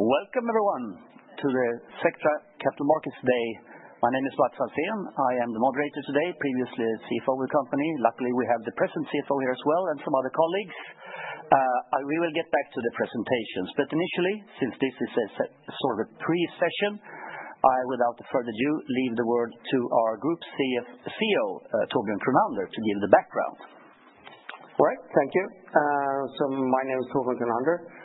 Welcome, everyone, to the Sectra Capital Markets Day. My name is Mats Franzén. I am the moderator today, previously a CFO of the company. Luckily, we have the present CFO here as well, and some other colleagues. We will get back to the presentations. Initially, since this is a sort of a pre-session, I, without further ado, leave the word to our Group CEO, Torbjörn Kronander, to give the background. All right, thank you. My name is Torbjörn Kronander.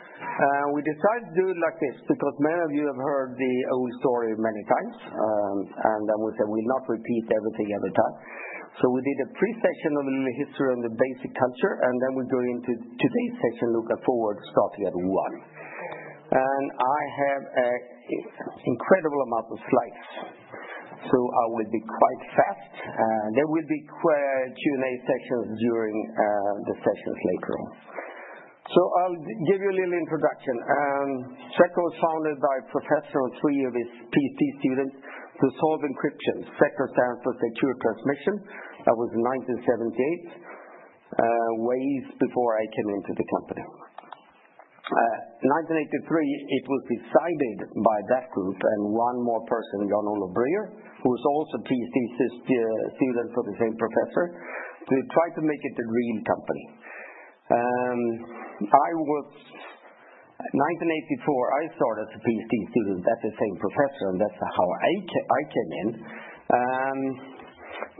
We decided to do it like this because many of you have heard the old story many times, and then we said we'll not repeat everything every time. We did a pre-session on the history and the basic culture, and now we're going into today's session, looking forward starting at 1:00 P.M. I have an incredible amount of slides, so I will be quite fast. There will be Q&A sessions during the sessions later. I'll give you a little introduction. Sectra was founded by a professor and three of his PhD students to solve encryption, sector standards for secure transmission. That was in 1978, way before I came into the company. In 1983, it was decided by that group and one more person, Jan-Olof Brüer, who was also a PhD student for the same professor, to try to make it a real company. In 1984, I started as a PhD student at the same professor, and that's how I came in.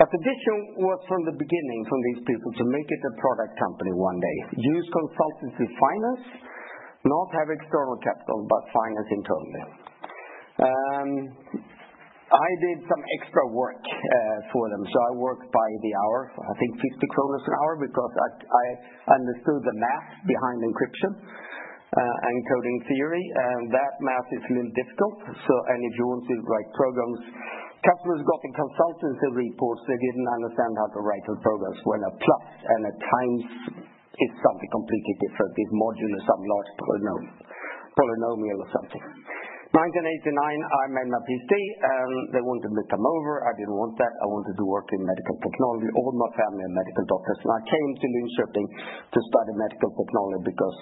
The vision was from the beginning, from these people, to make it a product company one day. Use consultancy finance, not have external capital, but finance internally. I did some extra work for them, so I worked by the hour, I think 50 an hour, because I understood the math behind encryption and coding theory. That math is a little difficult, so any of you who want to write programs, customers got the consultancy reports. They did not understand how to write the programs. When a plus and a times is something completely different, it's modular, some large polynomial or something. In 1989, I made my PhD, and they wanted me to come over. I didn't want that. I wanted to work in medical technology. All my family are medical doctors. I came to Linköping to study medical technology because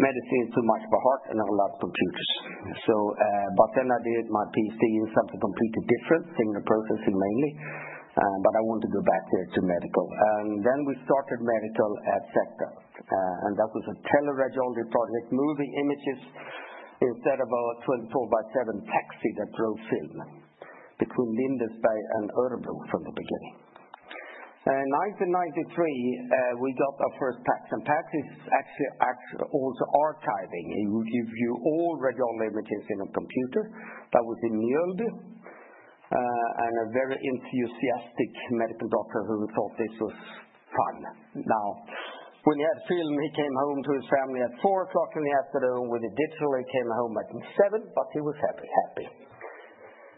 medicine is too much of a heart and I love computers. I did my PhD in something completely different, signal processing mainly, but I wanted to go back there to medical. We started medical at Sectra, and that was a teleradiology-only project, moving images instead of a 24x7 taxi that drove film between Linköping and Örebro from the beginning. In 1993, we got our first PACS, and PACS is actually also archiving. You all read all the images in a computer. That was in Mjölby, and a very enthusiastic medical doctor who thought this was fun. Now, when he had film, he came home to his family at 4:00 P.M. In the afternoon with a digital, he came home at 7:00, but he was very happy.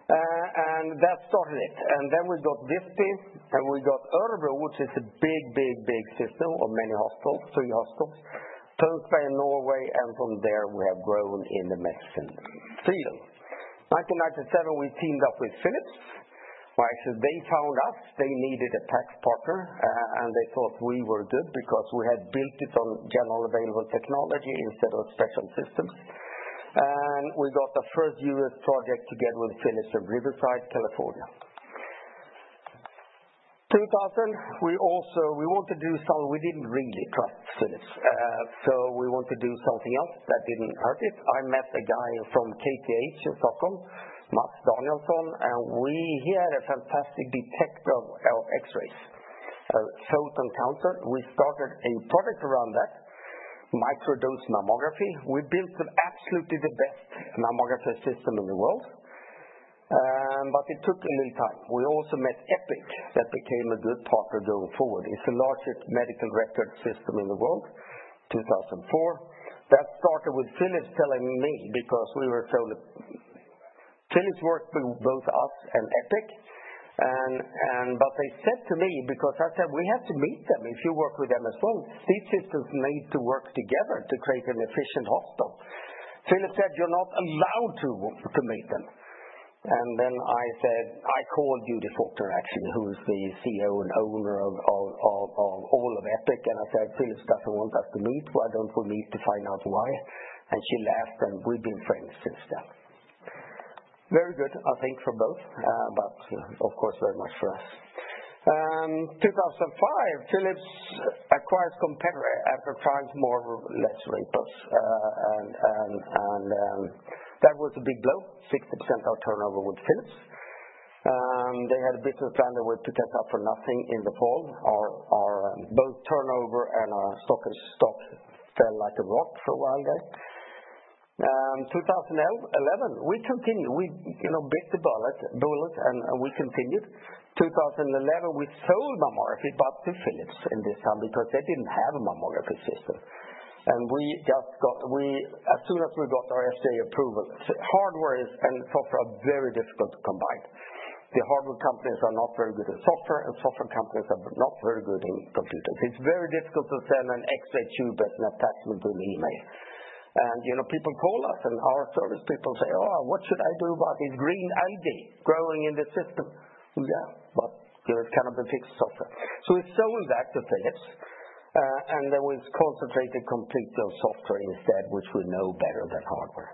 That started it. Then we got Visby, and we got Örebro, which is a big, big, big system of many hospitals, three hospitals, posted in Norway, and from there we have grown in the medicine field. In 1997, we teamed up with Philips. Actually, they found us. They needed a PACS partner, and they thought we were good because we had built it on general available technology instead of special systems. We got the first U.S. project together with Philips in Riverside, California. In 2000, we also wanted to do something. We didn't really trust Philips, so we wanted to do something else that didn't hurt it. I met a guy from KTH in Stockholm, Mats Danielsson, and he had a fantastic detector of X-rays, a photon counter. We started a product around that, microdose mammography. We built absolutely the best mammography system in the world, but it took a little time. We also met Epic, that became a good partner going forward. It's the largest medical record system in the world, 2004. That started with Philips telling me because we were selling Philips worked with both us and Epic. They said to me, because I said, "We have to meet them if you work with them as well. These systems need to work together to create an efficient hospital." Philips said, "You're not allowed to meet them." I called Judy Faulkner, actually, who is the CEO and owner of all of Epic, and I said, "Philips doesn't want us to meet. Why don't we meet to find out why?" She laughed, and we've been friends since then. Very good, I think, for both, but of course very much for us. In 2005, Philips acquired Competitor after trying more or less rebus, and that was a big blow, 60% of turnover with Philips. They had a business plan that we had to take out for nothing in the fall. Both turnover and our stock fell like a rock for a while there. In 2011, we continued. We bit the bullet, and we continued. In 2011, we sold mammography, but to Philips in this time because they did not have a mammography system. As soon as we got our FDA approval, hardware and software are very difficult to combine. The hardware companies are not very good at software, and software companies are not very good in computers. It is very difficult to send an X-ray tube as an attachment to an email. People call us, and our service people say, "Oh, what should I do about this green algae growing in the system?" Yeah, but it is going to be fixed software. We sold that to Philips, and then we concentrated completely on software instead, which we know better than hardware.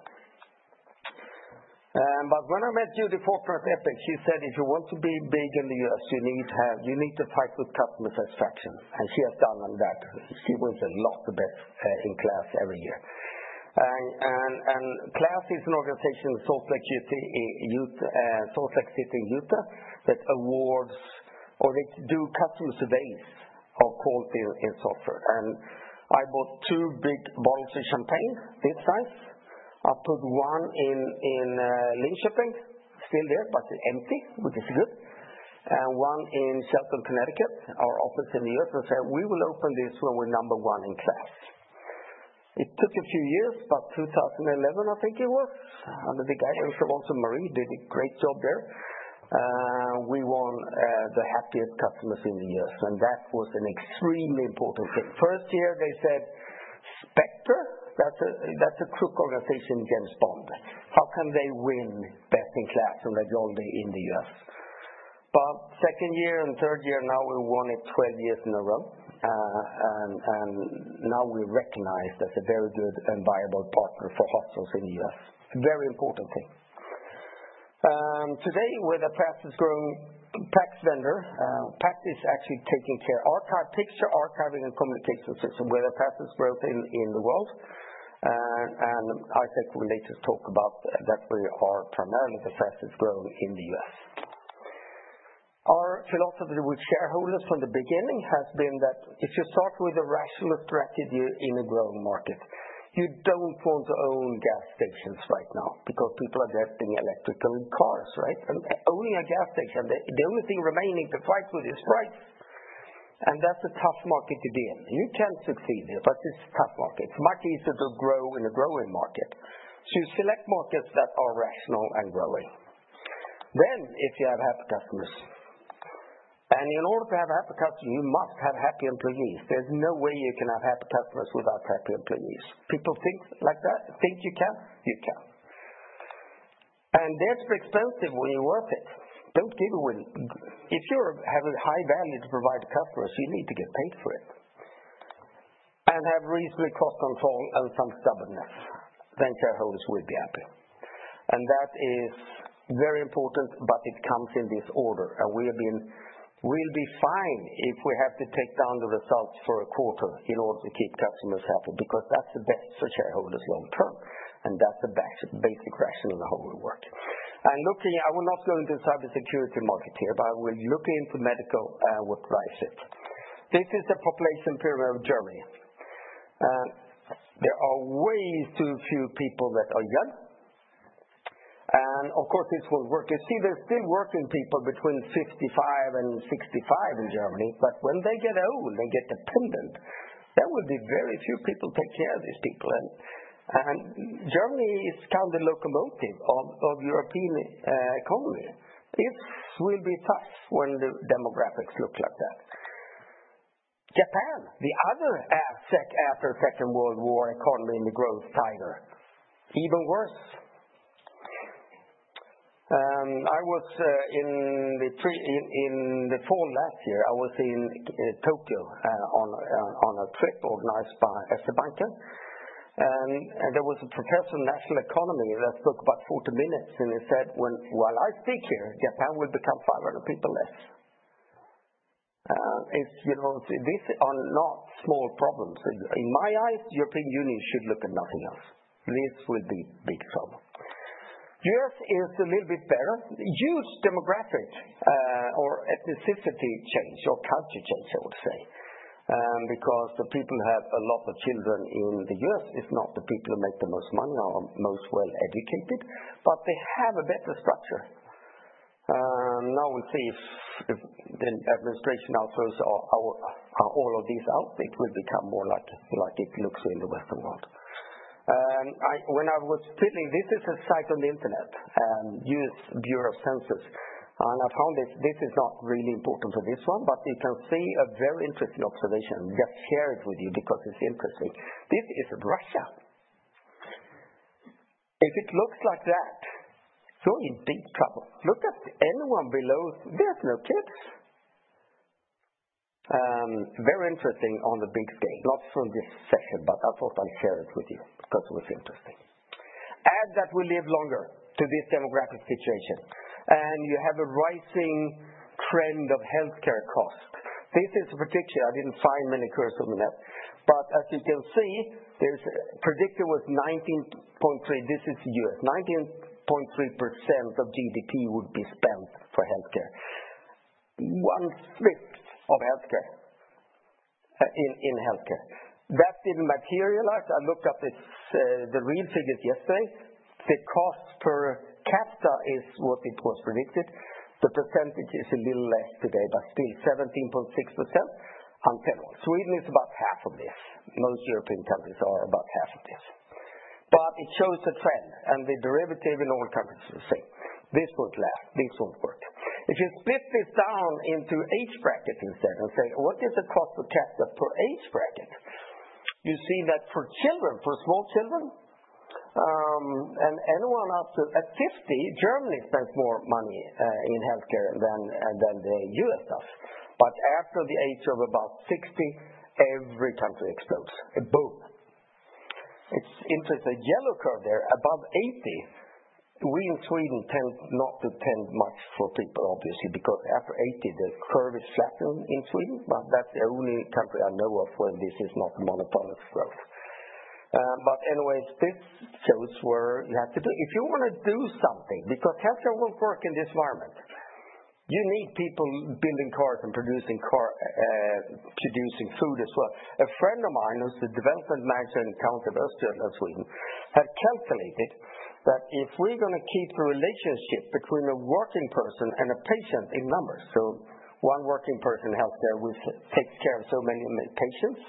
When I met Judy Faulkner at Epic, she said, "If you want to be big in the U.S., you need to fight with customer satisfaction." She has done that. She wins a lot of best in class every year. KLAS is an organization, Salt Lake City in Utah, that awards or they do customer surveys of quality in software. I bought two big bottles of champagne, this size. I put one in Linköping, still there, but empty, which is good, and one in Shelton, Connecticut, our office in the U.S., and said, "We will open this when we're number one in KLAS." It took a few years, but 2011, I think it was, under the guidance of also Marie, did a great job there. We won the happiest customers in the U.S., and that was an extremely important thing. First year, they said, "Sectra, that's a crook organization in James Bond. How can they win best in class and reach all GE in the U.S.? Second year and third year, now we've won it 12 years in a row, and now we're recognized as a very good and viable partner for hospitals in the U.S. Very important thing. Today, we're the fastest growing PACS vendor. PACS is actually taking care of archive, picture archiving and communication systems. We're the fastest growth in the world, and I think we'll need to talk about that we are primarily the fastest growing in the U.S. Our philosophy with shareholders from the beginning has been that if you start with a rational strategy in a growing market, you don't want to own gas stations right now because people are getting electric cars, right? Owning a gas station, the only thing remaining to fight with is price, and that's a tough market to be in. You can succeed there, but it's a tough market. It's much easier to grow in a growing market. You select markets that are rational and growing. If you have happy customers, and in order to have happy customers, you must have happy employees. There's no way you can have happy customers without happy employees. People think like that. Think you can? You can. They're too expensive when you're worth it. Don't give away. If you have a high value to provide to customers, you need to get paid for it. Have reasonable cost control and some stubbornness, then shareholders will be happy. That is very important, but it comes in this order. We will be fine if we have to take down the results for a quarter in order to keep customers happy because that is the best for shareholders long term, and that is the basic rationale of how we work. Looking, I will not go into the cybersecurity market here, but I will look into medical and what drives it. This is a population pyramid of Germany. There are way too few people that are young, and of course this will not work. You see, there are still working people between 55 and 65 in Germany, but when they get old, they get dependent. There will be very few people to take care of these people. Germany is kind of the locomotive of the European economy. It will be tough when the demographics look like that. Japan, the other asset after the Second World War economy in the growth tiger, even worse. In the fall last year, I was in Tokyo on a trip organized by SE Banken, and there was a professor of national economy that spoke about 40 minutes, and he said, "When I speak here, Japan will become 500 people less." These are not small problems. In my eyes, the European Union should look at nothing else. This will be big trouble. The U.S. is a little bit better. Huge demographic or ethnicity change or culture change, I would say, because the people have a lot of children in the U.S. It's not the people who make the most money or are most well educated, but they have a better structure. Now we'll see if the administration now throws all of these out. It will become more like it looks in the Western world. When I was piddling, this is a site on the internet, U.S. Bureau of Census, and I found this is not really important for this one, but you can see a very interesting observation. Just share it with you because it's interesting. This is Russia. If it looks like that, you're in deep trouble. Look at anyone below, there's no kids. Very interesting on the big scale. Not from this session, but I thought I'd share it with you because it was interesting. Add that we live longer to this demographic situation, and you have a rising trend of healthcare costs. This is a prediction. I didn't find many curves on the net, but as you can see, there's a prediction was 19.3. This is the U.S. 19.3% of GDP would be spent for healthcare. One fifth of healthcare in healthcare. That didn't materialize. I looked up the real figures yesterday. The cost per capita is what it was predicted. The percentage is a little less today, but still 17.6% on general. Sweden is about half of this. Most European countries are about half of this. It shows a trend, and the derivative in all countries is the same. This won't last. This won't work. If you split this down into age brackets instead and say, "What is the cost per capita per age bracket?" you see that for children, for small children, and anyone up to 50, Germany spends more money in healthcare than the U.S. does. After the age of about 60, every country explodes. Boom. It's interesting. Yellow curve there. Above 80, we in Sweden tend not to tend much for people, obviously, because after 80, the curve is flattened in Sweden. That is the only country I know of where this is not monotonous growth. Anyways, this shows what you have to do. If you want to do something, because healthcare will not work in this environment, you need people building cars and producing food as well. A friend of mine who is the development manager in Counter Burst in Sweden had calculated that if we are going to keep the relationship between a working person and a patient in numbers, so one working person in healthcare takes care of so many patients,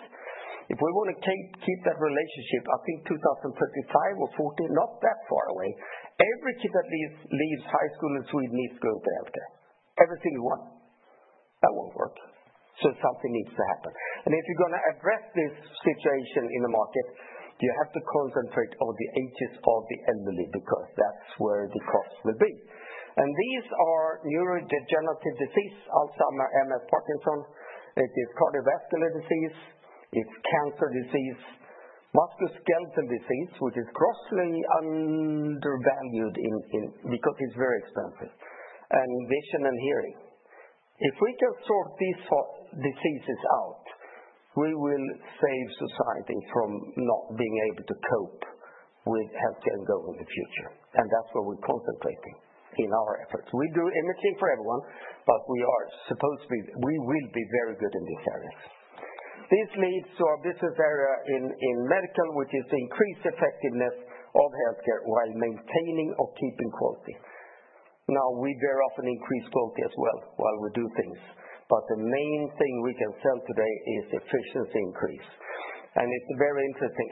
if we want to keep that relationship, I think 2035 or 2040, not that far away, every kid that leaves high school in Sweden needs to go into healthcare. Every single one. That will not work. Something needs to happen. If you're going to address this situation in the market, you have to concentrate on the ages of the elderly because that's where the costs will be. These are neurodegenerative disease, Alzheimer's, MS, Parkinson's. It is cardiovascular disease. It's cancer disease. Musculoskeletal disease, which is grossly undervalued because it's very expensive. Vision and hearing. If we can sort these diseases out, we will save society from not being able to cope with healthcare and growth in the future. That's where we're concentrating in our efforts. We do imaging for everyone, but we are supposed to be, we will be very good in these areas. This leads to our business area in medical, which is to increase effectiveness of healthcare while maintaining or keeping quality. Now, we bear off an increased quality as well while we do things, but the main thing we can sell today is efficiency increase. It is very interesting.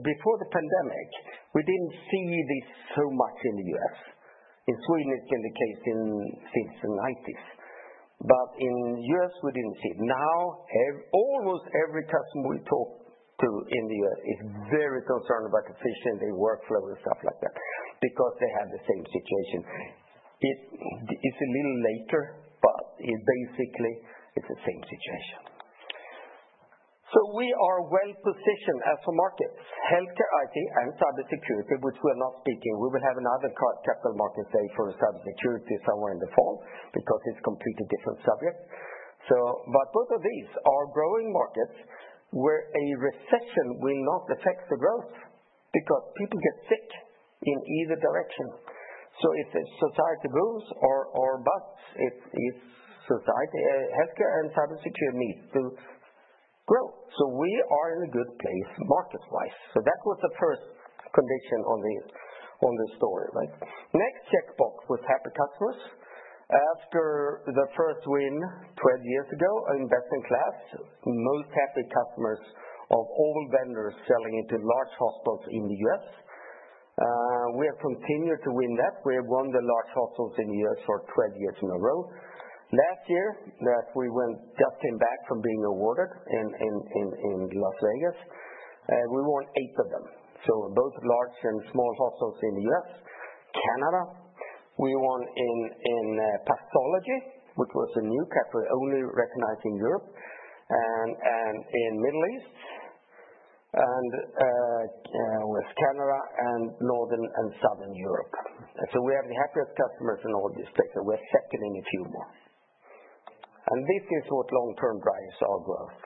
Before the pandemic, we did not see this so much in the U.S. In Sweden, it has been the case since the 1990s, but in the U.S., we did not see it. Now, almost every customer we talk to in the U.S. is very concerned about efficiency, workflow, and stuff like that because they have the same situation. It is a little later, but basically, it is the same situation. We are well positioned as for markets, healthcare, IT, and cybersecurity, which we are not speaking. We will have another capital markets day for cybersecurity somewhere in the fall because it is a completely different subject. Both of these are growing markets where a recession will not affect the growth because people get sick in either direction. If society moves or busts, healthcare and cybersecurity needs to grow. We are in a good place market-wise. That was the first condition on the story, right? Next checkbox was happy customers. After the first win 12 years ago in best in class, most happy customers of all vendors selling into large hospitals in the U.S. We have continued to win that. We have won the large hospitals in the U.S. for 12 years in a row. Last year, that we just came back from being awarded in Las Vegas, we won eight of them. Both large and small hospitals in the U.S. Canada, we won in pathology, which was a new category only recognized in Europe and in the Middle East, and with Canada and northern and southern Europe. We have the happiest customers in all these places. We're second in a few more. This is what long-term drives our growth.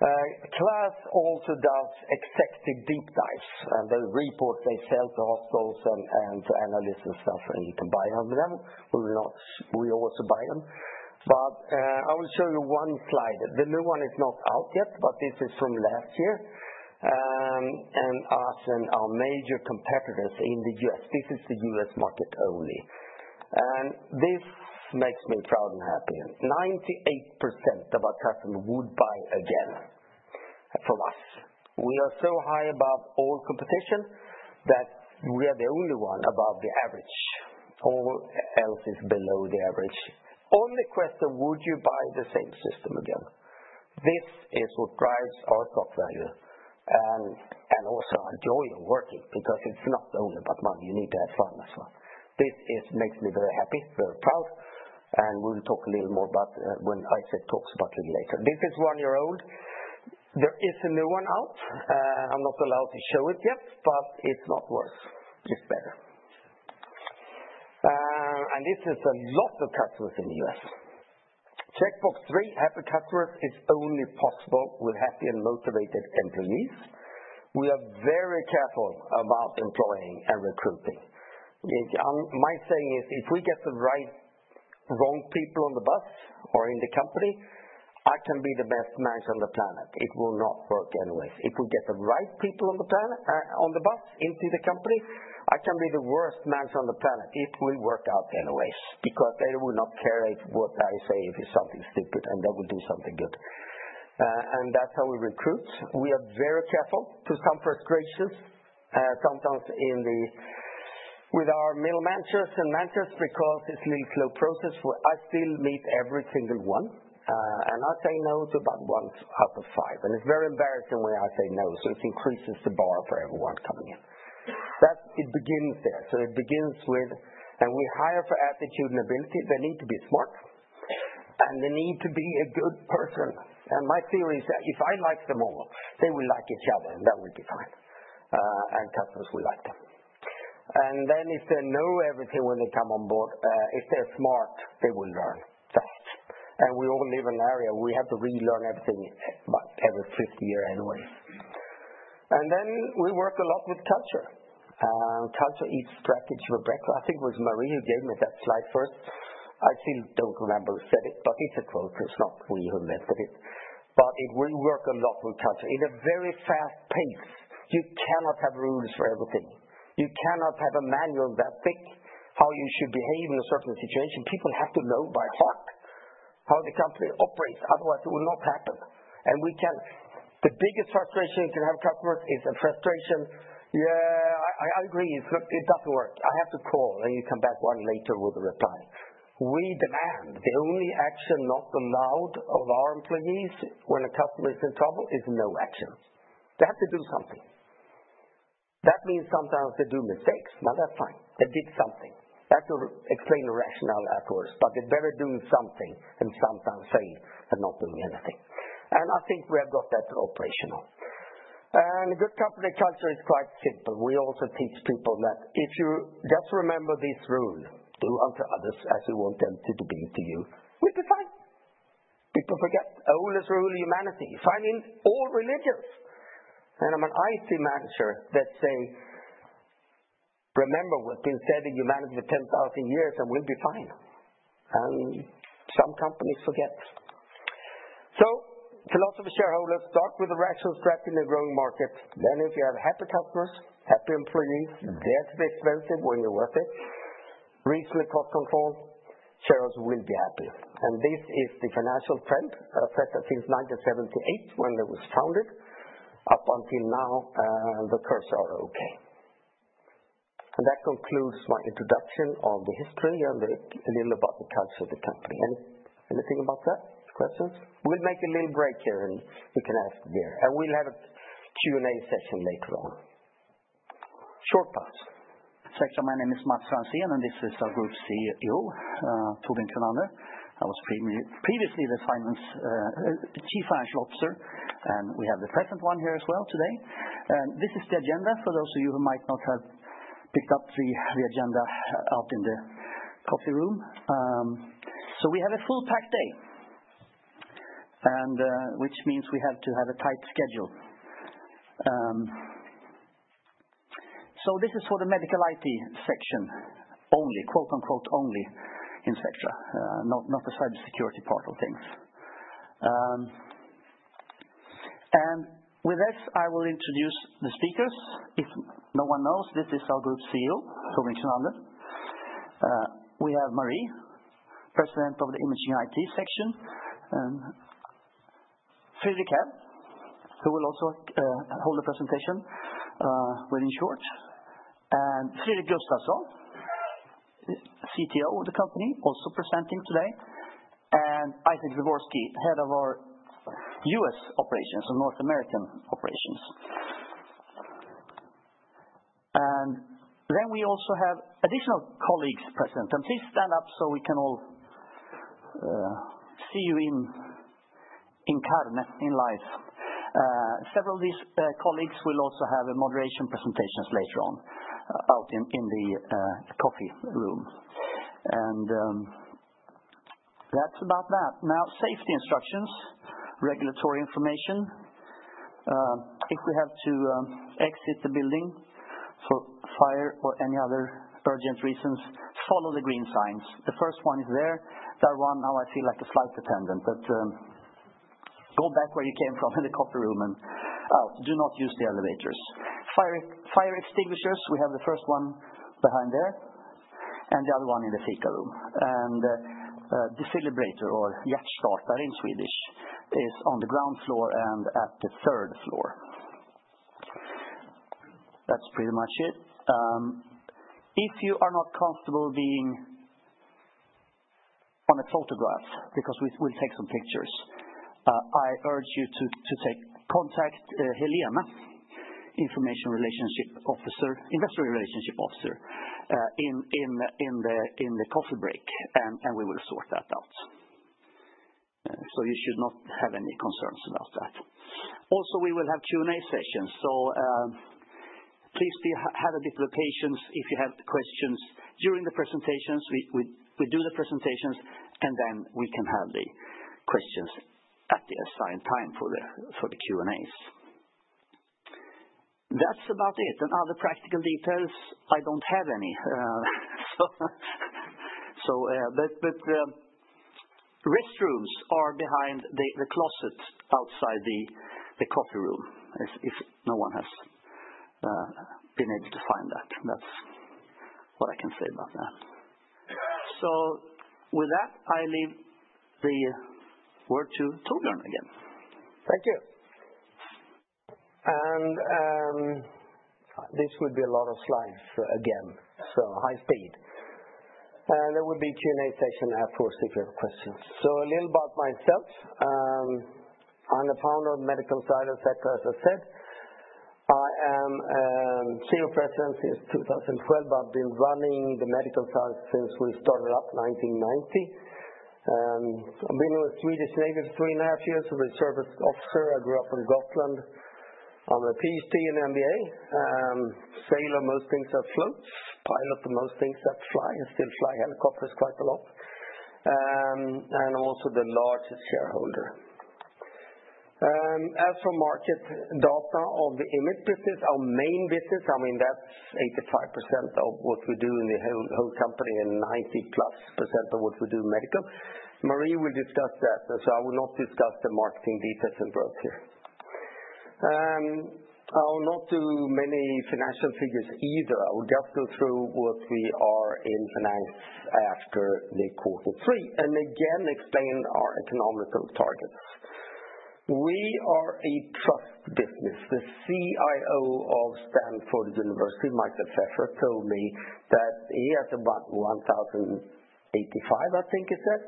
KLAS also does executive deep dives, and the reports they sell to hospitals and to analysts and stuff, and you can buy them from them. We also buy them. I will show you one slide. The new one is not out yet, but this is from last year. Us and our major competitors in the U.S., this is the U.S. market only. This makes me proud and happy. 98% of our customers would buy again from us. We are so high above all competition that we are the only one above the average. All else is below the average. On the question, would you buy the same system again? This is what drives our stock value and also our joy of working because it's not only about money. You need to have fun as well. This makes me very happy, very proud, and we'll talk a little more about when Isaac talks about it later. This is one year old. There is a new one out. I'm not allowed to show it yet, but it's not worse. It's better. This is a lot of customers in the U.S. Checkbox three, happy customers, is only possible with happy and motivated employees. We are very careful about employing and recruiting. My saying is, if we get the wrong people on the bus or in the company, I can be the best manager on the planet. It will not work anyways. If we get the right people on the bus into the company, I can be the worst manager on the planet if we work out anyways because they will not care if what I say is something stupid, and they will do something good. That is how we recruit. We are very careful to some frustrations sometimes with our middle managers and managers because it is a little slow process. I still meet every single one, and I say no to about one out of five. It is very embarrassing when I say no, so it increases the bar for everyone coming in. It begins there. It begins with, and we hire for attitude and ability. They need to be smart, and they need to be a good person. My theory is that if I like them all, they will like each other, and that will be fine. Customers will like them. If they know everything when they come on board, if they're smart, they will learn fast. We all live in an area where we have to relearn everything about every 50 years anyways. We work a lot with culture. Culture eats strategy for breakfast. I think it was Marie who gave me that slide first. I still don't remember who said it, but it's a quote. It's not we who invented it. We work a lot with culture. In a very fast pace, you cannot have rules for everything. You cannot have a manual that fits how you should behave in a certain situation. People have to know by heart how the company operates. Otherwise, it will not happen. The biggest frustration you can have with customers is a frustration, "Yeah, I agree. It doesn't work. I have to call," and you come back one later with a reply. We demand the only action not allowed of our employees when a customer is in trouble is no action. They have to do something. That means sometimes they do mistakes. Now, that's fine. They did something. That will explain the rationale afterwards, but they're better doing something than sometimes saying they're not doing anything. I think we have got that operational. A good company culture is quite simple. We also teach people that if you just remember this rule, do unto others as you want them to do to you, we'll be fine. People forget. Oldest rule of humanity. Found in all religions. I'm an IT manager that says, "Remember what's been said in humanity for 10,000 years, and we'll be fine." Some companies forget. Philosophy of shareholders start with a rational strategy in a growing market. If you have happy customers, happy employees, dare to be expensive when you're worth it, reasonable cost control, shareholders will be happy. This is the financial trend that has set since 1978 when it was founded up until now. The curves are okay. That concludes my introduction on the history and a little about the culture of the company. Anything about that? Questions? We'll make a little break here, and you can ask there. We'll have a Q&A session later on. Short pass. Sectra. My name is Mats Franzén, and this is our Group CEO, Torbjörn Kronander. I was previously the Chief Financial Officer, and we have the present one here as well today. This is the agenda for those of you who might not have picked up the agenda out in the coffee room. We have a full-packed day, which means we have to have a tight schedule. This is for the medical IT section only, quote-unquote only, in Sectra, not the cybersecurity part of things. With this, I will introduce the speakers. If no one knows, this is our Group CEO, Torbjörn Kronander. We have Marie, President of the Imaging IT section, and Fredrik here, who will also hold a presentation within short, and Fredrik Gustavsson, CTO of the company, also presenting today, and Isaac Zaworski, head of our US operations, our North American operations. We also have additional colleagues present. Please stand up so we can all see you in carnet, in live. Several of these colleagues will also have moderation presentations later on out in the coffee room. That is about that. Now, safety instructions, regulatory information. If we have to exit the building for fire or any other urgent reasons, follow the green signs. The first one is there. That one, now I feel like a flight attendant, but go back where you came from in the coffee room and do not use the elevators. Fire extinguishers, we have the first one behind there and the other one in the fika room. A defibrillator or hjärtstartare in Swedish is on the ground floor and at the third floor. That is pretty much it. If you are not comfortable being on a photograph because we will take some pictures, I urge you to contact Helena, Information Relationship Officer, Investor Relationship Officer in the coffee break, and we will sort that out. You should not have any concerns about that. Also, we will have Q&A sessions. Please have a bit of patience if you have questions during the presentations. We do the presentations, and then we can have the questions at the assigned time for the Q&As. That is about it. Other practical details, I do not have any. Restrooms are behind the closet outside the coffee room if no one has been able to find that. That is what I can say about that. With that, I leave the word to Torbjörn again. Thank you. This will be a lot of slides again, so high speed. There will be a Q&A session afterwards if you have questions. A little about myself. I'm the founder of medical science, as I said. I am CEO, president since 2012, but I've been running the medical science since we started up in 1990. I've been with Swedish Navy for three and a half years. I'm a service officer. I grew up in Gotland. I'm a PhD and MBA, sailor most things that float, pilot most things that fly, still fly helicopters quite a lot. I'm also the largest shareholder. As for market data of the image business, our main business, I mean, that's 85% of what we do in the whole company and 90+% of what we do in medical. Marie will discuss that, so I will not discuss the marketing details and growth here. I will not do many financial figures either. I will just go through what we are in finance after the quarter three and again explain our economical targets. We are a trust business. The CIO of Stanford University, Michael Pfeffer, told me that he has about 1,085, I think he said,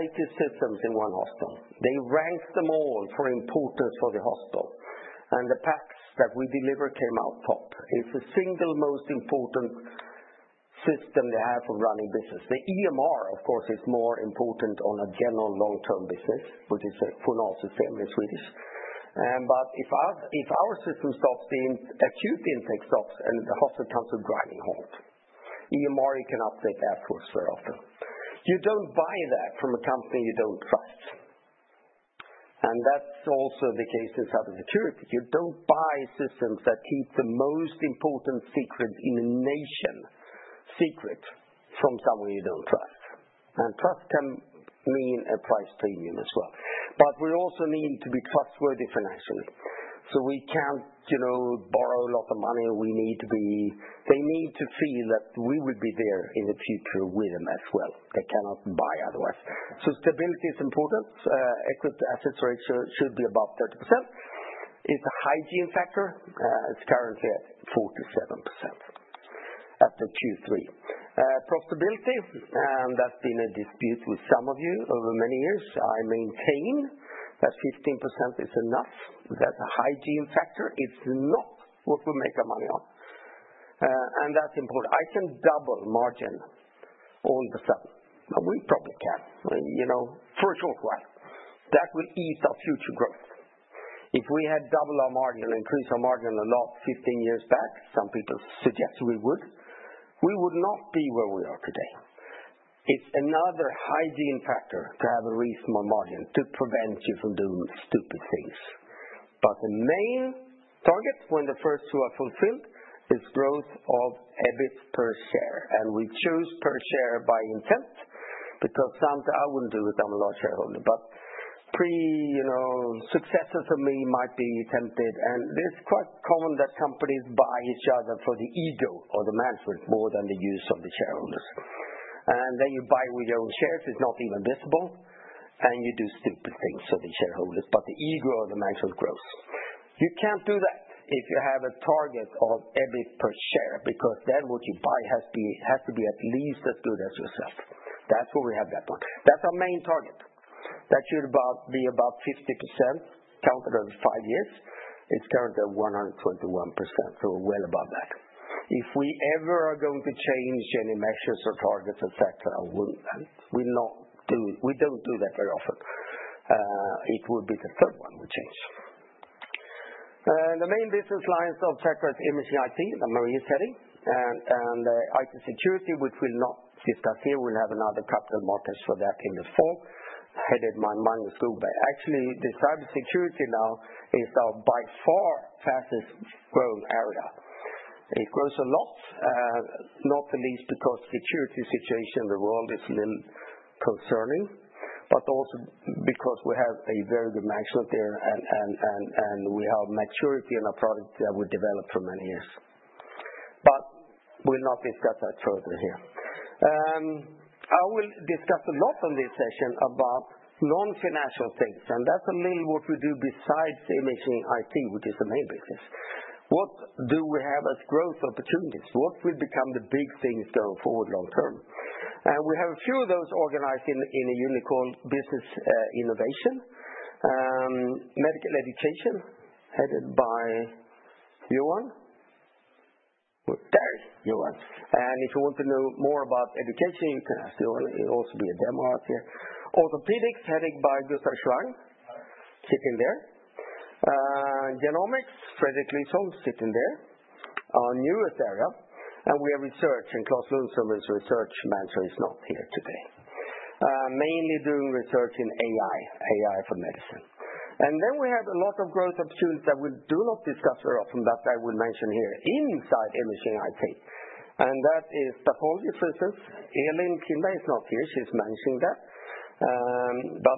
IT systems in one hospital. They ranked them all for importance for the hospital. And the PACS that we deliver came out top. It's the single most important system they have for running business. The EMR, of course, is more important on a general long-term business, which is a phonal system in Swedish. But if our system stops, the acute intake stops and the hospital comes to a grinding halt. EMR, you cannot take afterwards very often. You don't buy that from a company you don't trust. That's also the case in cybersecurity. You don't buy systems that keep the most important secrets in a nation secret from someone you don't trust. Trust can mean a price premium as well. We also need to be trustworthy financially. We can't borrow a lot of money. They need to feel that we will be there in the future with them as well. They cannot buy otherwise. Stability is important. Equity assets rate should be about 30%. It's a hygiene factor. It's currently at 47% at the Q3. Profitability, that's been a dispute with some of you over many years. I maintain that 15% is enough. That's a hygiene factor. It's not what we make our money on. That's important. I can double margin all of a sudden. We probably can, for a short while. That will eat our future growth. If we had doubled our margin, increased our margin a lot 15 years back, some people suggest we would, we would not be where we are today. It is another hygiene factor to have a reasonable margin to prevent you from doing stupid things. The main target when the first two are fulfilled is growth of EBIT per share. We choose per share by intent because sometimes I would not do it. I am a large shareholder, but pre-successors of me might be tempted. It is quite common that companies buy each other for the ego or the management more than the use of the shareholders. You buy with your own shares. It is not even visible. You do stupid things for the shareholders, but the ego of the management grows. You can't do that if you have a target of EBIT per share because then what you buy has to be at least as good as yourself. That's where we have that one. That's our main target. That should be about 50% counted over five years. It's currently 121%, so we're well above that. If we ever are going to change any measures or targets, etc., we don't do that very often. It would be the third one we change. The main business lines of Sectra is imaging IT that Marie is heading and IT security, which we'll not discuss here. We'll have another capital markets for that in the fall. Headed by Magnus Skogberg. Actually, the cybersecurity now is our by far fastest growing area. It grows a lot, not the least because the security situation in the world is a little concerning, but also because we have a very good management there and we have maturity in our product that we developed for many years. We will not discuss that further here. I will discuss a lot on this session about non-financial things. That is a little what we do besides imaging IT, which is the main business. What do we have as growth opportunities? What will become the big things going forward long-term? We have a few of those organized in a unicorn business innovation. Medical education headed by Yohan. There he is, Yohan. If you want to know more about education, you can ask Yohan. He will also be a demo architect. Orthopedics headed by Gustaf Schwang. Sitting there. Genomics, Fredrik Gustavsson, sitting there. Our newest area. We have research, and Claes Lundström is Research Manager. He's not here today. Mainly doing research in AI, AI for medicine. We have a lot of growth opportunities that we do not discuss very often, but I will mention here inside Imaging IT. That is pathology for instance. Elin Kindberg is not here. She's managing that.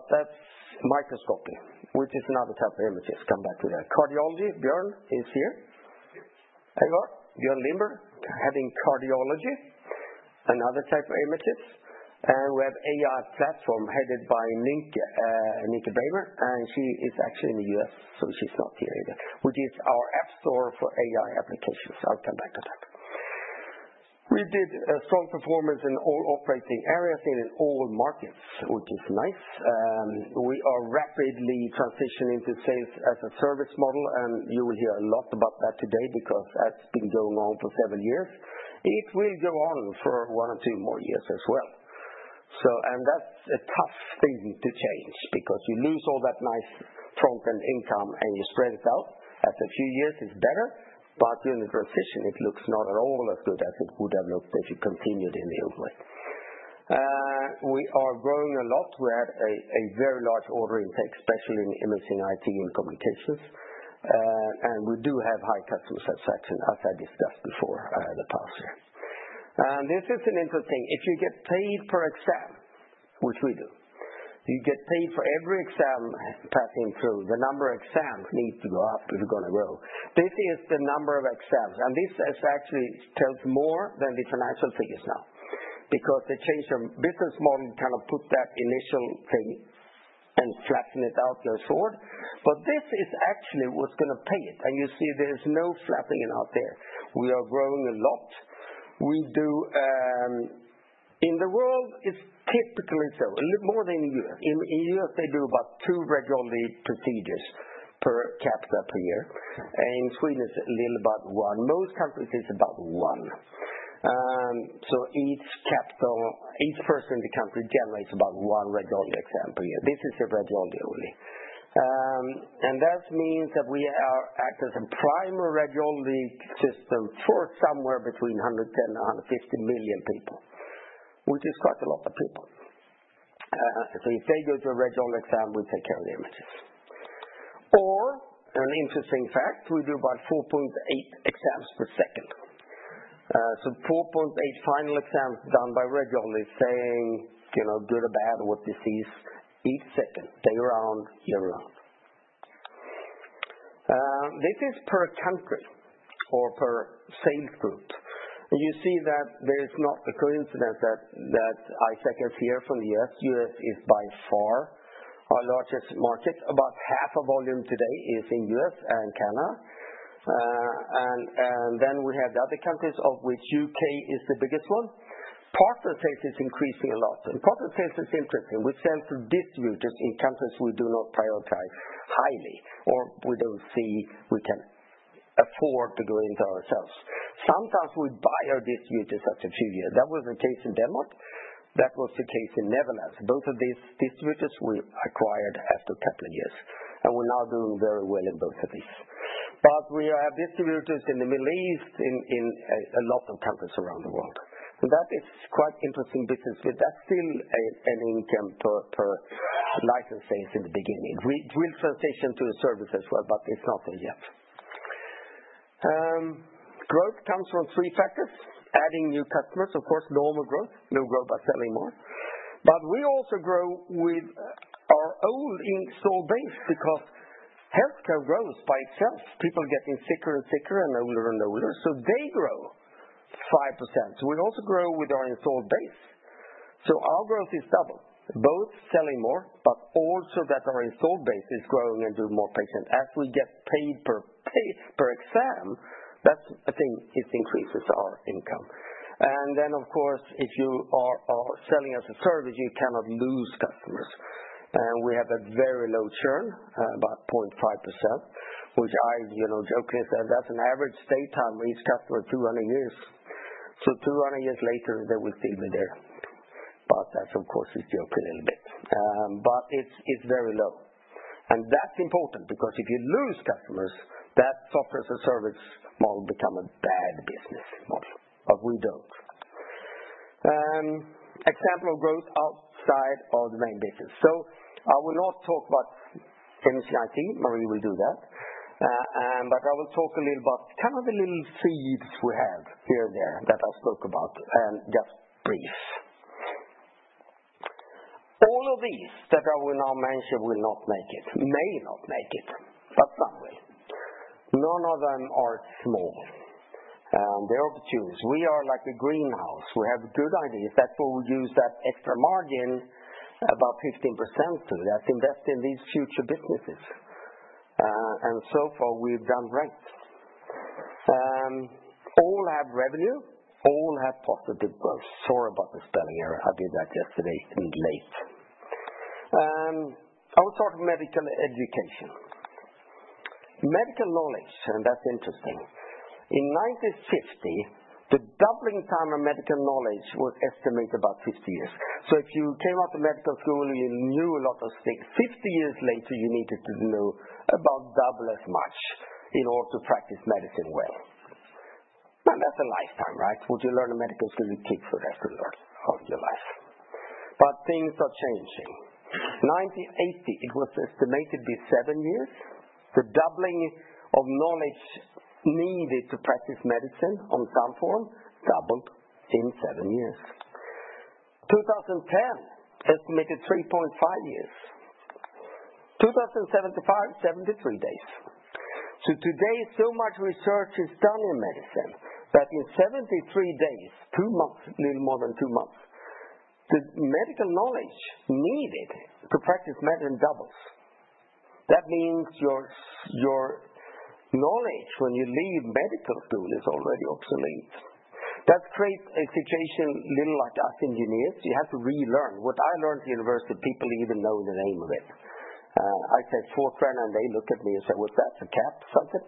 That's microscopy, which is another type of images. Come back to that. Cardiology, Björn is here. There you are. Björn Lindbergh heading cardiology, another type of images. We have AI platform headed by Nynke Breimer, and she is actually in the U.S., so she's not here either, which is our app store for AI applications. I'll come back to that. We did strong performance in all operating areas in all markets, which is nice. We are rapidly transitioning to sales as a service model, and you will hear a lot about that today because that's been going on for several years. It will go on for one or two more years as well. That is a tough thing to change because you lose all that nice front-end income and you spread it out. After a few years, it's better, but during the transition, it looks not at all as good as it would have looked if you continued in the old way. We are growing a lot. We had a very large order intake, especially in imaging IT and communications. We do have high customer satisfaction, as I discussed before the past year. This is an interesting thing. If you get paid per exam, which we do, you get paid for every exam passing through, the number of exams needs to go up if you're going to grow. This is the number of exams. This actually tells more than the financial figures now because they changed our business model, kind of put that initial thing and flattening it out goes forward. This is actually what's going to pay it. You see there's no flattening out there. We are growing a lot. In the world, it's typically so, a little more than in Europe. In Europe, they do about two radiology procedures per capita per year. In Sweden, it's a little about one. Most countries, it's about one. Each person in the country generates about one radiology exam per year. This is a radiology only. That means that we act as a primary radiology system for somewhere between 110 and 150 million people, which is quite a lot of people. If they go to a radiology exam, we take care of the images. An interesting fact, we do about 4.8 exams per second. 4.8 final exams done by radiology saying good or bad or what disease each second, day around, year around. This is per country or per sales group. You see that there is not a coincidence that Isaac is here from the U.S. U.S. is by far our largest market. About half of volume today is in U.S. and Canada. We have the other countries of which U.K. is the biggest one. Partner sales is increasing a lot. Partner sales is interesting. We sell to distributors in countries we do not prioritize highly or we don't see we can afford to go into ourselves. Sometimes we buy our distributors after a few years. That was the case in Denmark. That was the case in Netherlands. Both of these distributors we acquired after a couple of years. We're now doing very well in both of these. We have distributors in the Middle East, in a lot of countries around the world. That is quite interesting business. That's still an income per license sales in the beginning. We will transition to a service as well, but it's not there yet. Growth comes from three factors: adding new customers, of course, normal growth, no growth by selling more. We also grow with our old installed base because healthcare grows by itself. People are getting sicker and sicker and older and older, so they grow 5%. We also grow with our installed base. Our growth is double, both selling more, but also that our installed base is growing and doing more patients. As we get paid per exam, that's a thing; it increases our income. Of course, if you are selling as a service, you cannot lose customers. We have a very low churn, about 0.5%, which I jokingly said that's an average stay time with each customer of 200 years. Two hundred years later, they will still be there. That is, of course, joking a little bit. It is very low. That is important because if you lose customers, that software as a service model becomes a bad business model. We do not. Example of growth outside of the main business. I will not talk about Imaging IT. Marie will do that. I will talk a little about kind of the little seeds we have here and there that I spoke about, just brief. All of these that I will now mention will not make it, may not make it, but some will. None of them are small. They're opportunities. We are like a greenhouse. We have good ideas. That's where we use that extra margin, about 15%, to invest in these future businesses. So far, we've done great. All have revenue. All have positive growth. Sorry about the spelling error. I did that yesterday in late. I will talk about medical education. Medical knowledge, and that's interesting. In 1950, the doubling time of medical knowledge was estimated about 50 years. If you came out of medical school and you knew a lot of things, 50 years later, you needed to know about double as much in order to practice medicine well. That's a lifetime, right? What you learn in medical school, you keep for the rest of your life. Things are changing. In 1980, it was estimated to be seven years. The doubling of knowledge needed to practice medicine on some form doubled in seven years. In 2010, estimated 3.5 years. 2007-2005, 73 days. Today, so much research is done in medicine that in 73 days, two months, a little more than two months, the medical knowledge needed to practice medicine doubles. That means your knowledge when you leave medical school is already obsolete. That's created a situation a little like us engineers. You have to relearn. What I learned at university, people even know the name of it. I said fourth round, and they look at me and say, "What's that? It's a cap something?"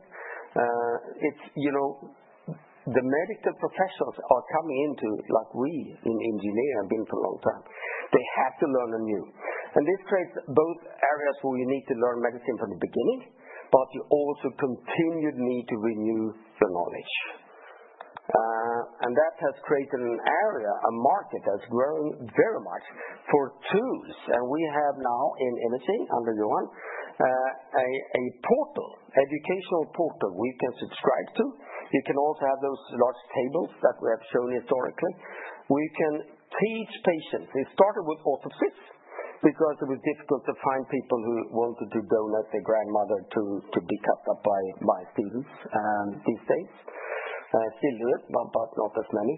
The medical professionals are coming into it like we in engineering have been for a long time. They have to learn anew. This creates both areas where you need to learn medicine from the beginning, but you also continue to need to renew your knowledge. That has created an area, a market that's grown very much for tools. We have now in imaging under Yohan, a portal, educational portal we can subscribe to. You can also have those large tables that we have shown historically. We can teach patients. It started with orthopedics because it was difficult to find people who wanted to donate their grandmother to be kept up by my students these days. Still do it, but not as many.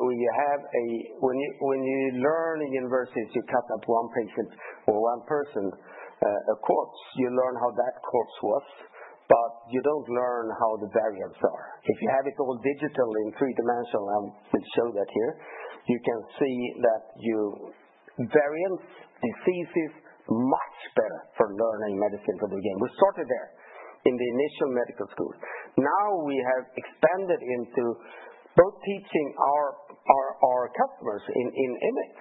When you learn in universities, you catch up one patient or one person, a corpse, you learn how that corpse was, but you do not learn how the variants are. If you have it all digitally in three dimensions, and we will show that here, you can see that you variants diseases much better for learning medicine from the beginning. We started there in the initial medical school. Now we have expanded into both teaching our customers in image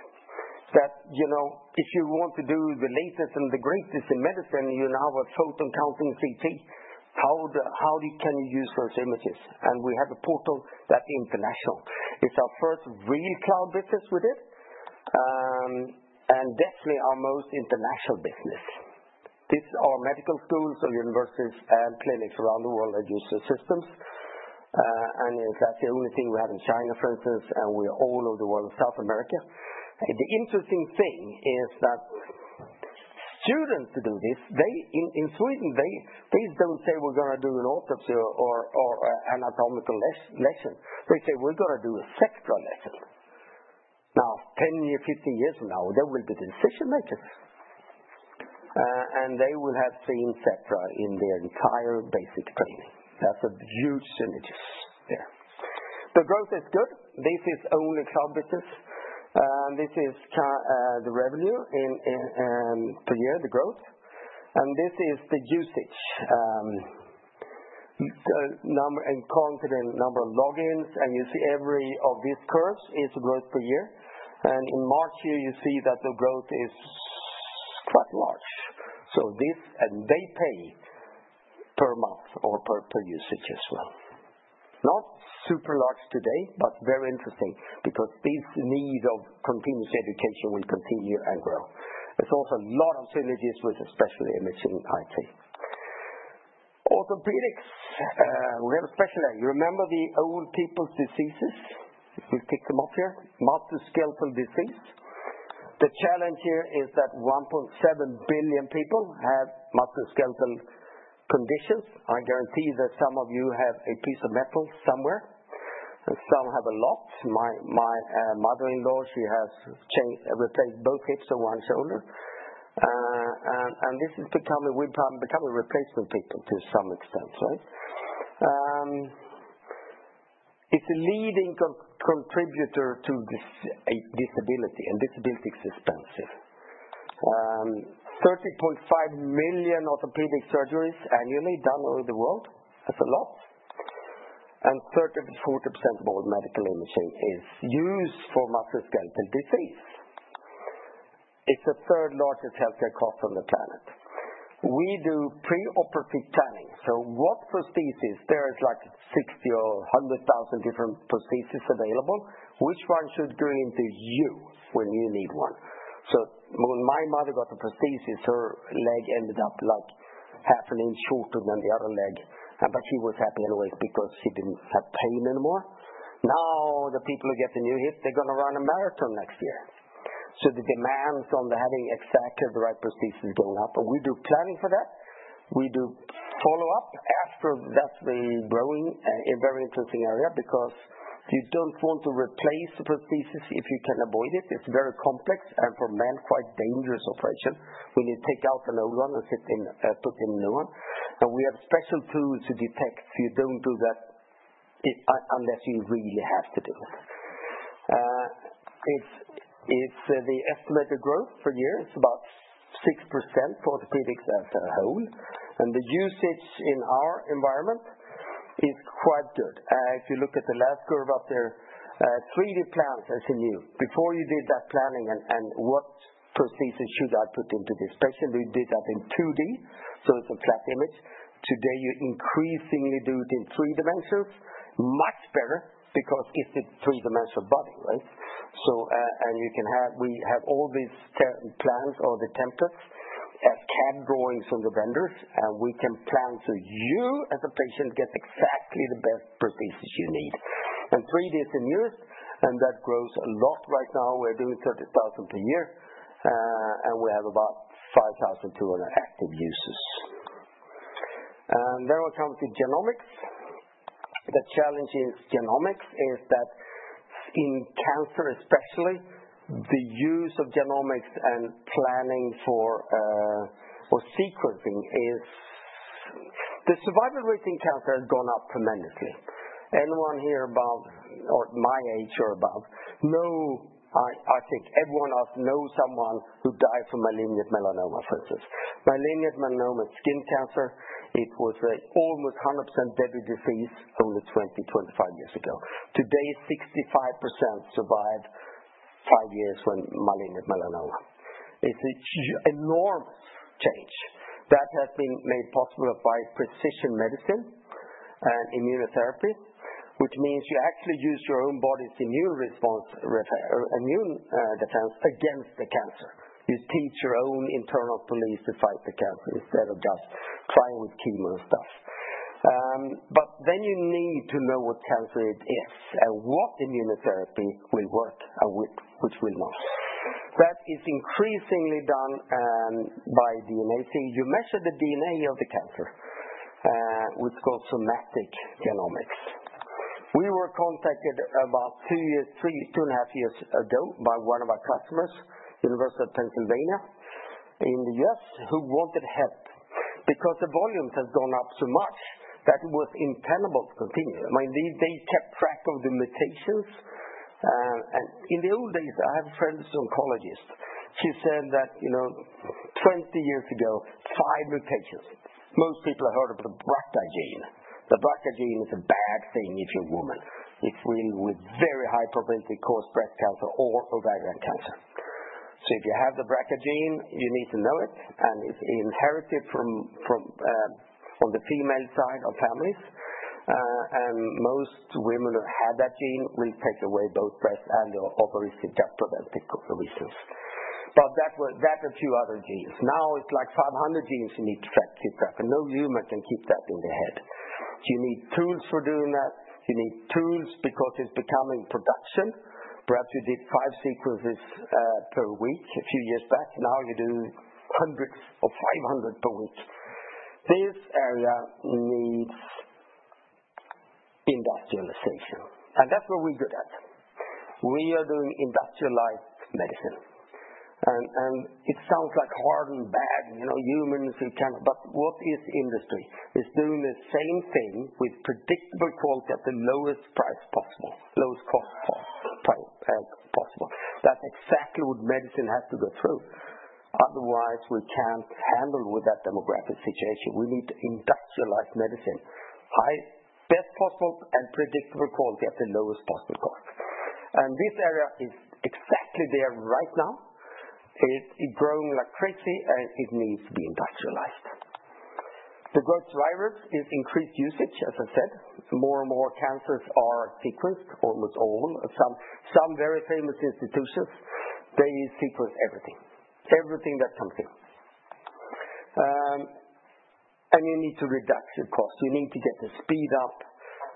that if you want to do the latest and the greatest in medicine, you now have photon counting CT. How can you use those images? We have a portal that is international. It is our first real cloud business with it, and definitely our most international business. This is our medical schools, our universities, and clinics around the world that use the systems. That's the only thing we have in China, for instance, and we are all over the world, South America. The interesting thing is that students do this. In Sweden, they don't say, "We're going to do an autopsy or anatomical lesson." They say, "We're going to do a Sectra lesson." Now, 10 years, 15 years from now, there will be decision makers, and they will have seen Sectra in their entire basic training. That's a huge synergis there. The growth is good. This is only cloud business. This is the revenue per year, the growth. This is the usage, the number and quantity, number of logins. You see every one of these curves is growth per year. In March here, you see that the growth is quite large. They pay per month or per usage as well. Not super large today, but very interesting because this need of continuous education will continue and grow. There's also a lot of synergies with especially Imaging IT. Orthopedics, we have a specialty. You remember the old people's diseases? We picked them up here. Musculoskeletal disease. The challenge here is that 1.7 billion people have musculoskeletal conditions. I guarantee that some of you have a piece of metal somewhere. Some have a lot. My mother-in-law, she has replaced both hips and one shoulder. This has become a replacement people to some extent, right? It's a leading contributor to disability, and disability is expensive. 30.5 million orthopedic surgeries annually done all over the world. That's a lot. 30%-40% of all medical imaging is used for musculoskeletal disease. It's the third largest healthcare cost on the planet. We do pre-operative planning. What prosthesis, there is like 60 or 100,000 different prosthesis available. Which one should go into you when you need one? When my mother got a prosthesis, her leg ended up like half an inch shorter than the other leg, but she was happy anyway because she did not have pain anymore. Now the people who get the new hip, they are going to run a marathon next year. The demands on having exactly the right prosthesis are going up. We do planning for that. We do follow-up after. That is a very interesting area because you do not want to replace the prosthesis if you can avoid it. It is very complex and for men, quite dangerous operation. We need to take out an old one and put in a new one. We have special tools to detect so you do not do that unless you really have to do it. It's the estimated growth per year. It's about 6% for orthopedics as a whole. The usage in our environment is quite good. If you look at the last curve up there, 3D plan is new. Before you did that planning and what prosthesis should I put into this patient, we did that in 2D, so it's a flat image. Today, you increasingly do it in three dimensions, much better because it's a three-dimensional body, right? We have all these plans or the templates as CAD drawings from the vendors, and we can plan so you as a patient get exactly the best prosthesis you need. 3D is the newest, and that grows a lot right now. We're doing 30,000 per year, and we have about 5,200 active users. Then we come to genomics. The challenge in genomics is that in cancer, especially, the use of genomics and planning for or sequencing is the survival rate in cancer has gone up tremendously. Anyone here about my age or above, I think everyone else knows someone who died from malignant melanoma, for instance. Malignant melanoma is skin cancer. It was almost 100% deadly disease only 20 years-25 years ago. Today, 65% survive five years when malignant melanoma. It's an enormous change that has been made possible by precision medicine and immunotherapy, which means you actually use your own body's immune defense against the cancer. You teach your own internal police to fight the cancer instead of just trying with chemo and stuff. You need to know what cancer it is and what immunotherapy will work and which will not. That is increasingly done by DNA. You measure the DNA of the cancer, which is called somatic genomics. We were contacted about two and a half years ago by one of our customers, University of Pennsylvania in the U.S., who wanted help because the volumes have gone up so much that it was impenable to continue. I mean, they kept track of the mutations. In the old days, I have a friend who's an oncologist. She said that 20 years ago, five mutations. Most people have heard of the BRCA gene. The BRCA gene is a bad thing if you're a woman. It really with very high probability causes breast cancer or ovarian cancer. If you have the BRCA gene, you need to know it, and it's inherited from on the female side of families. Most women who have that gene will take away both breast and the ovary CTAP preventive reasons. That's a few other genes. Now it's like 500 genes you need to track, CTAP, and no human can keep that in their head. You need tools for doing that. You need tools because it's becoming production. Perhaps you did five sequences per week a few years back. Now you do hundreds or 500 per week. This area needs industrialization, and that's what we're good at. We are doing industrialized medicine. It sounds like hard and bad, humans who cannot, but what is industry? It's doing the same thing with predictable quality at the lowest price possible, lowest cost possible. That's exactly what medicine has to go through. Otherwise, we can't handle that demographic situation. We need to industrialize medicine best possible and predictable quality at the lowest possible cost. This area is exactly there right now. It's growing like crazy, and it needs to be industrialized. The growth driver is increased usage, as I said. More and more cancers are sequenced, almost all. Some very famous institutions, they sequence everything. Everything that comes in. You need to reduce your cost. You need to get the speed up.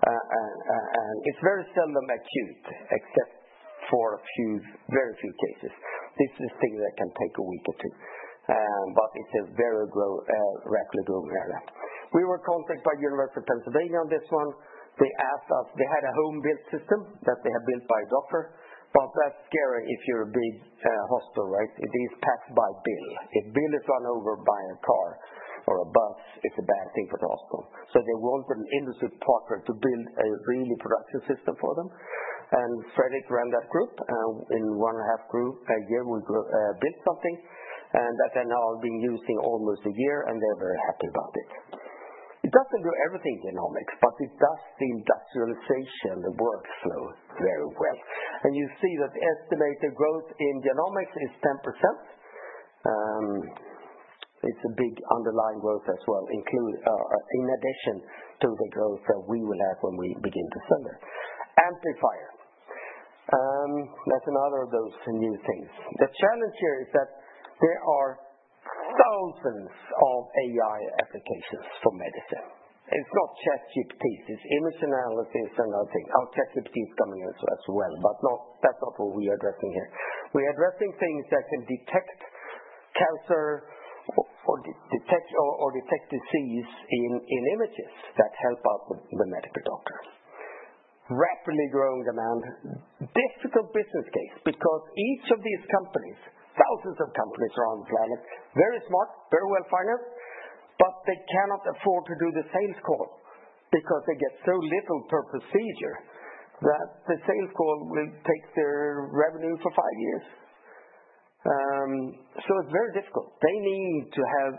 It is very seldom acute, except for very few cases. This is a thing that can take a week or two, but it is a very rapidly growing area. We were contacted by the University of Pennsylvania on this one. They asked us. They had a home-built system that they had built by a doctor, but that is scary if you are a big hospital, right? It is packed by Bill. If Bill is run over by a car or a bus, it is a bad thing for the hospital. They wanted an industry partner to build a really production system for them. Fredrik ran that group. In one and a half years, we built something. That has now been used almost a year, and they are very happy about it. It does not do everything genomics, but it does the industrialization, the workflow very well. You see that the estimated growth in genomics is 10%. It is a big underlying growth as well, in addition to the growth that we will have when we begin December. Amplifier. That is another of those new things. The challenge here is that there are thousands of AI applications for medicine. It is not ChatGPT. It is image analysis and other things. Oh, ChatGPT is coming as well, but that is not what we are addressing here. We are addressing things that can detect cancer or detect disease in images that help out the medical doctor. Rapidly growing demand. Difficult business case because each of these companies, thousands of companies around the planet, very smart, very well financed, but they cannot afford to do the sales call because they get so little per procedure that the sales call will take their revenue for five years. It is very difficult. They need to have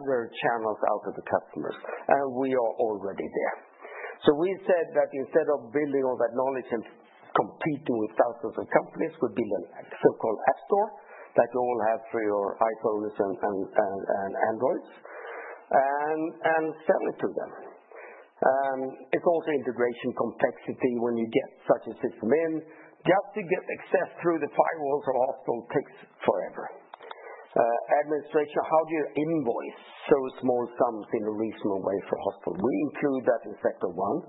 other channels out to the customers, and we are already there. We said that instead of building all that knowledge and competing with thousands of companies, we build a so-called app store that you all have for your iPhones and Androids and sell it to them. It is also integration complexity when you get such a system in. Just to get access through the firewalls of the hospital takes forever. Administration, how do you invoice so small sums in a reasonable way for hospital? We include that in Sectra One.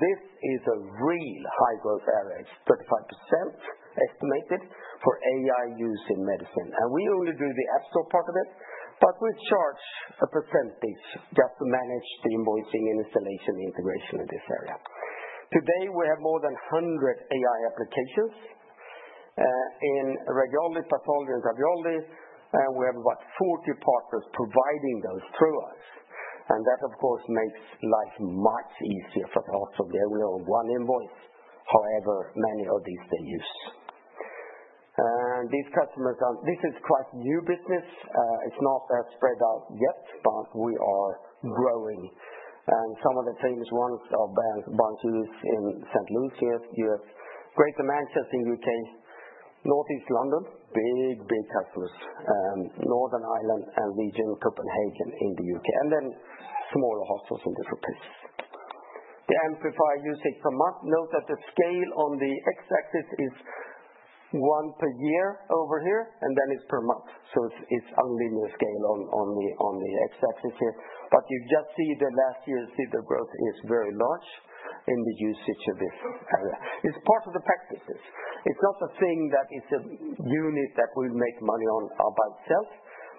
This is a real high-growth area, 35% estimated for AI use in medicine. We only do the app store part of it, but we charge a percentage just to manage the invoicing and installation integration in this area. Today, we have more than 100 AI applications in radiology, pathology, and radiology. We have about 40 partners providing those through us. That, of course, makes life much easier for the hospital. They only own one invoice, however many of these they use. These customers, this is quite new business. It's not as spread out yet, but we are growing. Some of the famous ones are Banshees in St. Louis, U.S., Greater Manchester, U.K., Northeast London, big, big customers, Northern Ireland and region, Copenhagen in the U.K., and then smaller hospitals in different places. The Amplifier usage per month, note that the scale on the X-axis is one per year over here, and then it's per month. It is an unlinear scale on the X-axis here. You just see the last year you see the growth is very large in the usage of this area. It's part of the PACS business. It's not a thing that is a unit that we make money on by itself,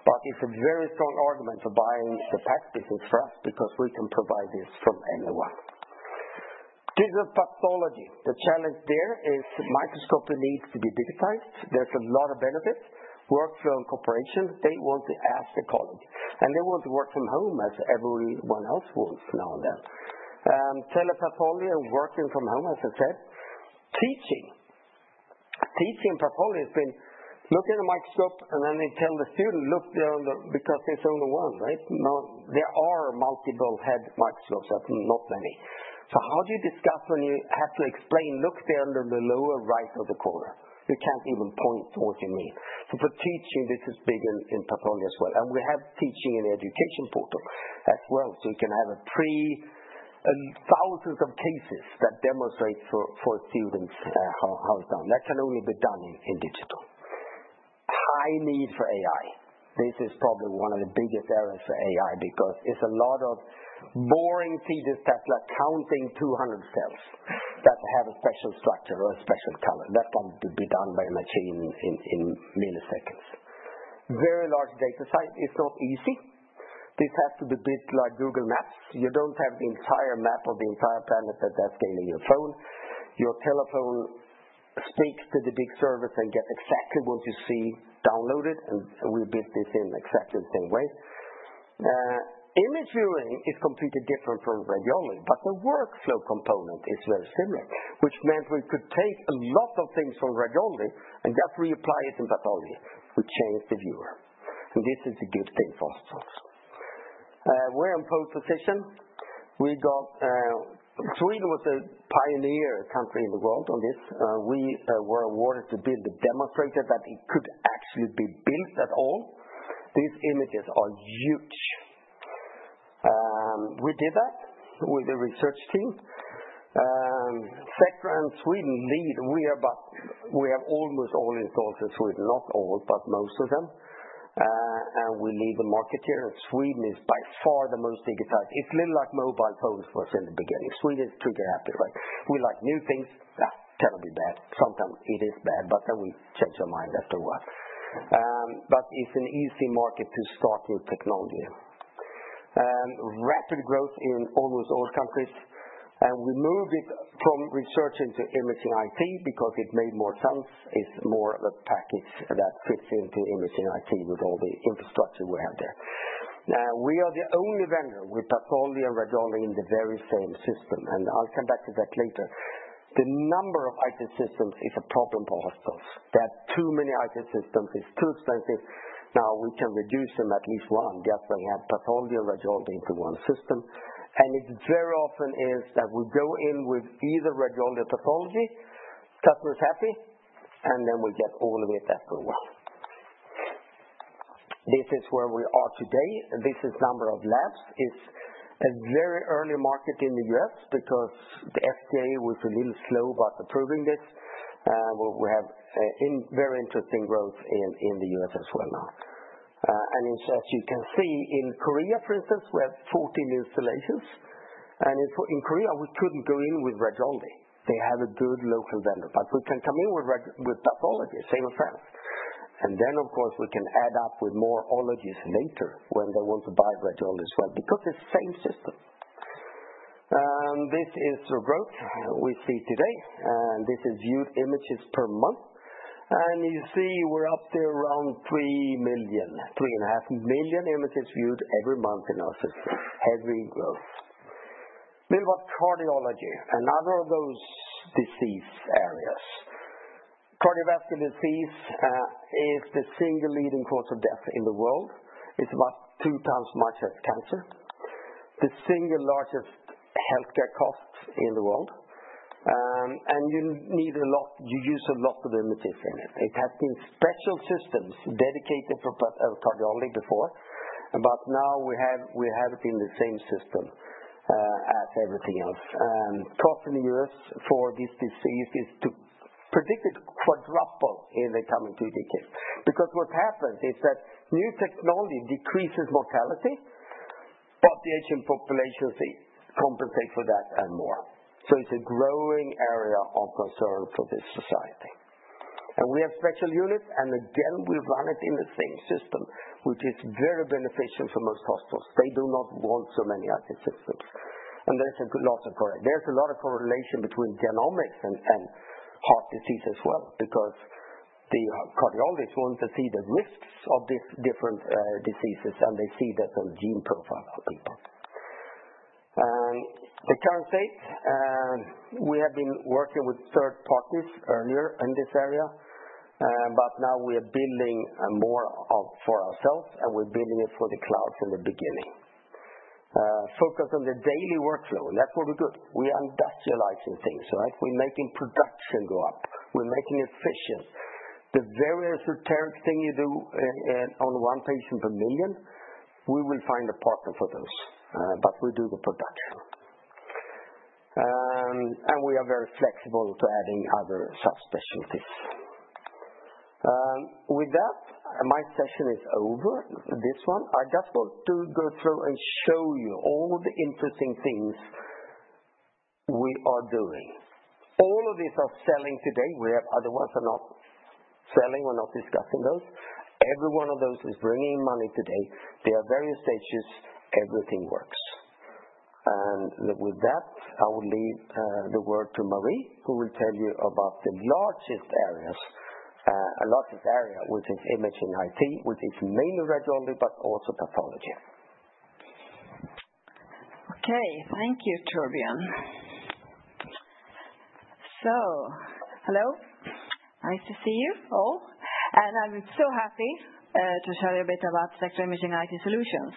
but it's a very strong argument for buying the PACS business for us because we can provide this from anywhere. Digital pathology. The challenge there is microscopy needs to be digitized. There's a lot of benefits. Workflow and cooperation. They want to ask the colleague. They want to work from home as everyone else wants now and then. Telepathology and working from home, as I said. Teaching. Teaching pathology has been looking at a microscope and then they tell the student, "Look there on the right," because it's only one, right? There are multiple head microscopes, not many. How do you discuss when you have to explain, "Look there under the lower right of the corner?" You can't even point to what you mean. For teaching, this is big in pathology as well. We have teaching and education portal as well. You can have thousands of cases that demonstrate for students how it's done. That can only be done in digital. High need for AI. This is probably one of the biggest areas for AI because it's a lot of boring seeded Tesla counting 200 cells that have a special structure or a special color. That can be done by a machine in milliseconds. Very large data site. It's not easy. This has to be built like Google Maps. You don't have the entire map of the entire planet that they're scanning your phone. Your telephone speaks to the big service and gets exactly what you see downloaded. We built this in exactly the same way. Image viewing is completely different from radiology, but the workflow component is very similar, which meant we could take a lot of things from radiology and just reapply it in pathology. We changed the viewer. This is a good thing for hospitals. We're in pole position. Sweden was a pioneer country in the world on this. We were awarded to be the demonstrator that it could actually be built at all. These images are huge. We did that with a research team. Sectra and Sweden lead. We have almost all installs in Sweden. Not all, but most of them. We lead the market here. Sweden is by far the most digitized. It's a little like mobile phones for us in the beginning. Sweden is trigger happy, right? We like new things. That cannot be bad. Sometimes it is bad, but then we change our mind after a while. It's an easy market to start new technology. Rapid growth in almost all countries. We moved it from research into imaging IT because it made more sense. It's more of a package that fits into imaging IT with all the infrastructure we have there. We are the only vendor with Pathology and Radiology in the very same system. I'll come back to that later. The number of IT systems is a problem for hospitals. There are too many IT systems. It's too expensive. Now we can reduce them at least one. That's why we have Pathology and Radiology into one system. It very often is that we go in with either Radiology or Pathology, customer's happy, and then we get all of it after a while. This is where we are today. This is number of labs. It's a very early market in the U.S. because the FDA was a little slow about approving this. We have very interesting growth in the U.S. as well now. As you can see, in Korea, for instance, we have 14 installations. In Korea, we couldn't go in with Radiology. They have a good local vendor. We can come in with Pathology, same as France. Of course, we can add up with more allergies later when they want to buy Radiology as well because it's the same system. This is the growth we see today. This is viewed images per month. You see we're up there around 3 million, 3.5 million images viewed every month in our system. Heavy growth. A little about cardiology. Another of those disease areas. Cardiovascular disease is the single leading cause of death in the world. It's about two times as much as cancer. The single largest healthcare cost in the world. You need a lot, you use a lot of images in it. It has been special systems dedicated for cardiology before, but now we have it in the same system as everything else. Cost in the U.S. for this disease is predicted to quadruple in the coming two decades. What happens is that new technology decreases mortality, but the aging population compensates for that and more. It's a growing area of concern for this society. We have special units. We run it in the same system, which is very beneficial for most hospitals. They do not want so many IT systems. There is a lot of correlation. There is a lot of correlation between genomics and heart disease as well because the cardiologists want to see the risks of these different diseases, and they see that on the gene profile of people. The current state. We have been working with third parties earlier in this area, but now we are building more for ourselves, and we're building it for the clouds in the beginning. Focus on the daily workflow. That's what we're good. We are industrializing things, right? We're making production go up. We're making it efficient. The very esoteric thing you do on one patient per million, we will find a partner for those, but we do the production. We are very flexible to adding other subspecialties. With that, my session is over, this one. I just want to go through and show you all the interesting things we are doing. All of these are selling today. We have other ones are not selling. We're not discussing those. Every one of those is bringing money today. They are very auspicious. Everything works. With that, I will leave the word to Marie, who will tell you about the largest areas, a largest area, which is Imaging IT, which is mainly radiology, but also pathology. Okay. Thank you, Torbjörn. Hello. Nice to see you all. I am so happy to share a little bit about Sectra Imaging IT Solutions.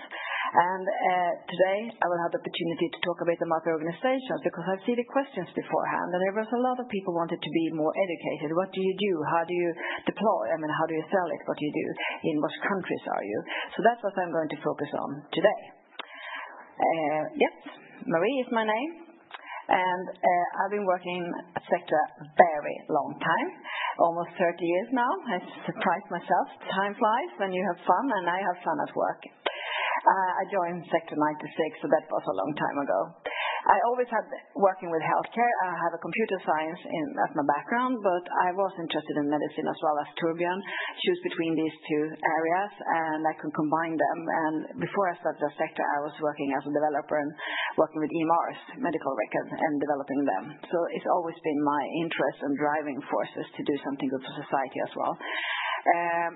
Today, I will have the opportunity to talk a bit about the organization because I've seen the questions beforehand, and there were a lot of people who wanted to be more educated. What do you do? How do you deploy? I mean, how do you sell it? What do you do? In which countries are you? That is what I'm going to focus on today. Yep. Marie is my name. I've been working at Sectra a very long time, almost 30 years now. I surprise myself. Time flies when you have fun, and I have fun at work. I joined Sectra in 1996, so that was a long time ago. I always had working with healthcare. I have computer science as my background, but I was interested in medicine as well as Torbjörn. Choose between these two areas, and I could combine them. Before I started at Sectra, I was working as a developer and working with EMRs, medical records, and developing them. It has always been my interest and driving forces to do something good for society as well.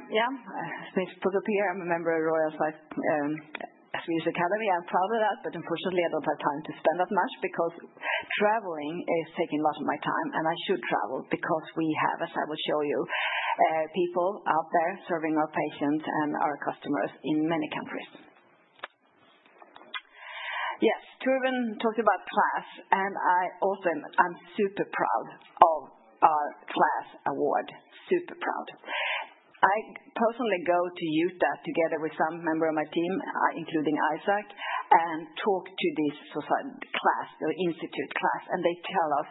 Yeah. It has been put up here. I am a member of Royal Swedish Academy. I am proud of that, but unfortunately, I do not have time to spend that much because traveling is taking a lot of my time. I should travel because we have, as I will show you, people out there serving our patients and our customers in many countries. Yes. Torbjörn talked about KLAS, and I also am super proud of our KLAS award. Super proud. I personally go to Utah together with some members of my team, including Isaac, and talk to this KLAS, the institute KLAS, and they tell us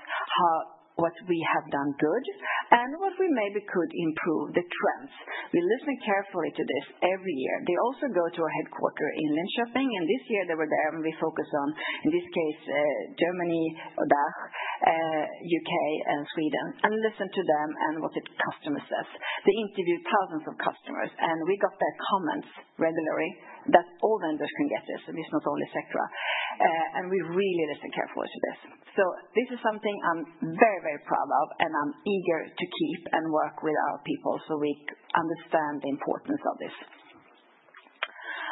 what we have done good and what we maybe could improve, the trends. We listen carefully to this every year. They also go to our headquarter in Linköping, and this year they were there, and we focused on, in this case, Germany, U.K., and Sweden, and listened to them and what the customer says. They interviewed thousands of customers, and we got their comments regularly that all vendors can get this, and it's not only Sectra. We really listen carefully to this. This is something I'm very, very proud of, and I'm eager to keep and work with our people so we understand the importance of this.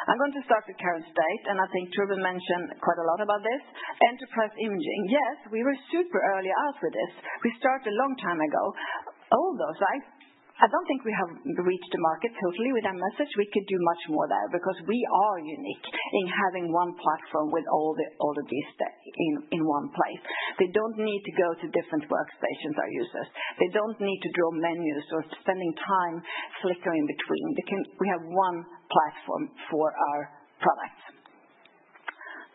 I'm going to start with current state, and I think Torbjörn mentioned quite a lot about this. Enterprise imaging. Yes, we were super early out with this. We started a long time ago. Although, I don't think we have reached the market totally with that message. We could do much more there because we are unique in having one platform with all of these in one place. They don't need to go to different workstations or users. They don't need to draw menus or spending time flickering between. We have one platform for our products.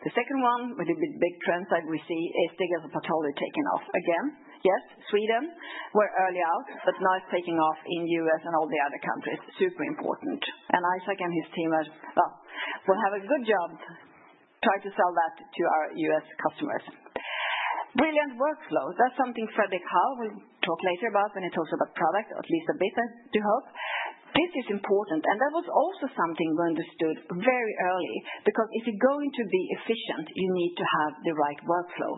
The second one, with the big trends that we see, is Digital Pathology taking off again. Yes, Sweden. We're early out, but now it's taking off in the U.S. and all the other countries. Super important. Isaac and his team are, well, we'll have a good job trying to sell that to our U.S. customers. Brilliant workflow. That's something Fredrik Häll will talk later about when he talks about product, at least a bit, I do hope. This is important. That was also something we understood very early because if you're going to be efficient, you need to have the right workflow,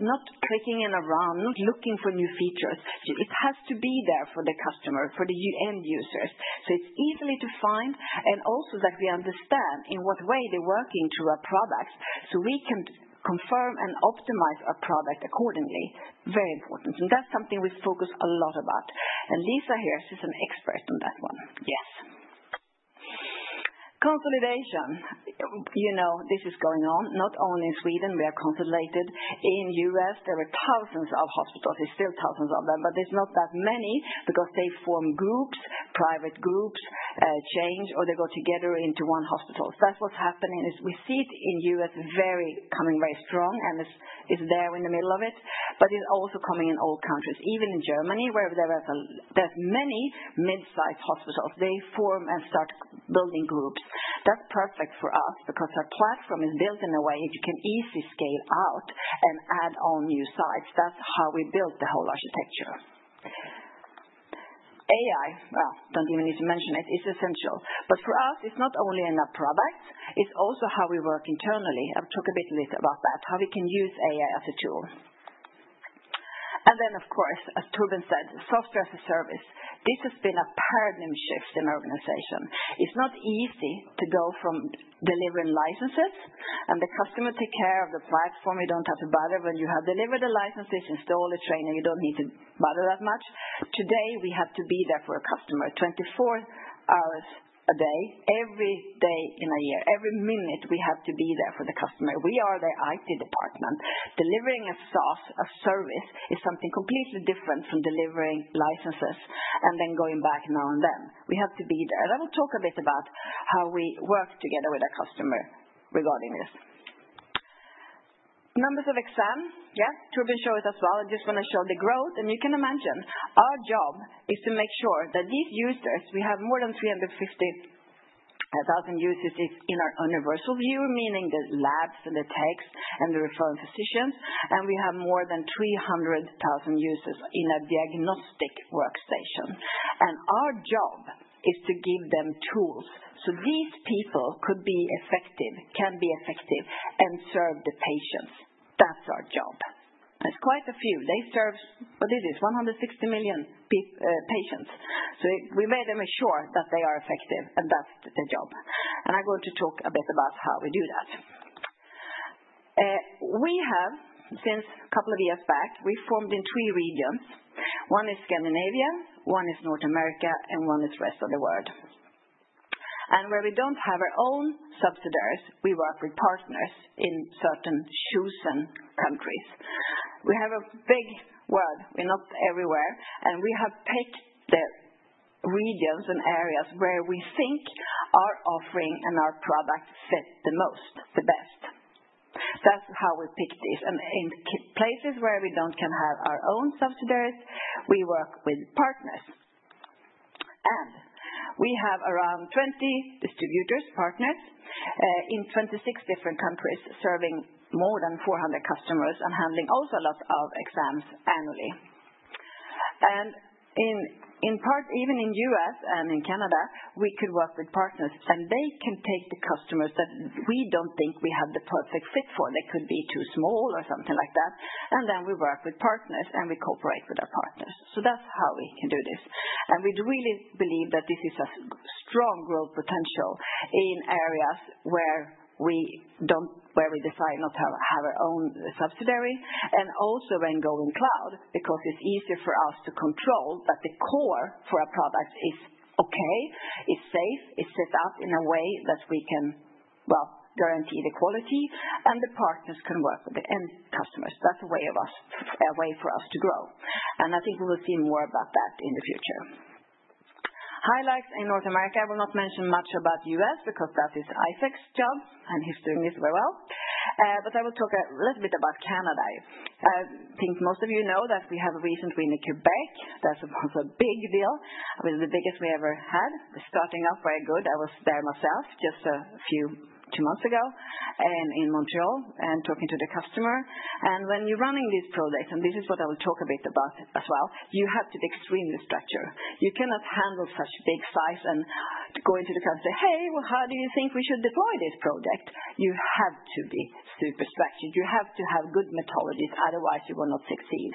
not clicking around, not looking for new features. It has to be there for the customer, for the end users. It is easy to find and also that we understand in what way they're working through our products so we can confirm and optimize our product accordingly. Very important. That's something we focus a lot about. Lisa here, she's an expert on that one. Yes. Consolidation. You know this is going on not only in Sweden. We are consolidated. In the U.S., there were thousands of hospitals. There's still thousands of them, but there's not that many because they form groups, private groups, change, or they go together into one hospital. That's what's happening. We see it in the U.S. coming very strong and is there in the middle of it, but it's also coming in all countries, even in Germany, where there are many mid-sized hospitals. They form and start building groups. That's perfect for us because our platform is built in a way that you can easily scale out and add on new sites. That's how we built the whole architecture. AI. I don't even need to mention it. It's essential. For us, it's not only in our products. It's also how we work internally. I'll talk a bit later about that, how we can use AI as a tool. Of course, as Torbjörn said, software as a service. This has been a paradigm shift in our organization. It's not easy to go from delivering licenses and the customer takes care of the platform. You don't have to bother when you have delivered the licenses, install the trainer. You don't need to bother that much. Today, we have to be there for a customer 24 hours a day, every day in a year. Every minute, we have to be there for the customer. We are the IT department. Delivering a service is something completely different from delivering licenses and then going back now and then. We have to be there. I will talk a bit about how we work together with our customer regarding this. Numbers of exam. Yeah. Torbjörn showed it as well. I just want to show the growth. You can imagine our job is to make sure that these users, we have more than 350,000 users in our universal view, meaning the labs and the techs and the referring physicians. We have more than 300,000 users in a diagnostic workstation. Our job is to give them tools so these people could be effective, can be effective, and serve the patients. That is our job. It is quite a few. They serve, what is it, 160 million patients. We made them assure that they are effective, and that is their job. I am going to talk a bit about how we do that. We have, since a couple of years back, formed in three regions. One is Scandinavia, one is North America, and one is the rest of the world. Where we do not have our own subsidiaries, we work with partners in certain chosen countries. We have a big world. We're not everywhere. We have picked the regions and areas where we think our offering and our product fit the most, the best. That's how we pick these. In places where we don't have our own subsidiaries, we work with partners. We have around 20 distributors, partners, in 26 different countries, serving more than 400 customers and handling also a lot of exams annually. In part, even in the U.S. and in Canada, we could work with partners, and they can take the customers that we don't think we have the perfect fit for. They could be too small or something like that. We work with partners, and we cooperate with our partners. That's how we can do this. We really believe that this is a strong growth potential in areas where we decide not to have our own subsidiary, and also when going cloud, because it is easier for us to control that the core for our products is okay, is safe, is set up in a way that we can, well, guarantee the quality, and the partners can work with it, and customers. That is a way for us to grow. I think we will see more about that in the future. Highlights in North America. I will not mention much about the U.S. because that is Isaac's job, and he is doing this very well. I will talk a little bit about Canada. I think most of you know that we have a recent win in Quebec. That was a big deal. It was the biggest we ever had. We are starting off very good. I was there myself just a few months ago in Montreal and talking to the customer. When you're running these projects, and this is what I will talk a bit about as well, you have to be extremely structured. You cannot handle such big size and go into the customer, "Hey, well, how do you think we should deploy this project?" You have to be super structured. You have to have good methodologies. Otherwise, you will not succeed.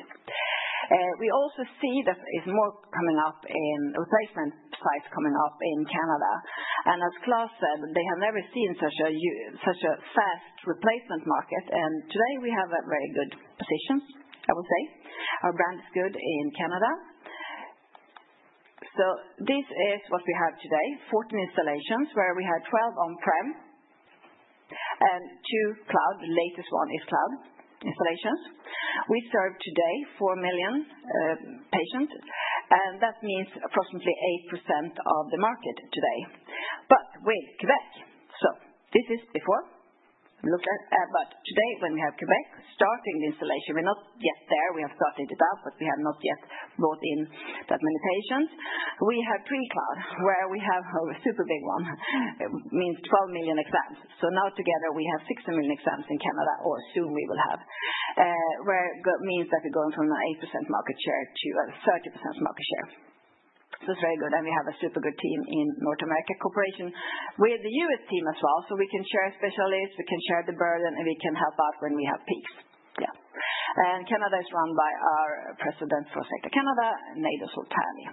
We also see that it is more coming up in replacement sites coming up in Canada. As Claes said, they have never seen such a fast replacement market. Today, we have a very good position, I will say. Our brand is good in Canada. This is what we have today: 14 installations, where we had 12 on-prem and two cloud. The latest one is cloud installations. We serve today 4 million patients, and that means approximately 8% of the market today. With Quebec, this is before. Today, when we have Quebec starting the installation, we're not yet there. We have started it up, but we have not yet brought in that many patients. We have pre-cloud, where we have a super big one. It means 12 million exams. Now, together, we have 60 million exams in Canada, or soon we will have, which means that we're going from an 8% market share to a 30% market share. It is very good. We have a super good team in North America Corporation with the U.S. team as well. We can share specialists. We can share the burden, and we can help out when we have peaks. Yeah. Canada is run by our President for Sectra Canada, Nader Soltani.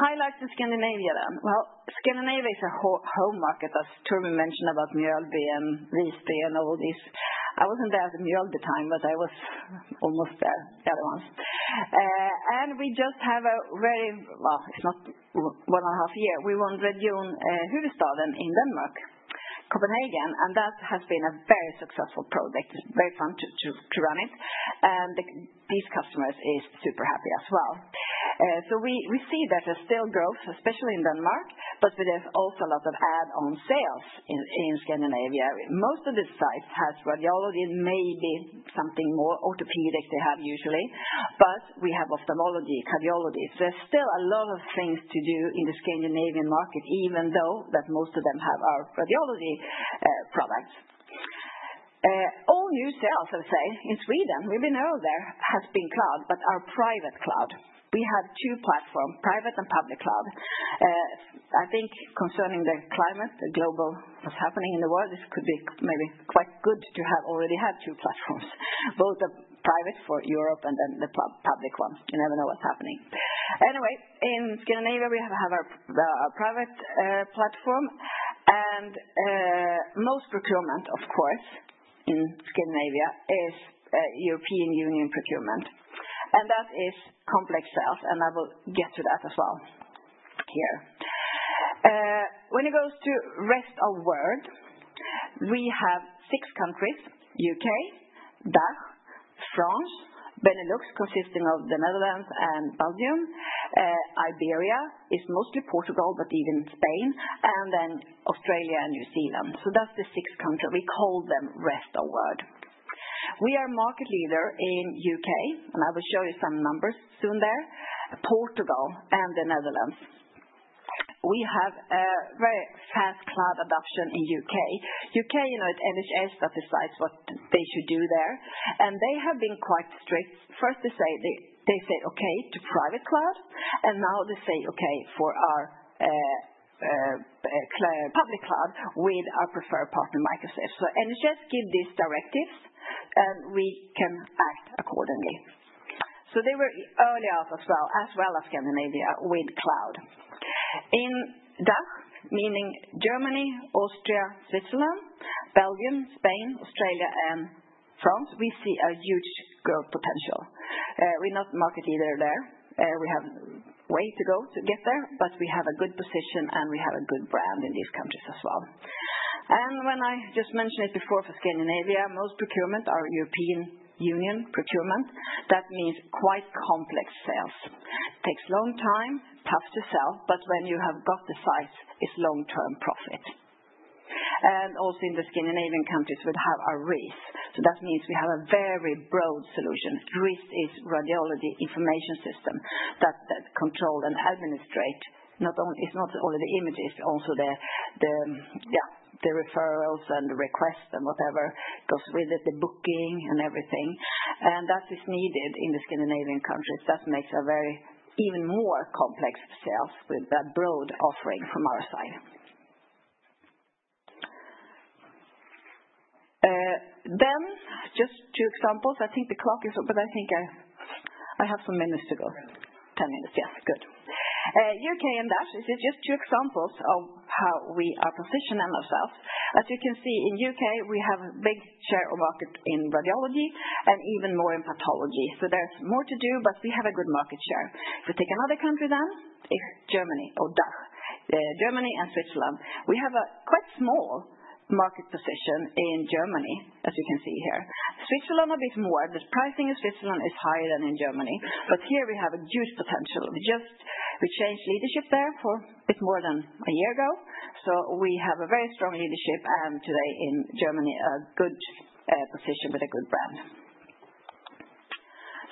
Highlights in Scandinavia then. Scandinavia is a home market, as Torbjörn mentioned about Mjölby and Visby and all these. I wasn't there at the Mjölby time, but I was almost there the other ones. We just have a very, well, it's not one and a half year. We won Region Hovedstaden in Denmark, Copenhagen, and that has been a very successful project. It's very fun to run it. These customers are super happy as well. We see that there's still growth, especially in Denmark, but there's also a lot of add-on sales in Scandinavia. Most of the sites have radiology, maybe something more orthopedic they have usually, but we have ophthalmology, cardiology. There's still a lot of things to do in the Scandinavian market, even though most of them have our radiology products. All new sales, I would say, in Sweden, we've been earlier, has been cloud, but our private cloud. We have two platforms, private and public cloud. I think concerning the climate, the global what's happening in the world, this could be maybe quite good to have already had two platforms, both the private for Europe and then the public one. You never know what's happening. Anyway, in Scandinavia, we have our private platform. Most procurement, of course, in Scandinavia is European Union procurement. That is complex sales, and I will get to that as well here. When it goes to rest of world, we have six countries: U.K., DACH, France, Benelux, consisting of the Netherlands and Belgium. Iberia is mostly Portugal, but even Spain, and then Australia and New Zealand. That's the six countries. We call them rest of world. We are market leader in the U.K., and I will show you some numbers soon there: Portugal and the Netherlands. We have a very fast cloud adoption in the U.K. U.K., you know, it's NHS that decides what they should do there. They have been quite strict. First, they said okay to private cloud, and now they say okay for our public cloud with our preferred partner, Microsoft. NHS gives these directives, and we can act accordingly. They were early out as well, as well as Scandinavia with cloud. In DACH, meaning Germany, Austria, Switzerland, Belgium, Spain, Australia, and France, we see a huge growth potential. We're not market leader there. We have a way to go to get there, but we have a good position, and we have a good brand in these countries as well. When I just mentioned it before for Scandinavia, most procurement are European Union procurement. That means quite complex sales. It takes a long time, tough to sell, but when you have got the sites, it's long-term profit. Also in the Scandinavian countries, we have a RIS. That means we have a very broad solution. RIS is Radiology Information System that control and administrate not only the images, but also the referrals and the requests and whatever, because with the booking and everything. That is needed in the Scandinavian countries. That makes a very even more complex sales with that broad offering from our side. Just two examples. I think the clock is up, but I think I have some minutes to go. 10 minutes. Yeah. Good. U.K. and DACH, this is just two examples of how we are positioning ourselves. As you can see, in the U.K., we have a big share of market in radiology and even more in pathology. There is more to do, but we have a good market share. If we take another country then, it is Germany or DACH, Germany and Switzerland. We have a quite small market position in Germany, as you can see here. Switzerland a bit more, but pricing in Switzerland is higher than in Germany. Here we have a huge potential. We changed leadership there for a bit more than a year ago. We have a very strong leadership and today in Germany, a good position with a good brand.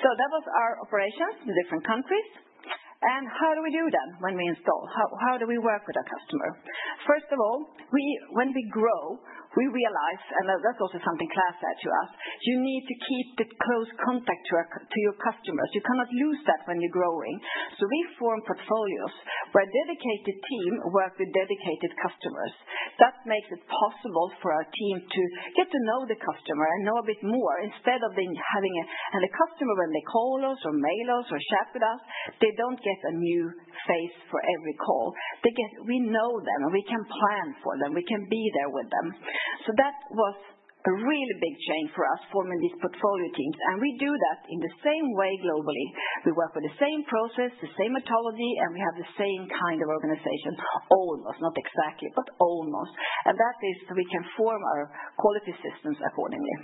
That was our operations, the different countries. How do we do that when we install? How do we work with our customer? First of all, when we grow, we realize, and that's also something Claes said to us, you need to keep the close contact to your customers. You cannot lose that when you're growing. We form portfolios where a dedicated team works with dedicated customers. That makes it possible for our team to get to know the customer and know a bit more instead of having a customer when they call us or mail us or chat with us. They do not get a new face for every call. We know them, and we can plan for them. We can be there with them. That was a really big change for us forming these portfolio teams. We do that in the same way globally. We work with the same process, the same methodology, and we have the same kind of organization. Almost, not exactly, but almost. That is so we can form our quality systems accordingly.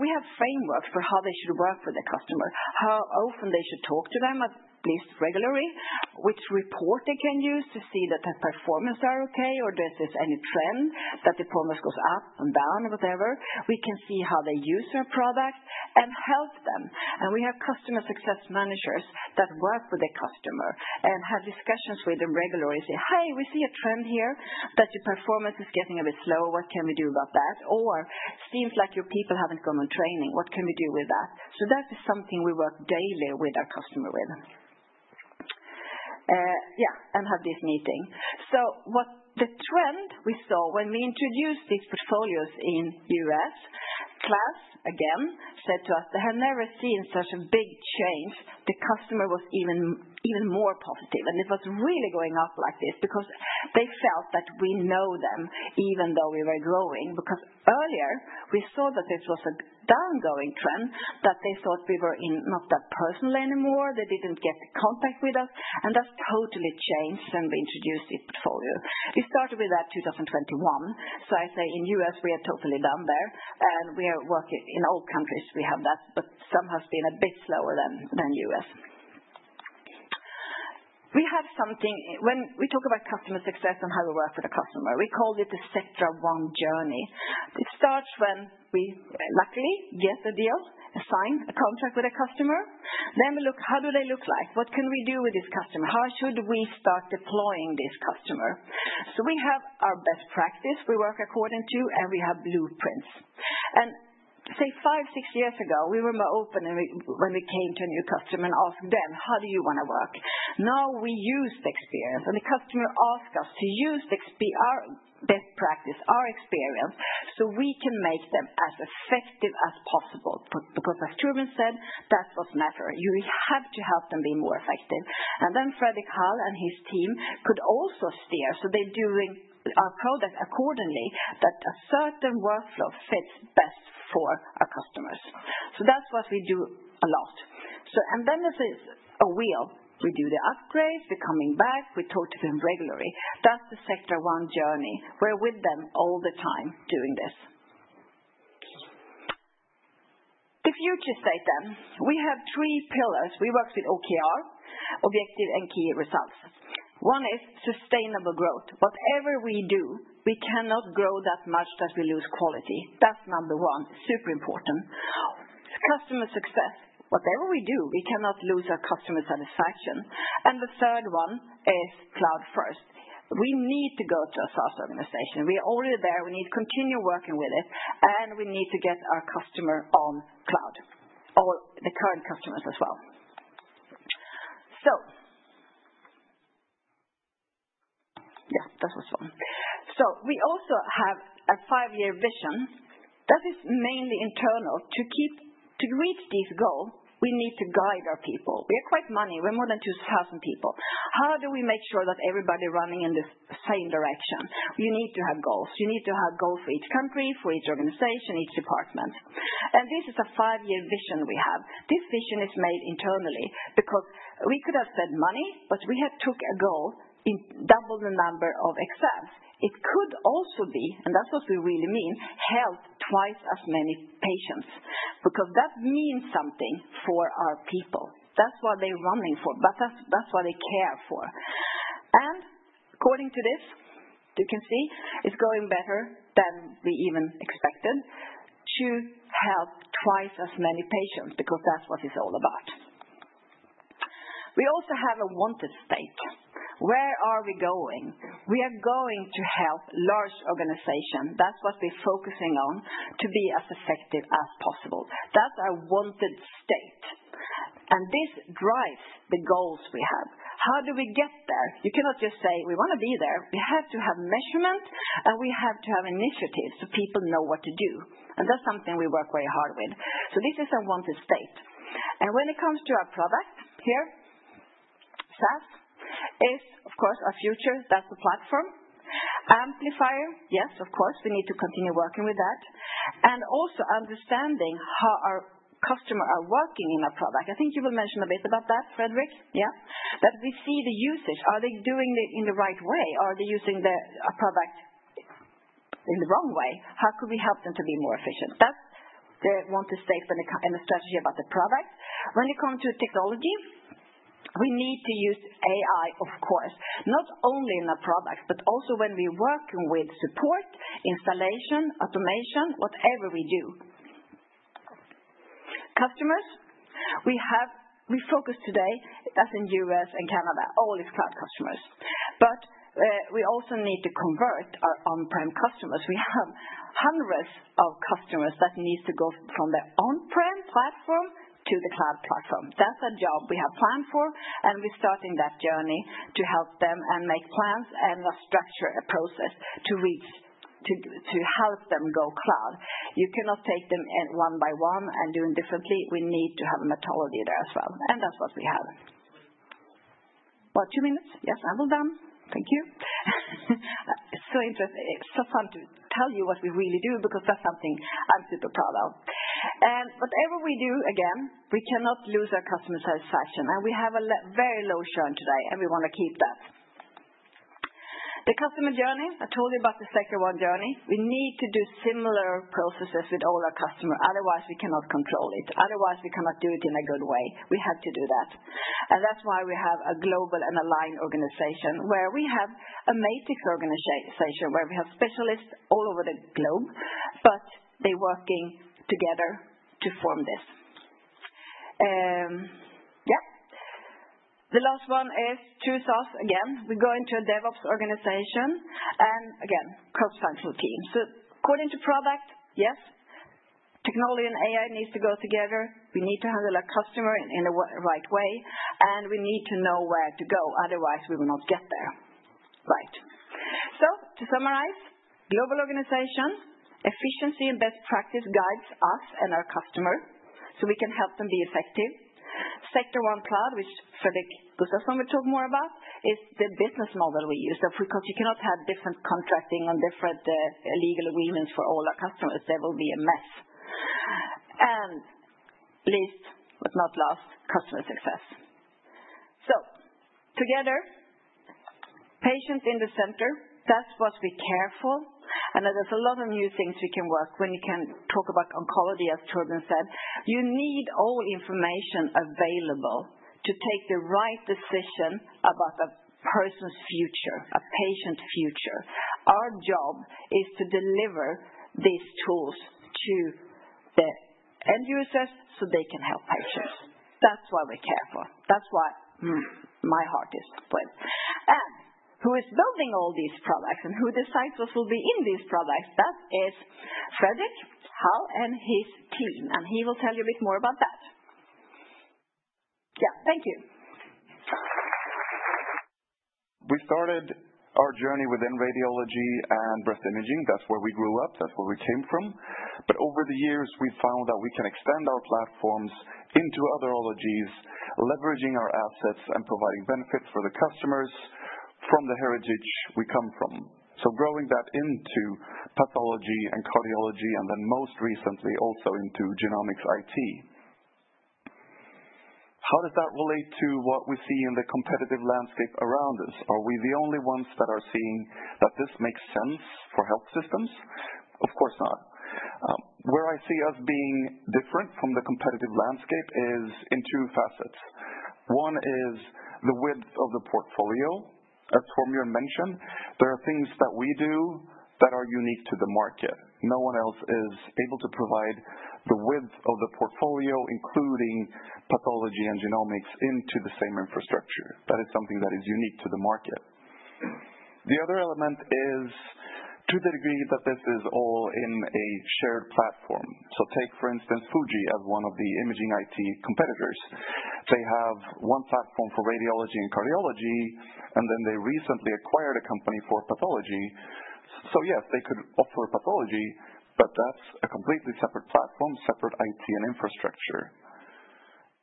We have frameworks for how they should work with the customer, how often they should talk to them, at least regularly, which report they can use to see that their performances are okay, or if there is any trend that the performance goes up and down or whatever. We can see how they use our product and help them. We have customer success managers that work with the customer and have discussions with them regularly and say, "Hey, we see a trend here that your performance is getting a bit slow. What can we do about that?" or, "Seems like your people have not gone on training. What can we do with that?" That is something we work daily with our customer with. Yeah, and have this meeting. The trend we saw when we introduced these portfolios in the U.S., KLAS, again, said to us, "They had never seen such a big change." The customer was even more positive. It was really going up like this because they felt that we know them even though we were growing. Earlier, we saw that this was a downgoing trend, that they thought we were not that personal anymore. They did not get the contact with us. That has totally changed since we introduced this portfolio. We started with that in 2021. I say in the U.S., we are totally done there. In all countries, we have that, but some have been a bit slower than the U.S. We have something when we talk about customer success and how we work with a customer. We call it the Sectra One Journey. It starts when we, luckily, get a deal, a sign, a contract with a customer. Then we look, how do they look like? What can we do with this customer? How should we start deploying this customer? We have our best practice we work according to, and we have blueprints. Five, six years ago, we were more open when we came to a new customer and asked them, "How do you want to work?" Now we use the experience. The customer asks us to use our best practice, our experience, so we can make them as effective as possible. Because as Torbjörn said, that's what matters. You have to help them be more effective. Fredrik Häll and his team could also steer. They are doing our product accordingly, that a certain workflow fits best for our customers. That's what we do a lot. There is a wheel. We do the upgrades. We are coming back. We talk to them regularly. That is the Sectra One Journey. We are with them all the time doing this. The future state then. We have three pillars. We work with OKR, Objective and Key Results. One is sustainable growth. Whatever we do, we cannot grow that much that we lose quality. That is number one. Super important. Customer success. Whatever we do, we cannot lose our customer satisfaction. The third one is cloud first. We need to go to a SaaS organization. We are already there. We need to continue working with it. We need to get our customer on cloud, or the current customers as well. That was one. We also have a five-year vision that is mainly internal. To reach this goal, we need to guide our people. We are quite many. We're more than 2,000 people. How do we make sure that everybody is running in the same direction? You need to have goals. You need to have goals for each country, for each organization, each department. This is a five-year vision we have. This vision is made internally because we could have said money, but we took a goal in double the number of exams. It could also be, and that's what we really mean, help twice as many patients. Because that means something for our people. That's what they're running for. That's what they care for. According to this, you can see it's going better than we even expected to help twice as many patients because that's what it's all about. We also have a wanted state. Where are we going? We are going to help large organizations. That's what we're focusing on, to be as effective as possible. That's our wanted state. This drives the goals we have. How do we get there? You cannot just say, "We want to be there." We have to have measurement, and we have to have initiatives so people know what to do. That's something we work very hard with. This is our wanted state. When it comes to our product here, SaaS is, of course, our future. That's the platform. Amplifier, yes, of course, we need to continue working with that. Also understanding how our customers are working in our product. I think you will mention a bit about that, Fredrik, yeah? That we see the usage. Are they doing it in the right way? Are they using the product in the wrong way? How could we help them to be more efficient? That's the wanted state and the strategy about the product. When it comes to technology, we need to use AI, of course, not only in our products, but also when we're working with support, installation, automation, whatever we do. Customers, we focus today, as in the U.S. and Canada, all these cloud customers. We also need to convert our on-prem customers. We have hundreds of customers that need to go from their on-prem platform to the cloud platform. That's a job we have planned for, and we're starting that journey to help them and make plans and structure a process to help them go cloud. You cannot take them one by one and do them differently. We need to have a methodology there as well. That's what we have. Two minutes. Yes, I'm all done. Thank you. It's so interesting. It's so fun to tell you what we really do because that's something I'm super proud of. Whatever we do, again, we cannot lose our customer satisfaction. We have a very low churn today. We want to keep that. The customer journey, I told you about the Sectra One Journey. We need to do similar processes with all our customers. Otherwise, we cannot control it. Otherwise, we cannot do it in a good way. We have to do that. That's why we have a global and aligned organization where we have a matrix organization where we have specialists all over the globe, but they're working together to form this. Yeah. The last one is true SaaS, again. We go into a DevOps organization and, again, cross-functional teams. According to product, yes, technology and AI need to go together. We need to handle our customer in the right way. We need to know where to go. Otherwise, we will not get there. Right. To summarize, global organization, efficiency and best practice guides us and our customer so we can help them be effective. Sectra One Cloud, which Fredrik Gustavsson will talk more about, is the business model we use. You cannot have different contracting and different legal agreements for all our customers. There will be a mess. Least, but not last, customer success. Together, patients in the center, that's what we care for. There is a lot of new things we can work when you can talk about oncology, as Torbjörn said. You need all information available to take the right decision about a person's future, a patient's future. Our job is to deliver these tools to the end users so they can help patients. That is what we care for. That is what my heart is with. Who is building all these products and who decides what will be in these products? That is Fredrik Häll and his team. He will tell you a bit more about that. Yeah. Thank you. We started our journey within radiology and breast imaging. That is where we grew up. That is where we came from. Over the years, we found that we can extend our platforms into other ologies, leveraging our assets and providing benefits for the customers from the heritage we come from. Growing that into pathology and cardiology, and then most recently also into genomics IT. How does that relate to what we see in the competitive landscape around us? Are we the only ones that are seeing that this makes sense for health systems? Of course not. Where I see us being different from the competitive landscape is in two facets. One is the width of the portfolio. As Torbjörn mentioned, there are things that we do that are unique to the market. No one else is able to provide the width of the portfolio, including pathology and genomics, into the same infrastructure. That is something that is unique to the market. The other element is to the degree that this is all in a shared platform. Take, for instance, Fujifilm as one of the imaging IT competitors. They have one platform for radiology and cardiology, and then they recently acquired a company for pathology. Yes, they could offer pathology, but that is a completely separate platform, separate IT and infrastructure.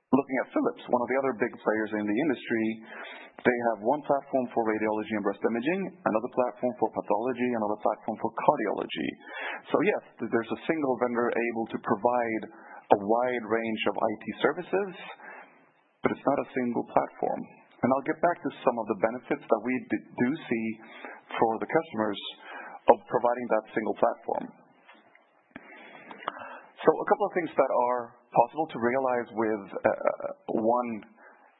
Looking at Philips, one of the other big players in the industry, they have one platform for radiology and breast imaging, another platform for pathology, and another platform for cardiology. Yes, there's a single vendor able to provide a wide range of IT services, but it's not a single platform. I'll get back to some of the benefits that we do see for the customers of providing that single platform. A couple of things that are possible to realize with one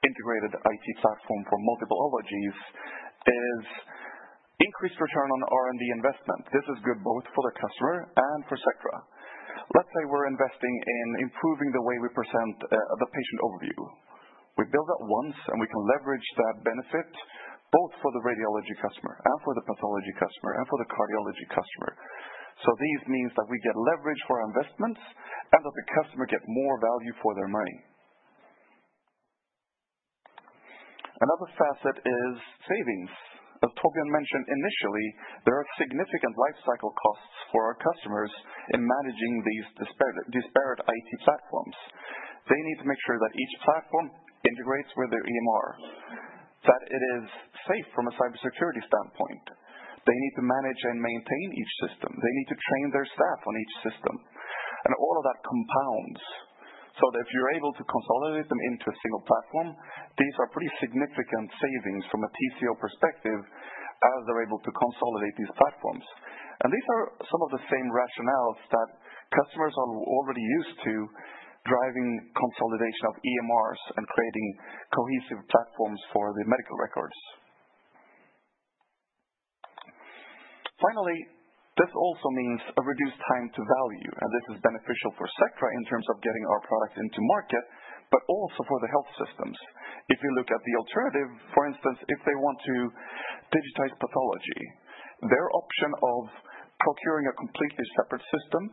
integrated IT platform for multiple ologies is increased return on R&D investment. This is good both for the customer and for Sectra. Let's say we're investing in improving the way we present the patient overview. We build that once, and we can leverage that benefit both for the radiology customer and for the pathology customer and for the cardiology customer. These means that we get leverage for our investments and that the customer gets more value for their money. Another facet is savings. As Torbjörn mentioned initially, there are significant lifecycle costs for our customers in managing these disparate IT platforms. They need to make sure that each platform integrates with their EMR, that it is safe from a cybersecurity standpoint. They need to manage and maintain each system. They need to train their staff on each system. All of that compounds. If you're able to consolidate them into a single platform, these are pretty significant savings from a TCO perspective as they're able to consolidate these platforms. These are some of the same rationales that customers are already used to driving consolidation of EMRs and creating cohesive platforms for the medical records. Finally, this also means a reduced time to value. This is beneficial for Sectra in terms of getting our product into market, but also for the health systems. If you look at the alternative, for instance, if they want to digitize pathology, their option of procuring a completely separate system,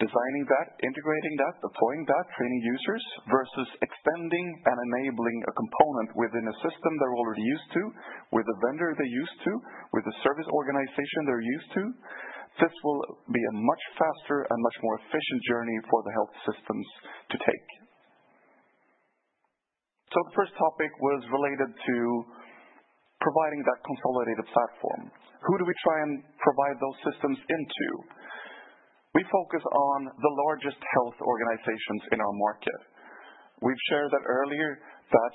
designing that, integrating that, deploying that, training users, versus extending and enabling a component within a system they're already used to, with a vendor they're used to, with a service organization they're used to, this will be a much faster and much more efficient journey for the health systems to take. The first topic was related to providing that consolidated platform. Who do we try and provide those systems into? We focus on the largest health organizations in our market. We've shared that earlier, that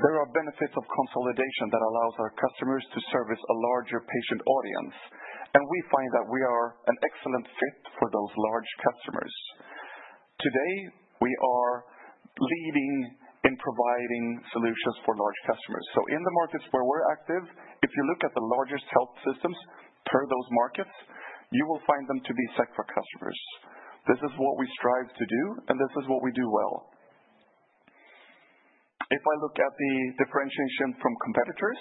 there are benefits of consolidation that allows our customers to service a larger patient audience. We find that we are an excellent fit for those large customers. Today, we are leading in providing solutions for large customers. In the markets where we're active, if you look at the largest health systems per those markets, you will find them to be Sectra customers. This is what we strive to do, and this is what we do well. If I look at the differentiation from competitors,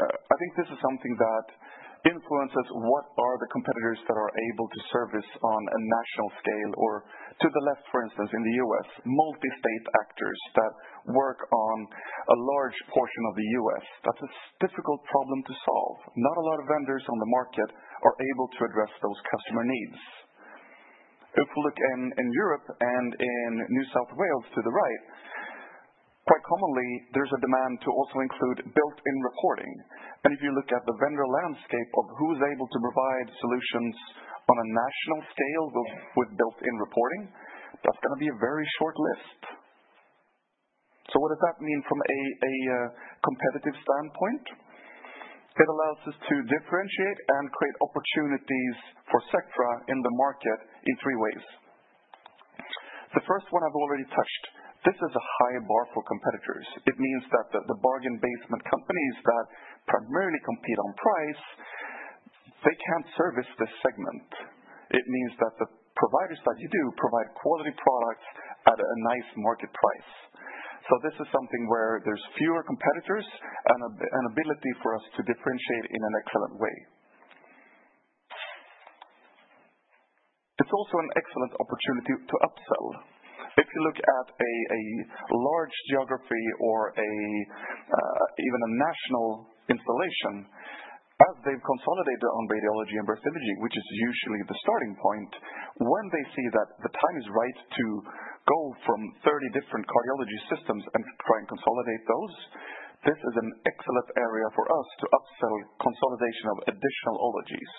I think this is something that influences what are the competitors that are able to service on a national scale, or to the left, for instance, in the U.S., multi-state actors that work on a large portion of the U.S. That's a difficult problem to solve. Not a lot of vendors on the market are able to address those customer needs. If we look in Europe and in New South Wales to the right, quite commonly, there's a demand to also include built-in reporting. If you look at the vendor landscape of who's able to provide solutions on a national scale with built-in reporting, that's going to be a very short list. What does that mean from a competitive standpoint? It allows us to differentiate and create opportunities for Sectra in the market in three ways. The first one I've already touched. This is a high bar for competitors. It means that the bargain basement companies that primarily compete on price, they can't service this segment. It means that the providers that do provide quality products at a nice market price. This is something where there's fewer competitors and an ability for us to differentiate in an excellent way. It's also an excellent opportunity to upsell. If you look at a large geography or even a national installation, as they've consolidated on radiology and breast imaging, which is usually the starting point, when they see that the time is right to go from 30 different cardiology systems and try and consolidate those, this is an excellent area for us to upsell consolidation of additional ologies.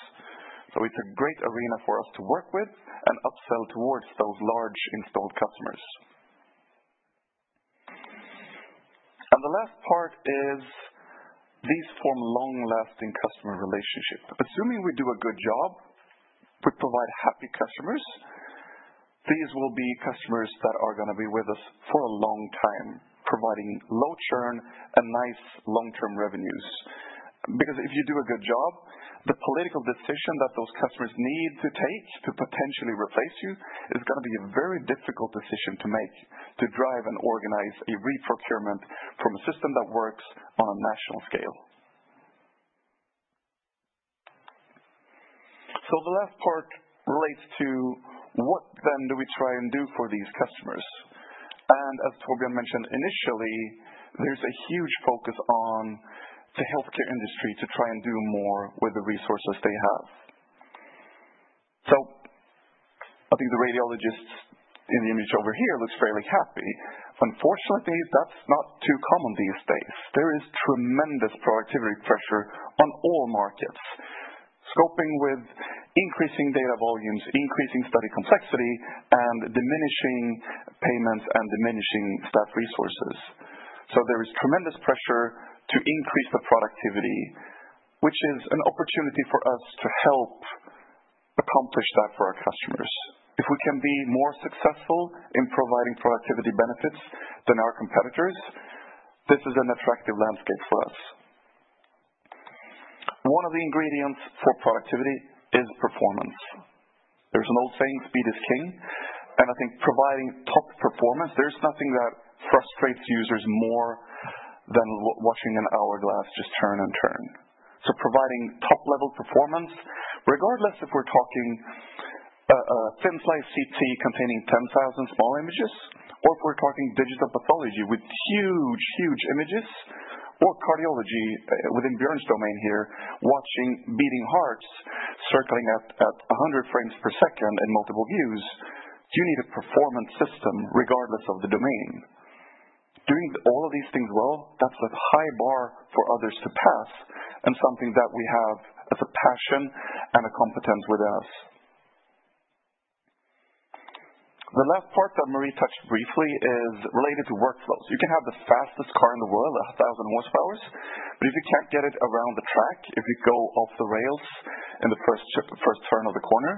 It is a great arena for us to work with and upsell towards those large installed customers. The last part is these form long-lasting customer relationships. Assuming we do a good job, we provide happy customers, these will be customers that are going to be with us for a long time, providing low churn and nice long-term revenues. Because if you do a good job, the political decision that those customers need to take to potentially replace you is going to be a very difficult decision to make to drive and organize a reprocurement from a system that works on a national scale. The last part relates to what then do we try and do for these customers? As Torbjörn mentioned initially, there is a huge focus on the healthcare industry to try and do more with the resources they have. I think the radiologists in the image over here look fairly happy. Unfortunately, that is not too common these days. There is tremendous productivity pressure on all markets, coping with increasing data volumes, increasing study complexity, and diminishing payments and diminishing staff resources. There is tremendous pressure to increase the productivity, which is an opportunity for us to help accomplish that for our customers. If we can be more successful in providing productivity benefits than our competitors, this is an attractive landscape for us. One of the ingredients for productivity is performance. There is an old saying, "Speed is king." I think providing top performance, there is nothing that frustrates users more than watching an hourglass just turn and turn. Providing top-level performance, regardless if we are talking a thin slice CT containing 10,000 small images, or if we are talking digital pathology with huge, huge images, or cardiology within Björn's domain here, watching beating hearts circling at 100 frames per second in multiple views, you need a performance system regardless of the domain. Doing all of these things well, that is a high bar for others to pass and something that we have as a passion and a competence within us. The last part that Marie touched briefly is related to workflows. You can have the fastest car in the world, 1,000 horsepowers, but if you can't get it around the track, if you go off the rails in the first turn of the corner,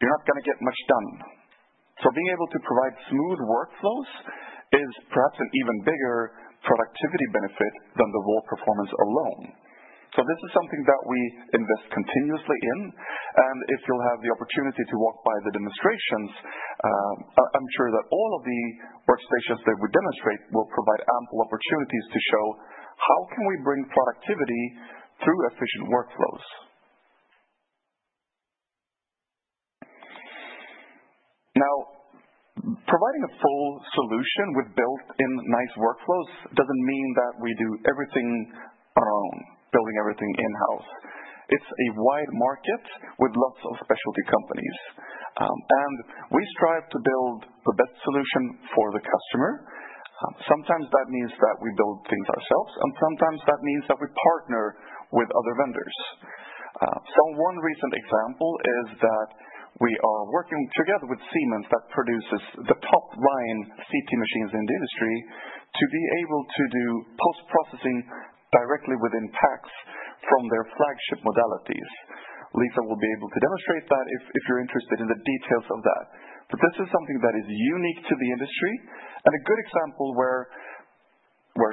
you're not going to get much done. Being able to provide smooth workflows is perhaps an even bigger productivity benefit than the raw performance alone. This is something that we invest continuously in. If you'll have the opportunity to walk by the demonstrations, I'm sure that all of the workstations that we demonstrate will provide ample opportunities to show how can we bring productivity through efficient workflows. Now, providing a full solution with built-in nice workflows doesn't mean that we do everything on our own, building everything in-house. It's a wide market with lots of specialty companies. We strive to build the best solution for the customer. Sometimes that means that we build things ourselves, and sometimes that means that we partner with other vendors. One recent example is that we are working together with Siemens that produces the top-line CT machines in the industry to be able to do post-processing directly within PACS from their flagship modalities. Lisa will be able to demonstrate that if you're interested in the details of that. This is something that is unique to the industry and a good example where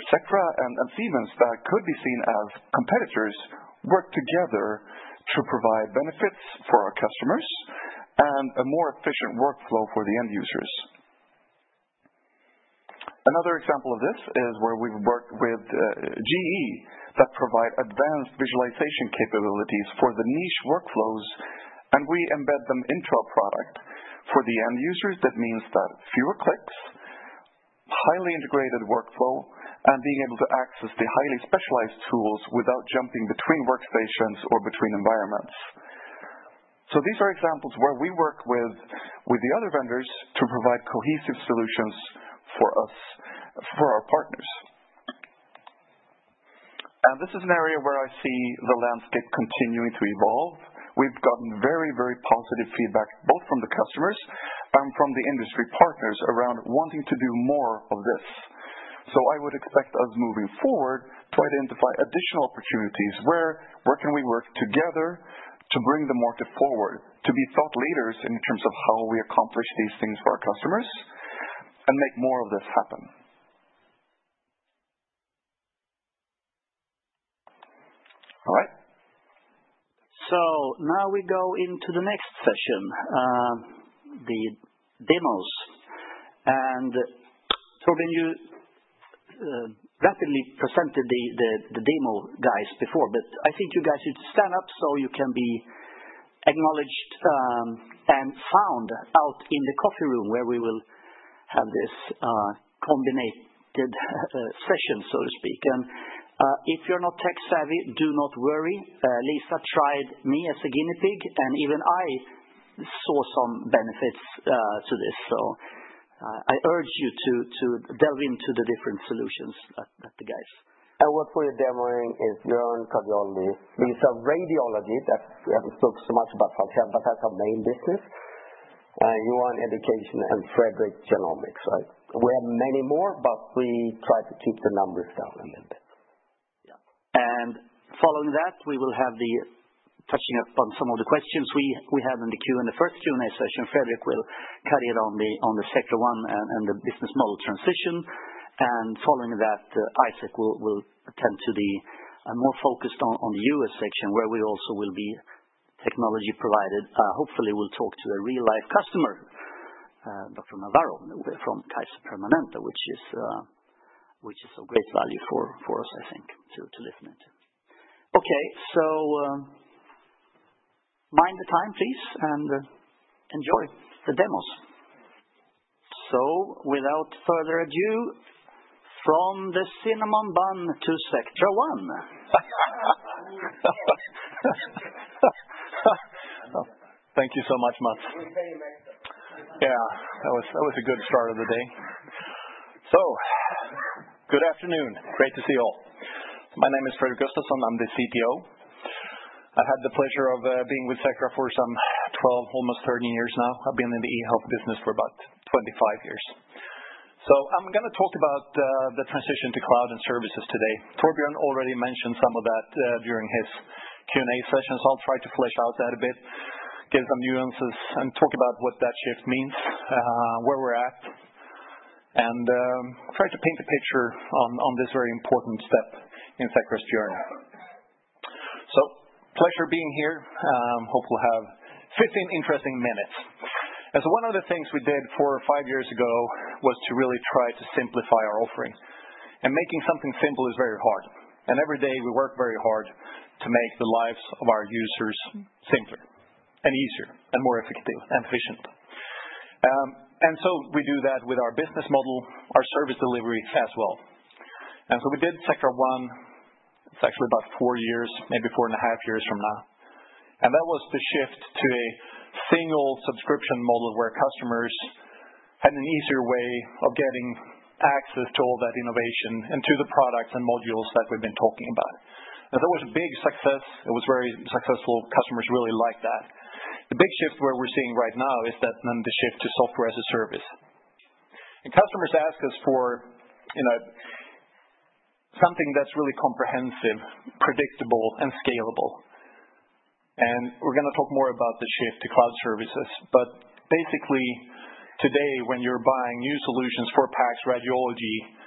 Sectra and Siemens that could be seen as competitors work together to provide benefits for our customers and a more efficient workflow for the end users. Another example of this is where we've worked with GE that provide advanced visualization capabilities for the niche workflows, and we embed them into our product. For the end users, that means that fewer clicks, highly integrated workflow, and being able to access the highly specialized tools without jumping between workstations or between environments. These are examples where we work with the other vendors to provide cohesive solutions for us, for our partners. This is an area where I see the landscape continuing to evolve. We've gotten very, very positive feedback both from the customers and from the industry partners around wanting to do more of this. I would expect us moving forward to identify additional opportunities where we can work together to bring the market forward, to be thought leaders in terms of how we accomplish these things for our customers and make more of this happen. All right. Now we go into the next session, the demos. Torbjörn, you rapidly presented the demo guys before, but I think you guys need to stand up so you can be acknowledged and found out in the coffee room where we will have this combined session, so to speak. If you're not tech-savvy, do not worry. Lisa tried me as a guinea pig, and even I saw some benefits to this. I urge you to delve into the different solutions that the guys. I work for you. Demoing is Björn Lindbergh. These are radiology. We haven't spoke so much about that as our main business. You are in education and Fredrik Genomics, right? We have many more, but we try to keep the numbers down a little bit. Yeah. Following that, we will have the touching up on some of the questions we had in the first Q&A session. Fredrik will cut in on the Sectra One and the business model transition. Following that, Isaac will attend to the more focused on the U.S. section where we also will be technology provided. Hopefully, we'll talk to a real-life customer, Dr. Navarro from Kaiser Permanente, which is of great value for us, I think, to listen into. Okay, so mind the time, please, and enjoy the demos. Without further ado, from the cinnamon bun to Sectra One. Thank you so much, Mats. Yeah, that was a good start of the day. Good afternoon. Great to see you all. My name is Fredrik Gustafsson. I'm the CTO. I've had the pleasure of being with Sectra for some 12, almost 13 years now. I've been in the e-health business for about 25 years. I'm going to talk about the transition to cloud and services today. Torbjörn already mentioned some of that during his Q&A sessions. I'll try to flesh out that a bit, give some nuances, and talk about what that shift means, where we're at, and try to paint a picture on this very important step in Sectra's journey. Pleasure being here. Hope we'll have 15 interesting minutes. One of the things we did four or five years ago was to really try to simplify our offering. Making something simple is very hard. Every day we work very hard to make the lives of our users simpler and easier and more effective and efficient. We do that with our business model, our service delivery as well. We did Sectra One. It is actually about four years, maybe four and a half years from now. That was the shift to a single subscription model where customers had an easier way of getting access to all that innovation and to the products and modules that we have been talking about. It was a big success. It was very successful. Customers really liked that. The big shift we are seeing right now is the shift to software as a service. Customers ask us for something that is really comprehensive, predictable, and scalable. We are going to talk more about the shift to cloud services. Basically, today, when you're buying new solutions for PACS radiology,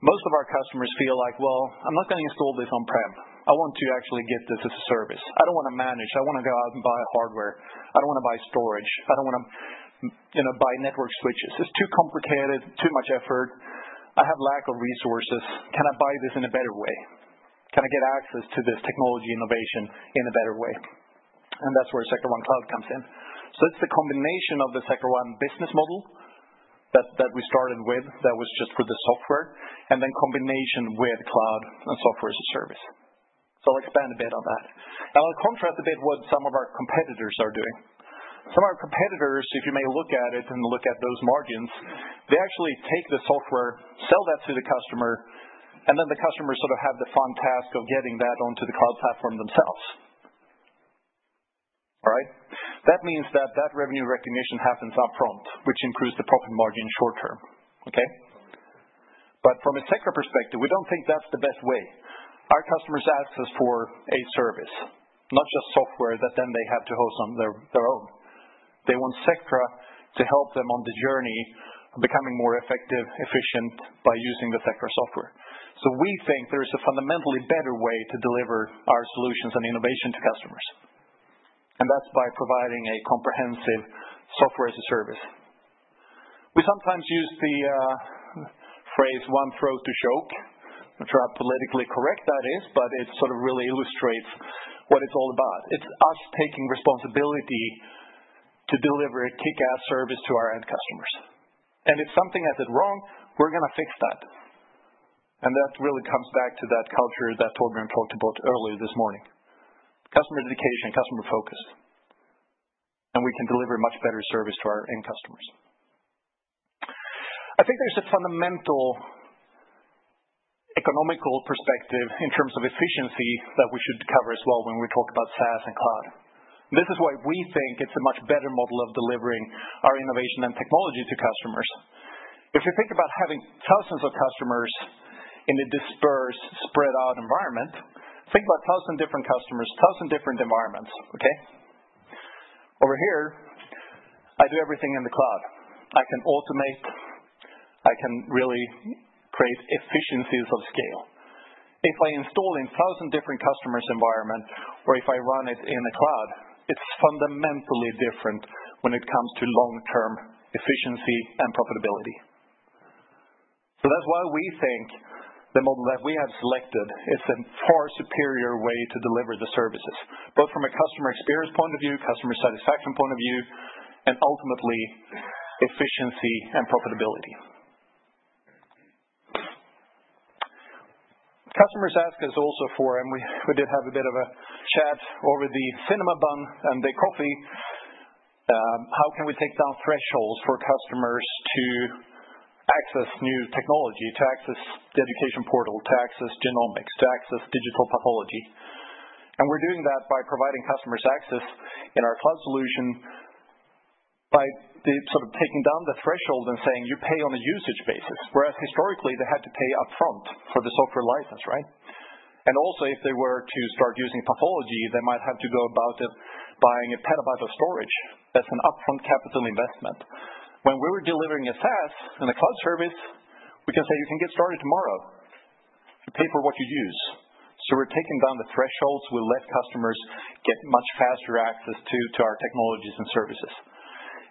most of our customers feel like, "Well, I'm not going to install this on-prem. I want to actually get this as a service. I don't want to manage. I want to go out and buy hardware. I don't want to buy storage. I don't want to buy network switches. It's too complicated, too much effort. I have a lack of resources. Can I buy this in a better way? Can I get access to this technology innovation in a better way?" That is where Sectra One Cloud comes in. It is the combination of the Sectra One business model that we started with that was just for the software, and then combination with cloud and software as a service. I will expand a bit on that. I will contrast a bit what some of our competitors are doing. Some of our competitors, if you may look at it and look at those margins, they actually take the software, sell that to the customer, and then the customers sort of have the fun task of getting that onto the cloud platform themselves. All right? That means that that revenue recognition happens upfront, which improves the profit margin short term. Okay? From a Sectra perspective, we do not think that is the best way. Our customers ask us for a service, not just software that then they have to host on their own. They want Sectra to help them on the journey of becoming more effective, efficient by using the Sectra software. We think there is a fundamentally better way to deliver our solutions and innovation to customers. That is by providing a comprehensive software as a service. We sometimes use the phrase "one throat to choke," which is politically correct, that is, but it sort of really illustrates what it's all about. It's us taking responsibility to deliver a kick-ass service to our end customers. If something has it wrong, we're going to fix that. That really comes back to that culture that Torbjörn talked about earlier this morning: customer dedication, customer focus. We can deliver much better service to our end customers. I think there's a fundamental economical perspective in terms of efficiency that we should cover as well when we talk about SaaS and cloud. This is why we think it's a much better model of delivering our innovation and technology to customers. If you think about having thousands of customers in a dispersed, spread-out environment, think about 1,000 different customers, 1,000 different environments. Okay? Over here, I do everything in the cloud. I can automate. I can really create efficiencies of scale. If I install in 1,000 different customers' environments, or if I run it in the cloud, it's fundamentally different when it comes to long-term efficiency and profitability. That is why we think the model that we have selected is a far superior way to deliver the services, both from a customer experience point of view, customer satisfaction point of view, and ultimately efficiency and profitability. Customers ask us also for, and we did have a bit of a chat over the cinnamon bun and the coffee, how can we take down thresholds for customers to access new technology, to access the education portal, to access genomics, to access digital pathology? We are doing that by providing customers access in our cloud solution by sort of taking down the threshold and saying, "You pay on a usage basis," whereas historically they had to pay upfront for the software license, right? Also, if they were to start using pathology, they might have to go about buying a petabyte of storage. That is an upfront capital investment. When we are delivering a SaaS and a cloud service, we can say, "You can get started tomorrow. You pay for what you use." We are taking down the thresholds. We let customers get much faster access to our technologies and services.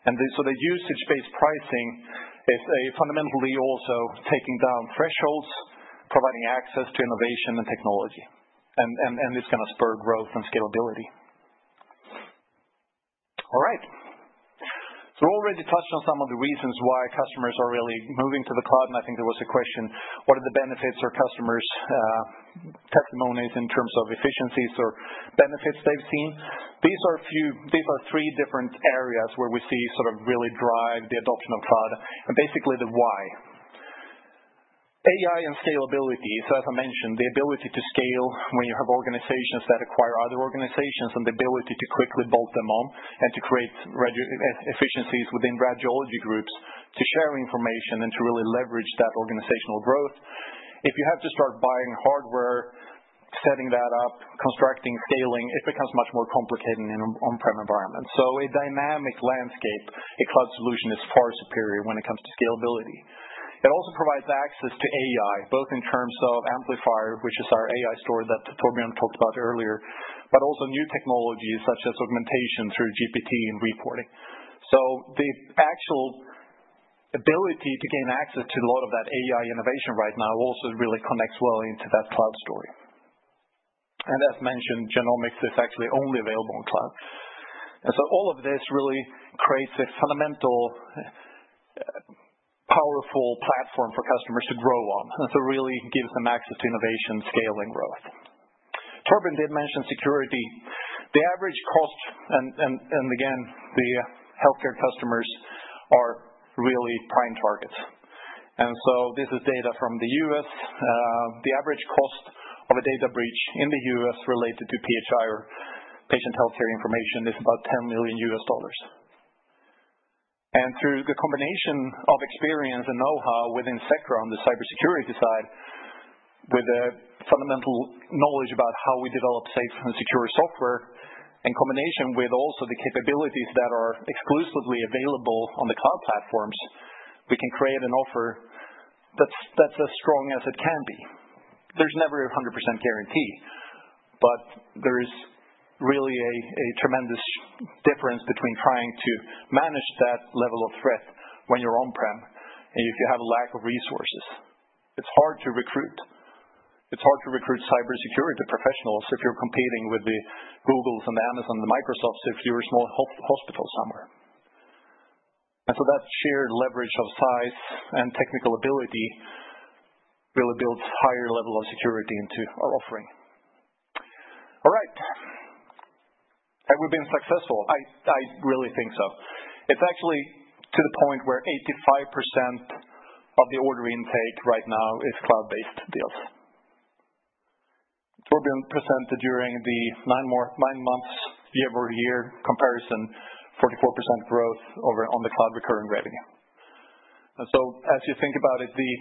The usage-based pricing is fundamentally also taking down thresholds, providing access to innovation and technology. This can spur growth and scalability. All right. We have already touched on some of the reasons why customers are really moving to the cloud. I think there was a question, "What are the benefits or customers' testimonies in terms of efficiencies or benefits they've seen?" These are three different areas where we see sort of really drive the adoption of cloud and basically the why. AI and scalability, so as I mentioned, the ability to scale when you have organizations that acquire other organizations and the ability to quickly bolt them on and to create efficiencies within radiology groups to share information and to really leverage that organizational growth. If you have to start buying hardware, setting that up, constructing, scaling, it becomes much more complicated in an on-prem environment. A dynamic landscape, a cloud solution is far superior when it comes to scalability. It also provides access to AI, both in terms of Amplifier, which is our AI store that Torbjörn talked about earlier, but also new technologies such as augmentation through GPT and reporting. The actual ability to gain access to a lot of that AI innovation right now also really connects well into that cloud story. As mentioned, genomics is actually only available in cloud. All of this really creates a fundamental, powerful platform for customers to grow on. It really gives them access to innovation, scaling, growth. Torbjörn did mention security. The average cost, and again, the healthcare customers are really prime targets. This is data from the U.S. The average cost of a data breach in the U.S. related to PHI or patient healthcare information is about $10 million. Through the combination of experience and know-how within Sectra on the cybersecurity side, with the fundamental knowledge about how we develop safe and secure software, in combination with also the capabilities that are exclusively available on the cloud platforms, we can create an offer that's as strong as it can be. There's never a 100% guarantee, but there is really a tremendous difference between trying to manage that level of threat when you're on-prem and if you have a lack of resources. It's hard to recruit. It's hard to recruit cybersecurity professionals if you're competing with the Googles and the Amazons and the Microsofts if you're a small hospital somewhere. That shared leverage of size and technical ability really builds a higher level of security into our offering. All right. Have we been successful? I really think so. It's actually to the point where 85% of the order intake right now is cloud-based deals. Torbjörn presented during the nine-month year-over-year comparison, 44% growth on the cloud recurring revenue. As you think about it, the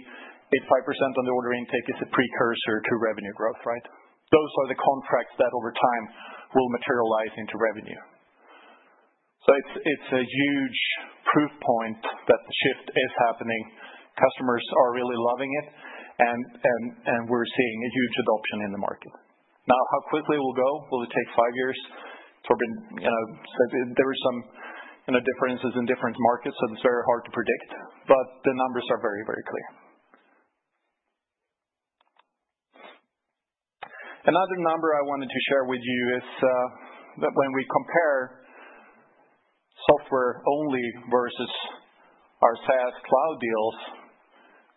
85% on the order intake is a precursor to revenue growth, right? Those are the contracts that over time will materialize into revenue. It's a huge proof point that the shift is happening. Customers are really loving it, and we're seeing a huge adoption in the market. Now, how quickly it will go? Will it take five years? Torbjörn said there are some differences in different markets, so it's very hard to predict, but the numbers are very, very clear. Another number I wanted to share with you is that when we compare software-only versus our SaaS cloud deals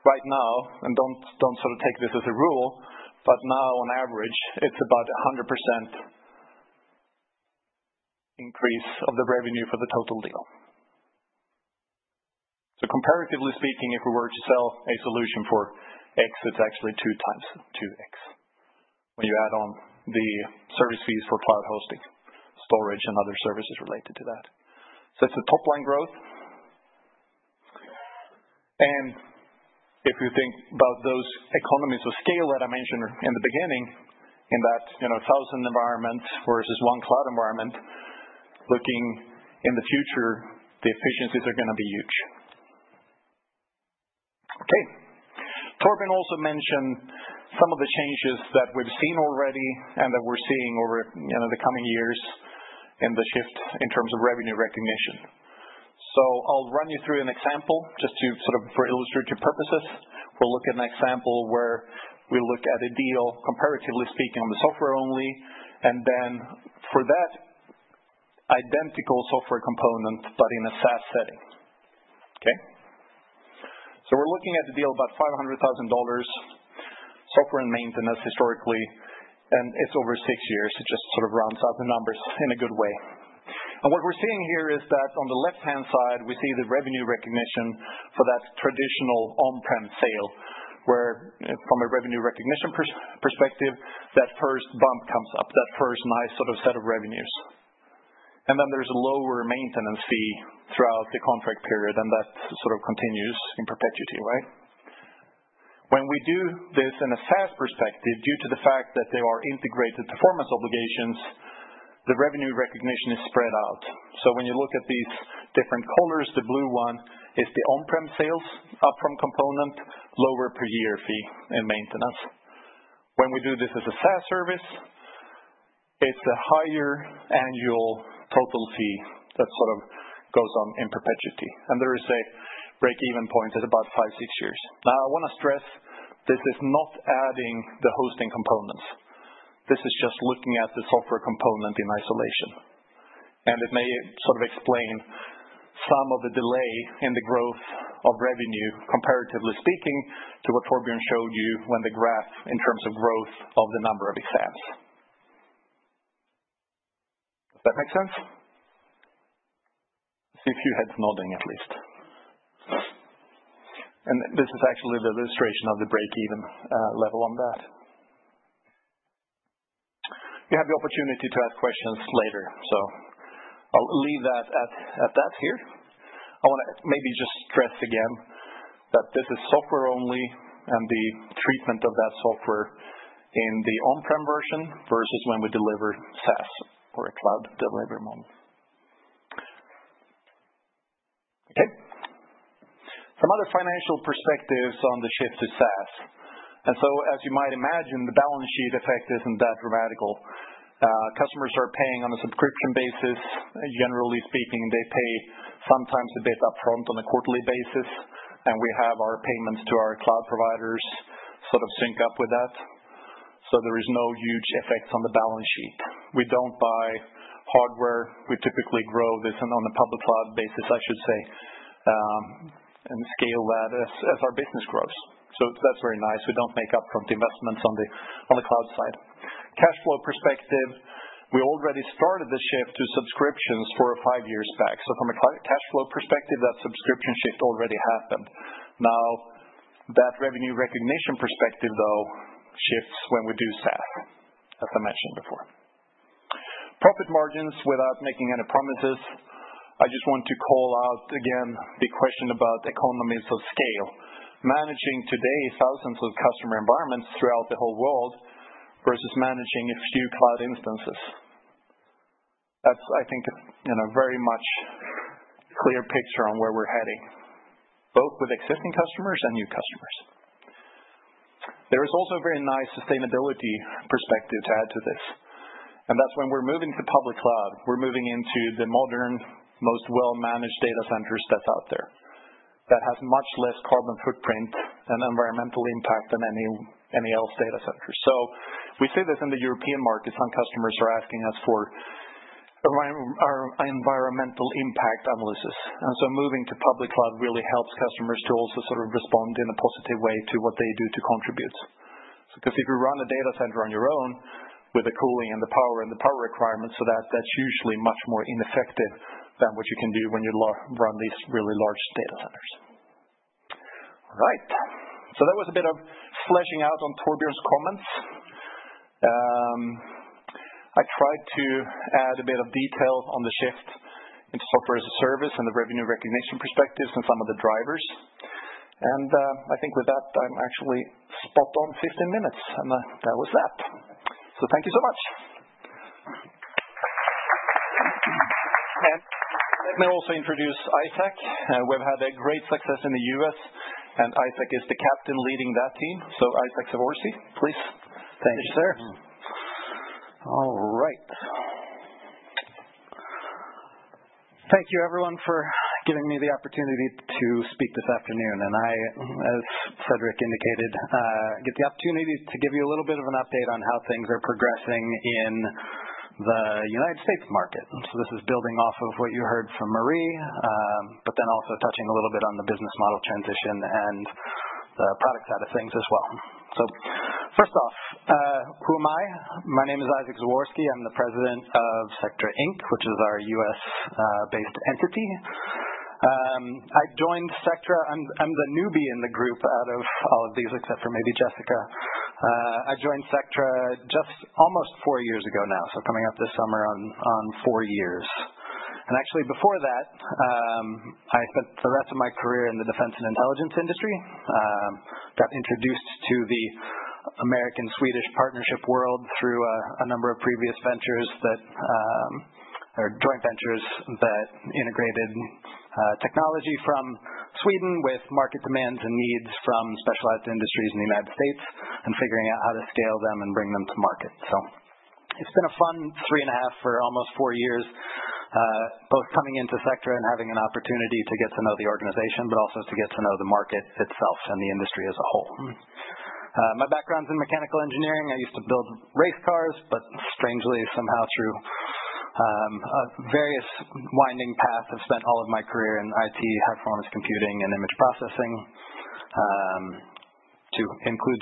right now, and do not sort of take this as a rule, but now on average, it is about a 100% increase of the revenue for the total deal. Comparatively speaking, if we were to sell a solution for X, it is actually 2 times 2X when you add on the service fees for cloud hosting, storage, and other services related to that. It is a top-line growth. If you think about those economies of scale that I mentioned in the beginning, in that 1,000 environments versus one cloud environment, looking in the future, the efficiencies are going to be huge. Okay. Torbjörn also mentioned some of the changes that we have seen already and that we are seeing over the coming years in the shift in terms of revenue recognition. I'll run you through an example just to sort of for illustrative purposes. We'll look at an example where we look at a deal, comparatively speaking, on the software-only, and then for that identical software component, but in a SaaS setting. Okay? We're looking at a deal about $500,000 software and maintenance historically, and it's over six years. It just sort of rounds out the numbers in a good way. What we're seeing here is that on the left-hand side, we see the revenue recognition for that traditional on-prem sale, where from a revenue recognition perspective, that first bump comes up, that first nice sort of set of revenues. Then there's a lower maintenance fee throughout the contract period, and that sort of continues in perpetuity, right? When we do this in a SaaS perspective, due to the fact that there are integrated performance obligations, the revenue recognition is spread out. When you look at these different colors, the blue one is the on-prem sales upfront component, lower per-year fee in maintenance. When we do this as a SaaS service, it's a higher annual total fee that sort of goes on in perpetuity. There is a break-even point at about five, six years. I want to stress this is not adding the hosting components. This is just looking at the software component in isolation. It may sort of explain some of the delay in the growth of revenue, comparatively speaking, to what Torbjörn showed you when the graph in terms of growth of the number of exams. Does that make sense? I see a few heads nodding at least. This is actually the illustration of the break-even level on that. You have the opportunity to ask questions later. I will leave that at that here. I want to maybe just stress again that this is software-only and the treatment of that software in the on-prem version versus when we deliver SaaS or a cloud delivery model. Okay. Some other financial perspectives on the shift to SaaS. As you might imagine, the balance sheet effect is not that dramatical. Customers are paying on a subscription basis. Generally speaking, they pay sometimes a bit upfront on a quarterly basis. We have our payments to our cloud providers sort of sync up with that. There is no huge effect on the balance sheet. We do not buy hardware. We typically grow this on a public cloud basis, I should say, and scale that as our business grows. That's very nice. We don't make upfront investments on the cloud side. Cash flow perspective, we already started the shift to subscriptions four or five years back. From a cash flow perspective, that subscription shift already happened. Now, that revenue recognition perspective, though, shifts when we do SaaS, as I mentioned before. Profit margins without making any promises. I just want to call out again the question about economies of scale. Managing today thousands of customer environments throughout the whole world versus managing a few cloud instances. That's, I think, a very much clear picture on where we're heading, both with existing customers and new customers. There is also a very nice sustainability perspective to add to this. That's when we're moving to public cloud. We're moving into the modern, most well-managed data centers that's out there that has much less carbon footprint and environmental impact than any else data centers. We see this in the European markets when customers are asking us for our environmental impact analysis. Moving to public cloud really helps customers to also sort of respond in a positive way to what they do to contribute. Because if you run a data center on your own with the cooling and the power and the power requirements, that's usually much more ineffective than what you can do when you run these really large data centers. All right. That was a bit of fleshing out on Torbjörn's comments. I tried to add a bit of detail on the shift into software as a service and the revenue recognition perspectives and some of the drivers. I think with that, I'm actually spot on 15 minutes. That was that. Thank you so much. Let me also introduce Isaac. We've had great success in the U.S., and Isaac is the captain leading that team. Isaac Zaworski, please. Thank you, sir. All right. Thank you, everyone, for giving me the opportunity to speak this afternoon. I, as Frederik indicated, get the opportunity to give you a little bit of an update on how things are progressing in the United States market. This is building off of what you heard from Marie, but then also touching a little bit on the business model transition and the product side of things as well. First off, who am I? My name is Isaac Zaworski. I'm the president of Sectra, which is our US-based entity. I joined Sectra. I'm the newbie in the group out of all of these, except for maybe Jessica. I joined Sectra just almost four years ago now, coming up this summer on four years. Actually, before that, I spent the rest of my career in the defense and intelligence industry. Got introduced to the American-Swedish partnership world through a number of previous ventures that are joint ventures that integrated technology from Sweden with market demands and needs from specialized industries in the United States and figuring out how to scale them and bring them to market. It's been a fun three and a half for almost four years, both coming into Sectra and having an opportunity to get to know the organization, but also to get to know the market itself and the industry as a whole. My background's in mechanical engineering. I used to build race cars, but strangely, somehow through a various winding path, I've spent all of my career in IT, high-performance computing, and image processing to include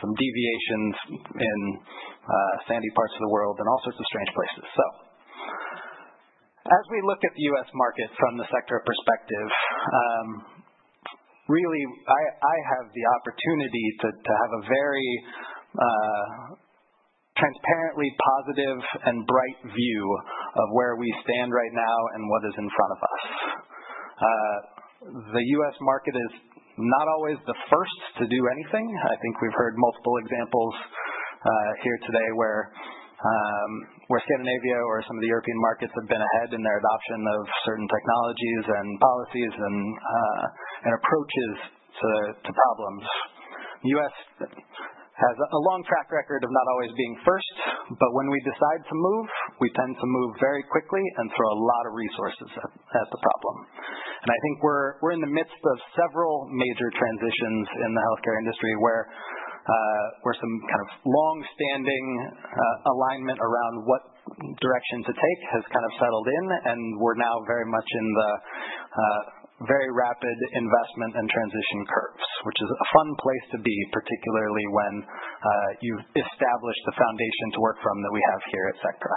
some deviations in sandy parts of the world and all sorts of strange places. As we look at the U.S. market from the Sectra perspective, really, I have the opportunity to have a very transparently positive and bright view of where we stand right now and what is in front of us. The U.S. market is not always the first to do anything. I think we've heard multiple examples here today where Scandinavia or some of the European markets have been ahead in their adoption of certain technologies and policies and approaches to problems. The U.S. has a long track record of not always being first, but when we decide to move, we tend to move very quickly and throw a lot of resources at the problem. I think we're in the midst of several major transitions in the healthcare industry where some kind of long-standing alignment around what direction to take has kind of settled in, and we're now very much in the very rapid investment and transition curves, which is a fun place to be, particularly when you've established the foundation to work from that we have here at Sectra.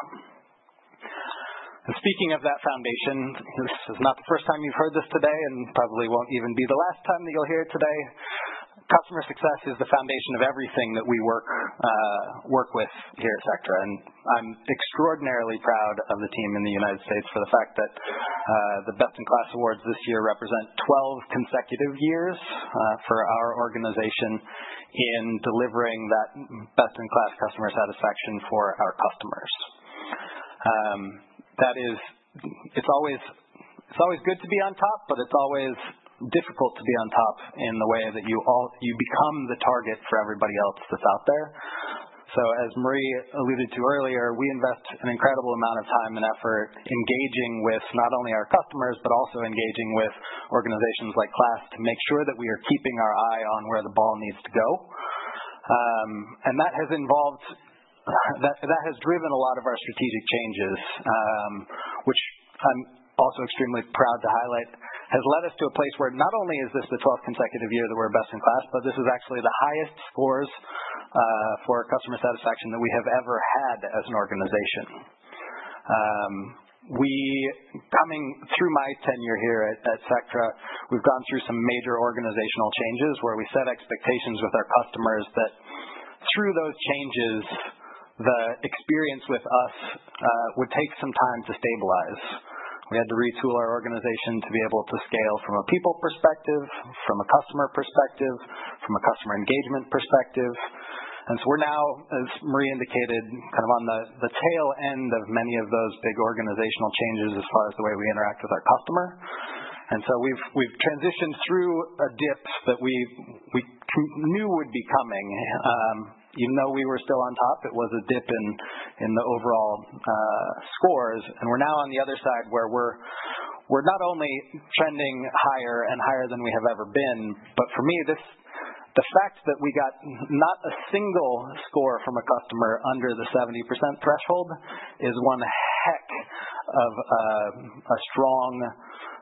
Speaking of that foundation, this is not the first time you've heard this today and probably won't even be the last time that you'll hear it today. Customer success is the foundation of everything that we work with here at Sectra. I'm extraordinarily proud of the team in the United States for the fact that the Best in Class awards this year represent 12 consecutive years for our organization in delivering that best-in-class customer satisfaction for our customers. It's always good to be on top, but it's always difficult to be on top in the way that you become the target for everybody else that's out there. As Marie alluded to earlier, we invest an incredible amount of time and effort engaging with not only our customers, but also engaging with organizations like KLAS to make sure that we are keeping our eye on where the ball needs to go. That has driven a lot of our strategic changes, which I'm also extremely proud to highlight, has led us to a place where not only is this the 12th consecutive year that we're best in class, but this is actually the highest scores for customer satisfaction that we have ever had as an organization. Coming through my tenure here at Sectra, we've gone through some major organizational changes where we set expectations with our customers that through those changes, the experience with us would take some time to stabilize. We had to retool our organization to be able to scale from a people perspective, from a customer perspective, from a customer engagement perspective. We are now, as Marie indicated, kind of on the tail end of many of those big organizational changes as far as the way we interact with our customer. We have transitioned through a dip that we knew would be coming. Even though we were still on top, it was a dip in the overall scores. We are now on the other side where we are not only trending higher and higher than we have ever been, but for me, the fact that we got not a single score from a customer under the 70% threshold is one heck of a strong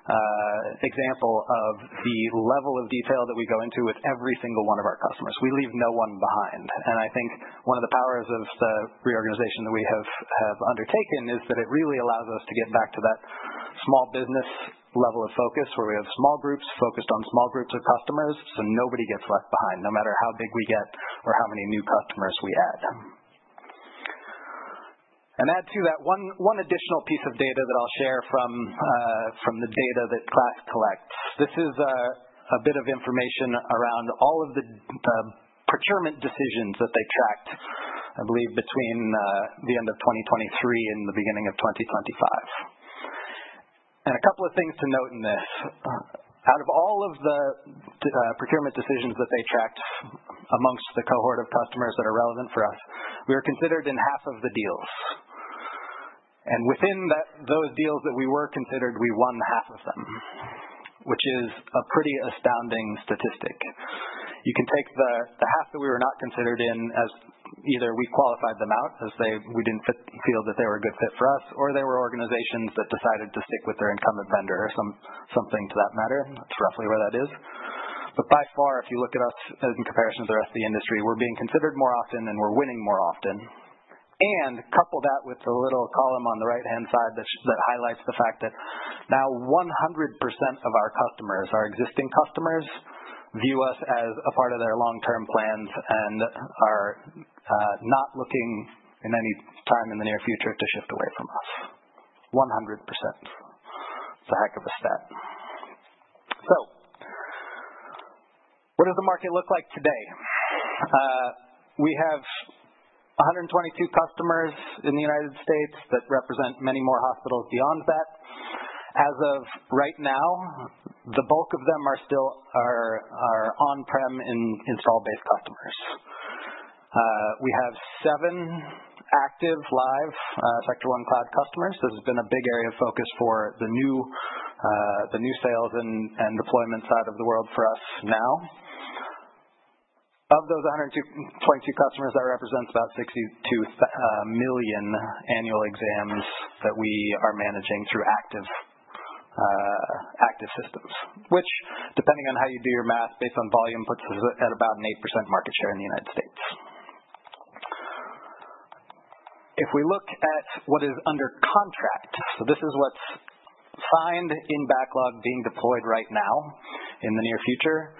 example of the level of detail that we go into with every single one of our customers. We leave no one behind. I think one of the powers of the reorganization that we have undertaken is that it really allows us to get back to that small business level of focus where we have small groups focused on small groups of customers, so nobody gets left behind no matter how big we get or how many new customers we add. Add to that one additional piece of data that I'll share from the data that KLAS collects. This is a bit of information around all of the procurement decisions that they tracked, I believe, between the end of 2023 and the beginning of 2025. A couple of things to note in this. Out of all of the procurement decisions that they tracked amongst the cohort of customers that are relevant for us, we were considered in half of the deals. Within those deals that we were considered, we won half of them, which is a pretty astounding statistic. You can take the half that we were not considered in as either we qualified them out as we did not feel that they were a good fit for us, or there were organizations that decided to stick with their incumbent vendor or something to that matter. That is roughly where that is. By far, if you look at us in comparison to the rest of the industry, we are being considered more often and we are winning more often. Couple that with the little column on the right-hand side that highlights the fact that now 100% of our customers, our existing customers, view us as a part of their long-term plans and are not looking in any time in the near future to shift away from us. 100%. It's a heck of a stat. What does the market look like today? We have 122 customers in the United States that represent many more hospitals beyond that. As of right now, the bulk of them are still our on-prem install-based customers. We have seven active live Sectra One Cloud customers. This has been a big area of focus for the new sales and deployment side of the world for us now. Of those 122 customers, that represents about 62 million annual exams that we are managing through active systems, which, depending on how you do your math, based on volume, puts us at about an 8% market share in the United States. If we look at what is under contract, this is what is signed in backlog being deployed right now in the near future.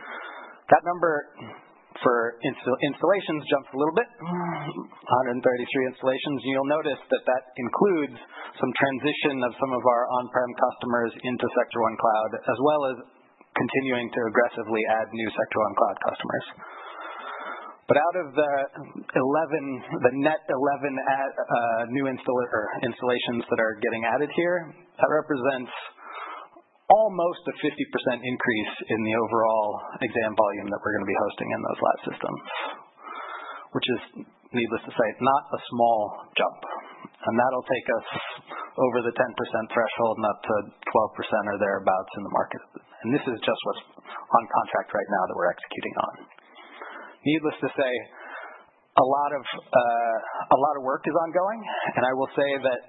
That number for installations jumps a little bit, 133 installations. You'll notice that that includes some transition of some of our on-prem customers into Sectra One Cloud, as well as continuing to aggressively add new Sectra One Cloud customers. Out of the net 11 new installations that are getting added here, that represents almost a 50% increase in the overall exam volume that we're going to be hosting in those lab systems, which is, needless to say, not a small jump. That'll take us over the 10% threshold, not to 12% or thereabouts in the market. This is just what's on contract right now that we're executing on. Needless to say, a lot of work is ongoing. I will say that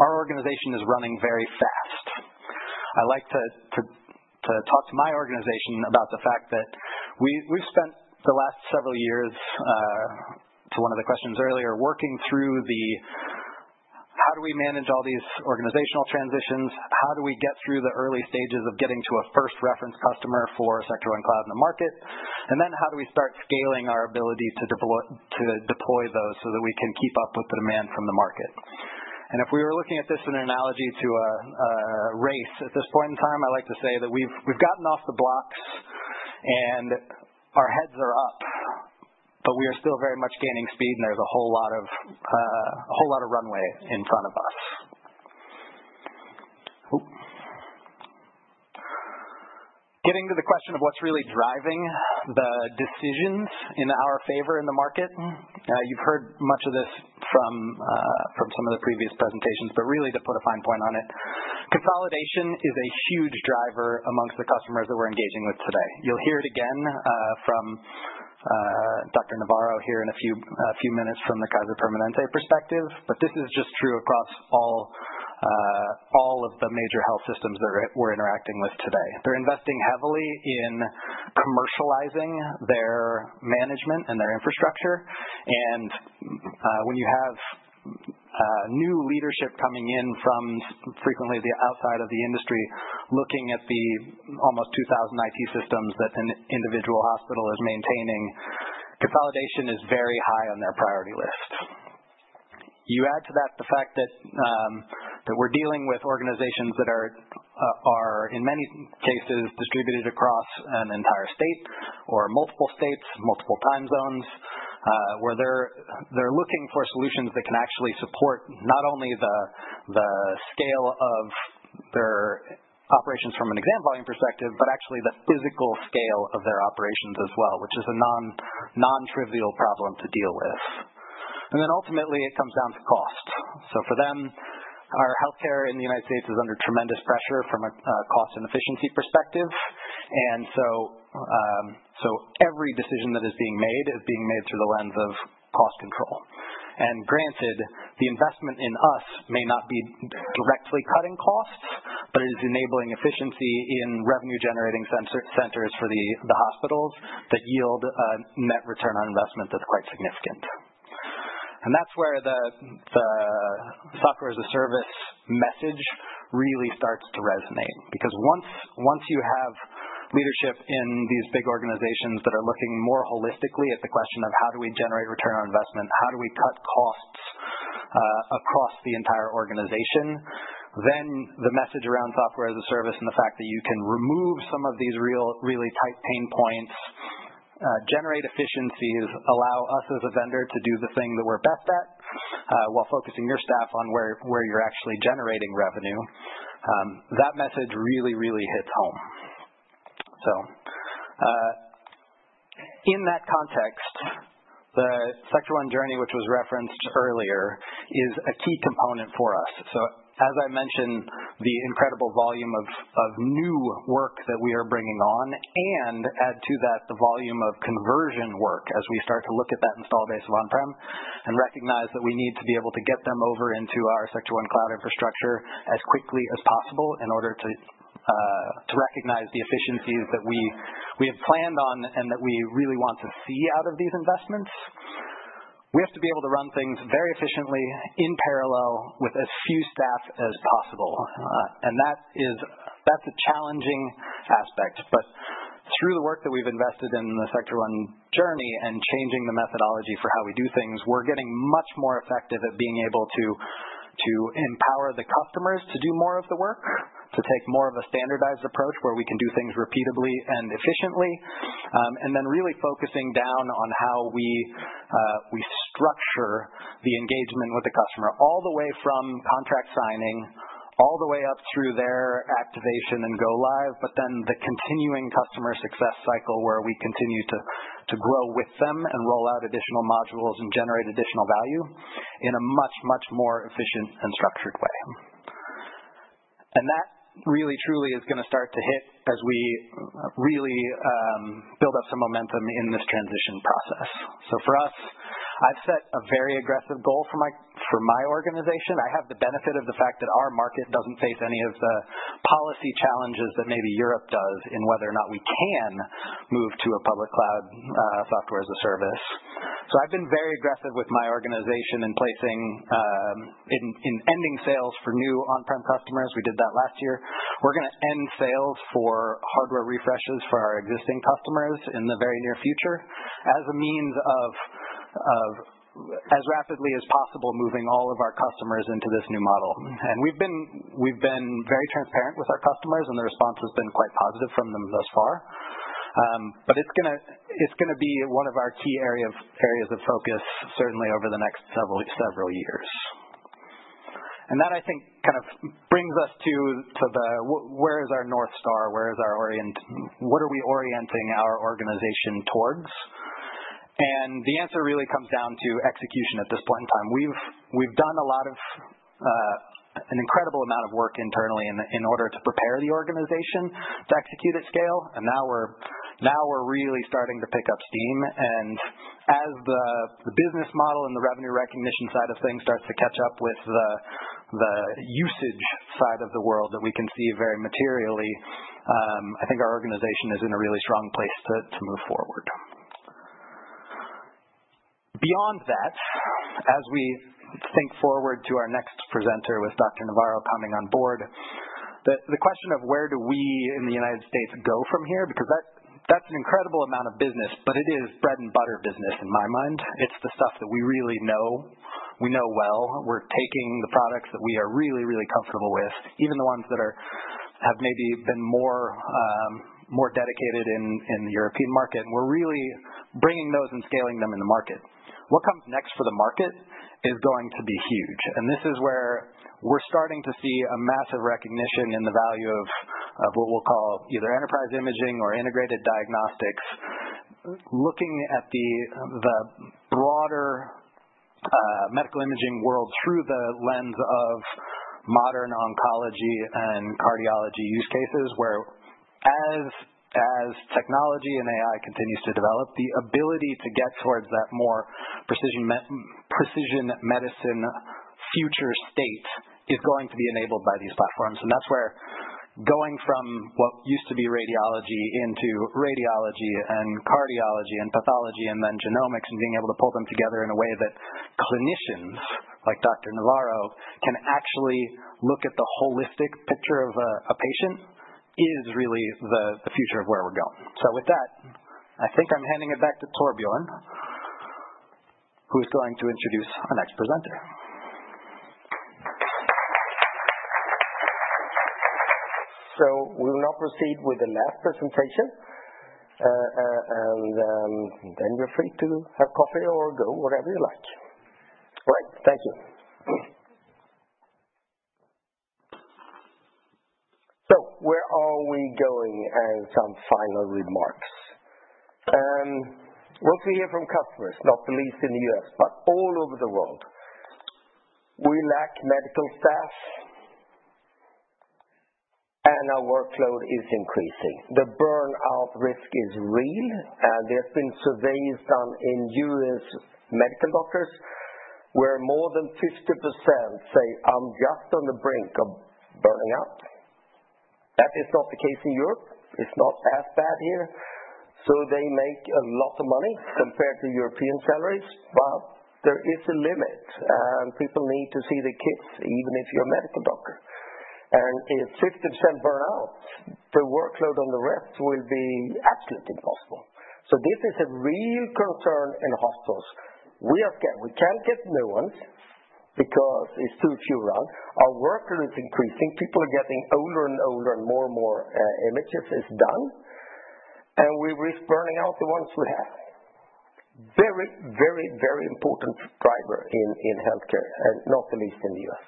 our organization is running very fast. I like to talk to my organization about the fact that we've spent the last several years, to one of the questions earlier, working through the, how do we manage all these organizational transitions? How do we get through the early stages of getting to a first reference customer for Sectra One Cloud in the market? How do we start scaling our ability to deploy those so that we can keep up with the demand from the market? If we were looking at this in an analogy to a race at this point in time, I like to say that we've gotten off the blocks and our heads are up, but we are still very much gaining speed and there's a whole lot of runway in front of us. Getting to the question of what's really driving the decisions in our favor in the market, you've heard much of this from some of the previous presentations, but really to put a fine point on it, consolidation is a huge driver amongst the customers that we're engaging with today. You'll hear it again from Dr. Navarro here in a few minutes from the Kaiser Permanente perspective, but this is just true across all of the major health systems that we're interacting with today. They're investing heavily in commercializing their management and their infrastructure. When you have new leadership coming in from frequently the outside of the industry looking at the almost 2,000 IT systems that an individual hospital is maintaining, consolidation is very high on their priority list. You add to that the fact that we're dealing with organizations that are, in many cases, distributed across an entire state or multiple states, multiple time zones, where they're looking for solutions that can actually support not only the scale of their operations from an exam volume perspective, but actually the physical scale of their operations as well, which is a non-trivial problem to deal with. Ultimately, it comes down to cost. For them, our healthcare in the United States is under tremendous pressure from a cost and efficiency perspective. Every decision that is being made is being made through the lens of cost control. Granted, the investment in us may not be directly cutting costs, but it is enabling efficiency in revenue-generating centers for the hospitals that yield a net return on investment that's quite significant. That is where the software as a service message really starts to resonate. Because once you have leadership in these big organizations that are looking more holistically at the question of how do we generate return on investment, how do we cut costs across the entire organization, the message around software as a service and the fact that you can remove some of these really tight pain points, generate efficiencies, allow us as a vendor to do the thing that we're best at while focusing your staff on where you're actually generating revenue, that message really, really hits home. In that context, the Sectra One journey, which was referenced earlier, is a key component for us. As I mentioned, the incredible volume of new work that we are bringing on, and add to that the volume of conversion work as we start to look at that install base of on-prem and recognize that we need to be able to get them over into our Sectra One Cloud infrastructure as quickly as possible in order to recognize the efficiencies that we have planned on and that we really want to see out of these investments. We have to be able to run things very efficiently in parallel with as few staff as possible. That is a challenging aspect. Through the work that we've invested in the Sectra One journey and changing the methodology for how we do things, we're getting much more effective at being able to empower the customers to do more of the work, to take more of a standardized approach where we can do things repeatably and efficiently, and then really focusing down on how we structure the engagement with the customer all the way from contract signing, all the way up through their activation and go-live, but then the continuing customer success cycle where we continue to grow with them and roll out additional modules and generate additional value in a much, much more efficient and structured way. That really, truly is going to start to hit as we really build up some momentum in this transition process. For us, I've set a very aggressive goal for my organization. I have the benefit of the fact that our market does not face any of the policy challenges that maybe Europe does in whether or not we can move to a public cloud software as a service. I have been very aggressive with my organization in ending sales for new on-prem customers. We did that last year. We are going to end sales for hardware refreshes for our existing customers in the very near future as a means of, as rapidly as possible, moving all of our customers into this new model. I have been very transparent with our customers, and the response has been quite positive from them thus far. It is going to be one of our key areas of focus, certainly over the next several years. That, I think, kind of brings us to the, where is our North Star? Where is our orientation? What are we orienting our organization towards? The answer really comes down to execution at this point in time. We've done an incredible amount of work internally in order to prepare the organization to execute at scale. Now we're really starting to pick up steam. As the business model and the revenue recognition side of things starts to catch up with the usage side of the world that we can see very materially, I think our organization is in a really strong place to move forward. Beyond that, as we think forward to our next presenter with Dr. Navarro coming on board, the question of where do we in the U.S. go from here? That is an incredible amount of business, but it is bread and butter business in my mind. It's the stuff that we really know. We know well. We're taking the products that we are really, really comfortable with, even the ones that have maybe been more dedicated in the European market. We're really bringing those and scaling them in the market. What comes next for the market is going to be huge. This is where we're starting to see a massive recognition in the value of what we'll call either enterprise imaging or integrated diagnostics, looking at the broader medical imaging world through the lens of modern oncology and cardiology use cases, where as technology and AI continues to develop, the ability to get towards that more precision medicine future state is going to be enabled by these platforms. That's where going from what used to be radiology into radiology and cardiology and pathology and then genomics and being able to pull them together in a way that clinicians like Dr. Navarro can actually look at the holistic picture of a patient is really the future of where we're going. With that, I think I'm handing it back to Torbjörn, who is going to introduce our next presenter. We will now proceed with the last presentation. Then you're free to have coffee or go, whatever you like. All right. Thank you. Where are we going as some final remarks? Once we hear from customers, not the least in the U.S., but all over the world, we lack medical staff and our workload is increasing. The burnout risk is real. There have been surveys done in U.S. medical doctors where more than 50% say, "I'm just on the brink of burning out." That is not the case in Europe. It's not as bad here. They make a lot of money compared to European salaries, but there is a limit. People need to see the kids, even if you're a medical doctor. If 50% burn out, the workload on the rest will be absolutely impossible. This is a real concern in hospitals. We are scared. We can't get new ones because it's too few around. Our workload is increasing. People are getting older and older and more and more images is done. We risk burning out the ones we have. Very, very, very important driver in healthcare, and not the least in the U.S.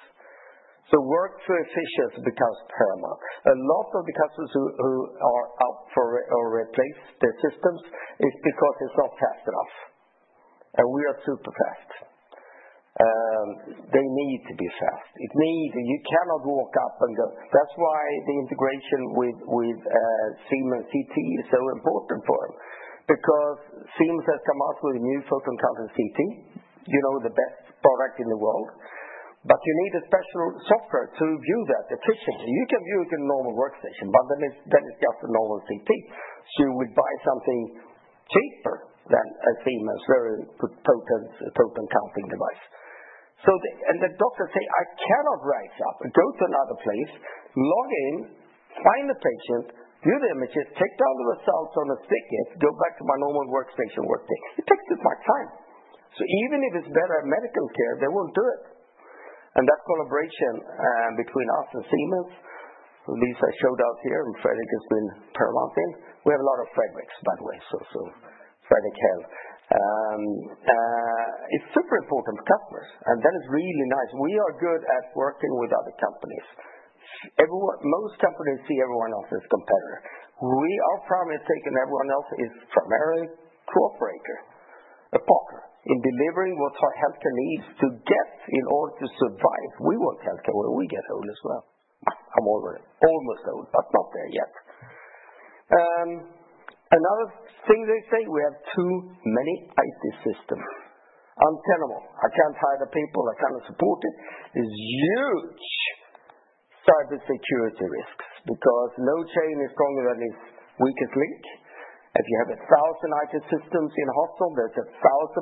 Work-to-efficiency becomes paramount. A lot of the customers who are up for or replace the systems is because it's not fast enough. We are super fast. They need to be fast. You cannot walk up and go. That's why the integration with Siemens CT is so important for them. Because Siemens has come out with a new photon counter CT, the best product in the world. But you need a special software to view that efficiently. You can view it in a normal workstation, but then it's just a normal CT. You would buy something cheaper than a Siemens very potent photon counting device. The doctor says, "I cannot rise up. Go to another place, log in, find the patient, view the images, take down the results on a sticker, go back to my normal workstation, work there." It takes too much time. Even if it's better medical care, they won't do it. That collaboration between us and Siemens, at least I showed out here, and Fredrik has been paramount in. We have a lot of Fredriks, by the way, so Fredrik Health. It's super important for customers. That is really nice. We are good at working with other companies. Most companies see everyone else as competitor. Our primary take on everyone else is primarily cooperator, a partner in delivering what healthcare needs to get in order to survive. We want healthcare where we get old as well. I'm almost old, but not there yet. Another thing they say, we have too many IT systems. Untenable. I can't hire the people. I cannot support it. There's huge cybersecurity risks because no chain is stronger than its weakest link. If you have 1,000 IT systems in a hospital, there's 1,000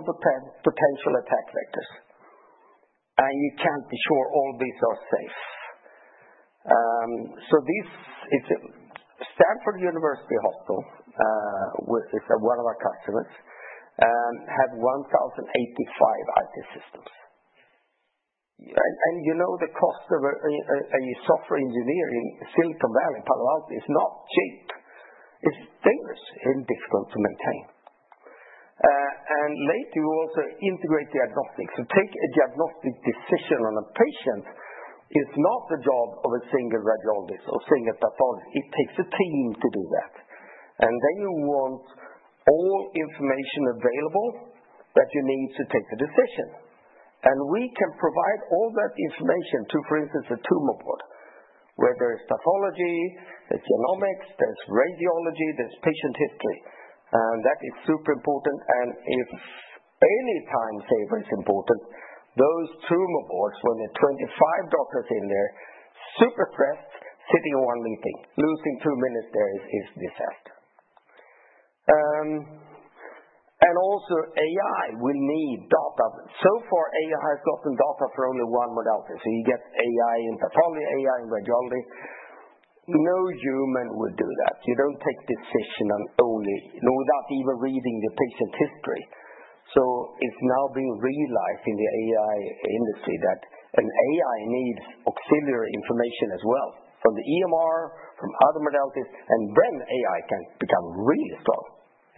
potential attack vectors. You can't be sure all these are safe. Stanford University Hospital, one of our customers, has 1,085 IT systems. You know the cost of a software engineer in Silicon Valley, Palo Alto, is not cheap. It's dangerous and difficult to maintain. Later, you also integrate diagnostics. Take a diagnostic decision on a patient. It's not the job of a single radiologist or single pathologist. It takes a team to do that. You want all information available that you need to take a decision. We can provide all that information to, for instance, a tumor board, where there is pathology, there's genomics, there's radiology, there's patient history. That is super important. If any time saver is important, those tumor boards when there are 25 doctors in there, super stressed, sitting in one meeting, losing two minutes there is disaster. Also, AI will need data. So far, AI has gotten data for only one modality. You get AI in pathology, AI in radiology. No human would do that. You don't take decision only without even reading the patient history. It is now being realized in the AI industry that an AI needs auxiliary information as well from the EMR, from other modalities, and then AI can become really strong.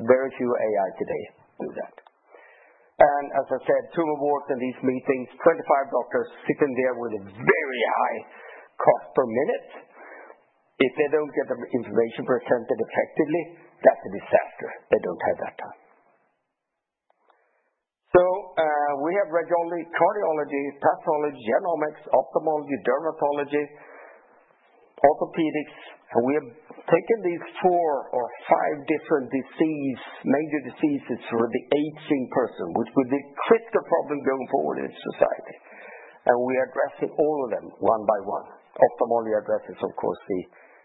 Very few AI today do that. As I said, tumor boards and these meetings, 25 doctors sitting there with a very high cost per minute. If they don't get the information presented effectively, that's a disaster. They don't have that time. We have radiology, cardiology, pathology, genomics, ophthalmology, dermatology, orthopedics. We have taken these four or five different major diseases for the aging person, which will be a critical problem going forward in society. We are addressing all of them one by one. Ophthalmology addresses, of course,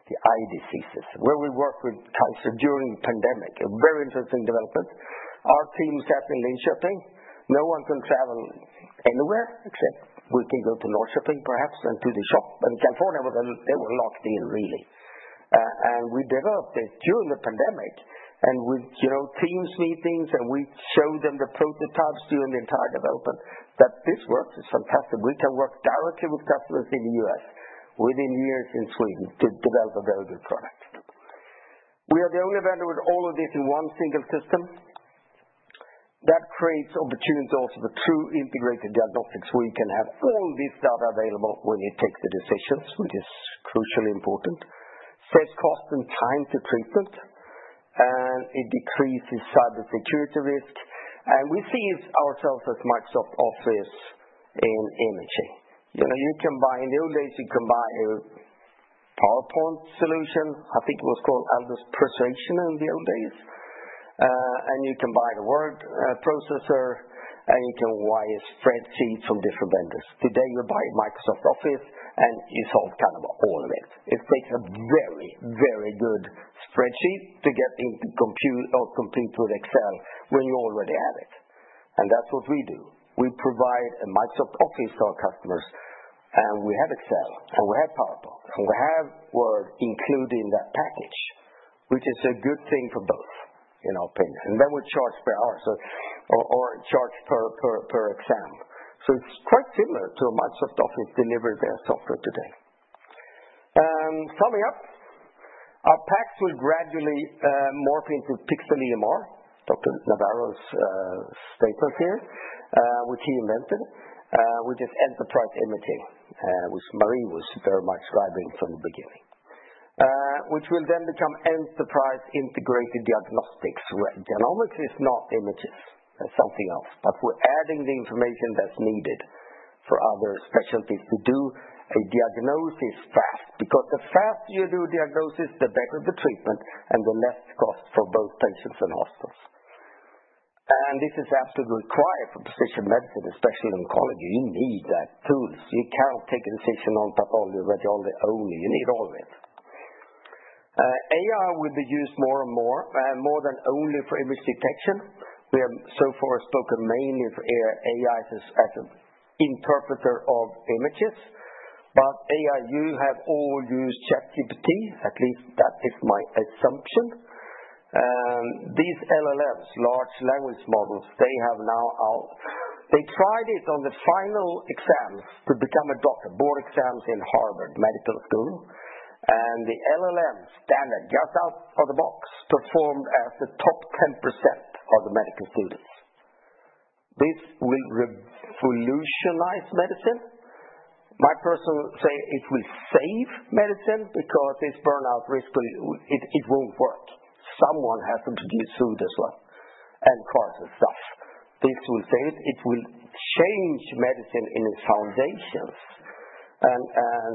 the eye diseases, where we worked with Kaiser during the pandemic. A very interesting development. Our team sat in Linköping. No one can travel anywhere except we can go to Norrköping, perhaps, and to the shop. In California, they were locked in, really. We developed it during the pandemic. With Teams meetings, we showed them the prototypes during the entire development that this works. It's fantastic. We can work directly with customers in the U.S., within years in Sweden, to develop a very good product. We are the only vendor with all of this in one single system. That creates opportunities also for true integrated diagnostics. We can have all this data available when it takes the decisions, which is crucially important. Save cost and time to treatment. It decreases cybersecurity risk. We see ourselves as Microsoft Office in imaging. You can buy in the old days, you can buy a PowerPoint solution. I think it was called Elders' Preservation in the old days. You can buy the word processor, and you can buy spreadsheets from different vendors. Today, you buy Microsoft Office, and you solve kind of all of it. It takes a very, very good spreadsheet to get in or compete with Excel when you already have it. That is what we do. We provide a Microsoft Office to our customers, and we have Excel, and we have PowerPoint, and we have Word included in that package, which is a good thing for both, in our opinion. We charge per hour or charge per exam. It is quite similar to a Microsoft Office delivery of their software today. Coming up, our PACS will gradually morph into Pixel EMR, Dr. Navarro's statement here, which he invented, which is enterprise imaging, which Marie was very much driving from the beginning, which will then become enterprise integrated diagnostics. Genomics is not images. That's something else. We are adding the information that's needed for other specialties to do a diagnosis fast. Because the faster you do a diagnosis, the better the treatment, and the less cost for both patients and hospitals. This is absolutely required for precision medicine, especially in oncology. You need that tool. You cannot take a decision on pathology or radiology only. You need all of it. AI will be used more and more, more than only for image detection. We have so far spoken mainly for AI as an interpreter of images. AI, you have all used ChatGPT. At least that is my assumption. These LLMs, large language models, they have now out. They tried it on the final exams to become a doctor, board exams in Harvard Medical School. And the LLM standard, just out of the box, performed as the top 10% of the medical students. This will revolutionize medicine. My personal say it will save medicine because this burnout risk, it won't work. Someone has to introduce food as well and cars and stuff. This will save it. It will change medicine in its foundations. I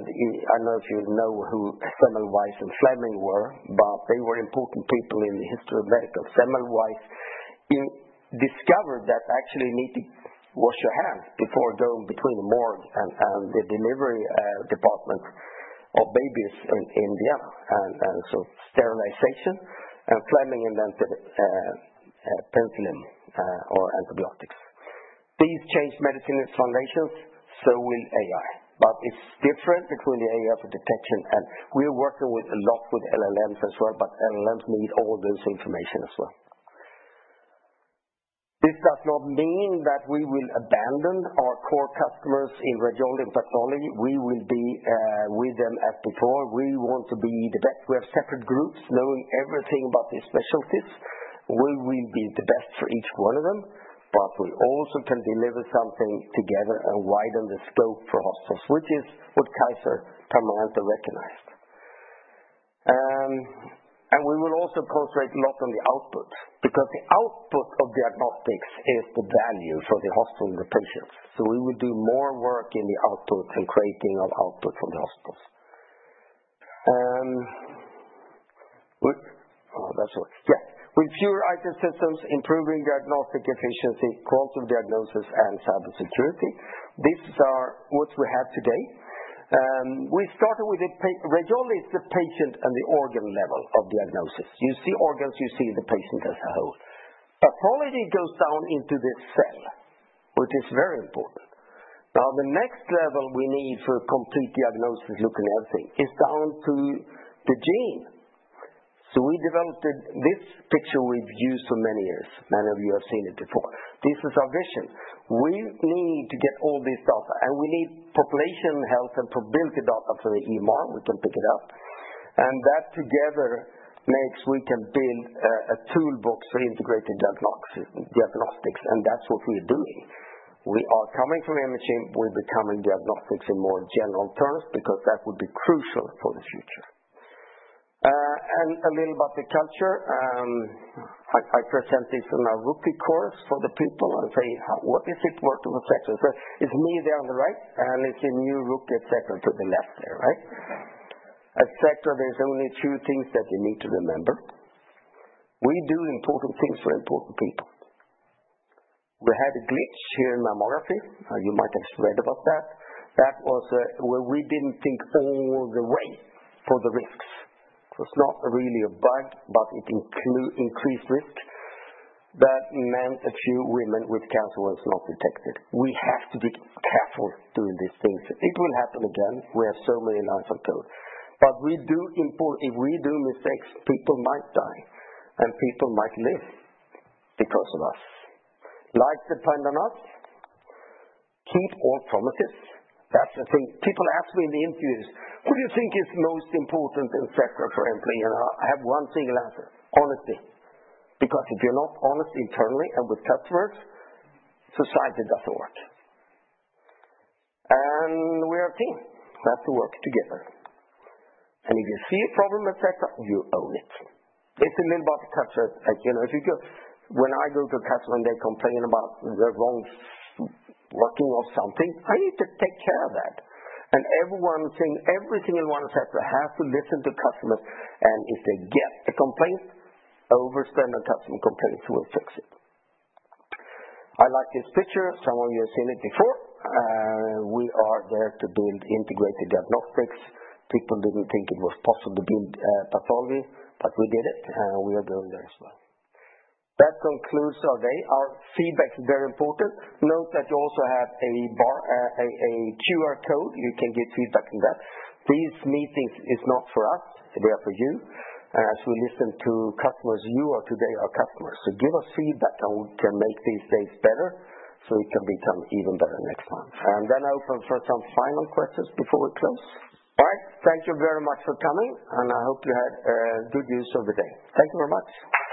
don't know if you know who Semmelweis and Fleming were, but they were important people in the history of medical. Semmelweis discovered that actually you need to wash your hands before going between the morgue and the delivery department of babies in Vienna. And so sterilization. Fleming invented penicillin or antibiotics. These change medicine in its foundations. So will AI. It is different between the AI for detection. We are working a lot with LLMs as well, but LLMs need all this information as well. This does not mean that we will abandon our core customers in radiology and pathology. We will be with them as before. We want to be the best. We have separate groups knowing everything about these specialties. We will be the best for each one of them. We also can deliver something together and widen the scope for hospitals, which is what Kaiser Permanente recognized. We will also concentrate a lot on the output because the output of diagnostics is the value for the hospital and the patients. We will do more work in the output and creating of outputs on the hospitals. Yes. With fewer IT systems, improving diagnostic efficiency, quality of diagnosis, and cybersecurity. This is what we have today. We started with radiology, it's the patient and the organ level of diagnosis. You see organs, you see the patient as a whole. Pathology goes down into the cell, which is very important. Now, the next level we need for complete diagnosis, looking at everything, is down to the gene. We developed this picture we've used for many years. Many of you have seen it before. This is our vision. We need to get all this data. We need population health and probability data for the EMR. We can pick it up. That together makes we can build a toolbox for integrated diagnostics. That's what we are doing. We are coming from imaging. We're becoming diagnostics in more general terms because that would be crucial for the future. A little about the culture. I present this in our rookie course for the people and say, "What is it worth of a Sectra?" So it's me there on the right, and it's a new rookie at Sectra to the left there, right? At Sectra, there's only two things that you need to remember. We do important things for important people. We had a glitch here in mammography. You might have read about that. That was where we didn't think all the way for the risks. It was not really a bug, but it increased risk. That meant a few women with cancer were not detected. We have to be careful doing these things. It will happen again. We have so many lines of code. If we do mistakes, people might die, and people might live because of us. Like the pandemic, keep all promises. That's the thing. People ask me in the interviews, "Who do you think is most important in Sectra for employee?" I have one single answer, honesty. Because if you're not honest internally and with customers, society doesn't work. We are a team. We have to work together. If you see a problem at Sectra, you own it. It's a little about the customers. When I go to a customer and they complain about the wrong working or something, I need to take care of that. Every single one of the Sectra employees has to listen to customers. If they get a complaint, overspend on customer complaints, we'll fix it. I like this picture. Some of you have seen it before. We are there to build integrated diagnostics. People didn't think it was possible to build pathology, but we did it. We are going there as well. That concludes our day. Our feedback is very important. Note that you also have a QR code. You can give feedback on that. These meetings are not for us. They are for you. As we listen to customers, you are today our customers. Give us feedback, and we can make these days better so we can become even better next time. I open for some final questions before we close. All right. Thank you very much for coming. I hope you had good use of the day. Thank you very much.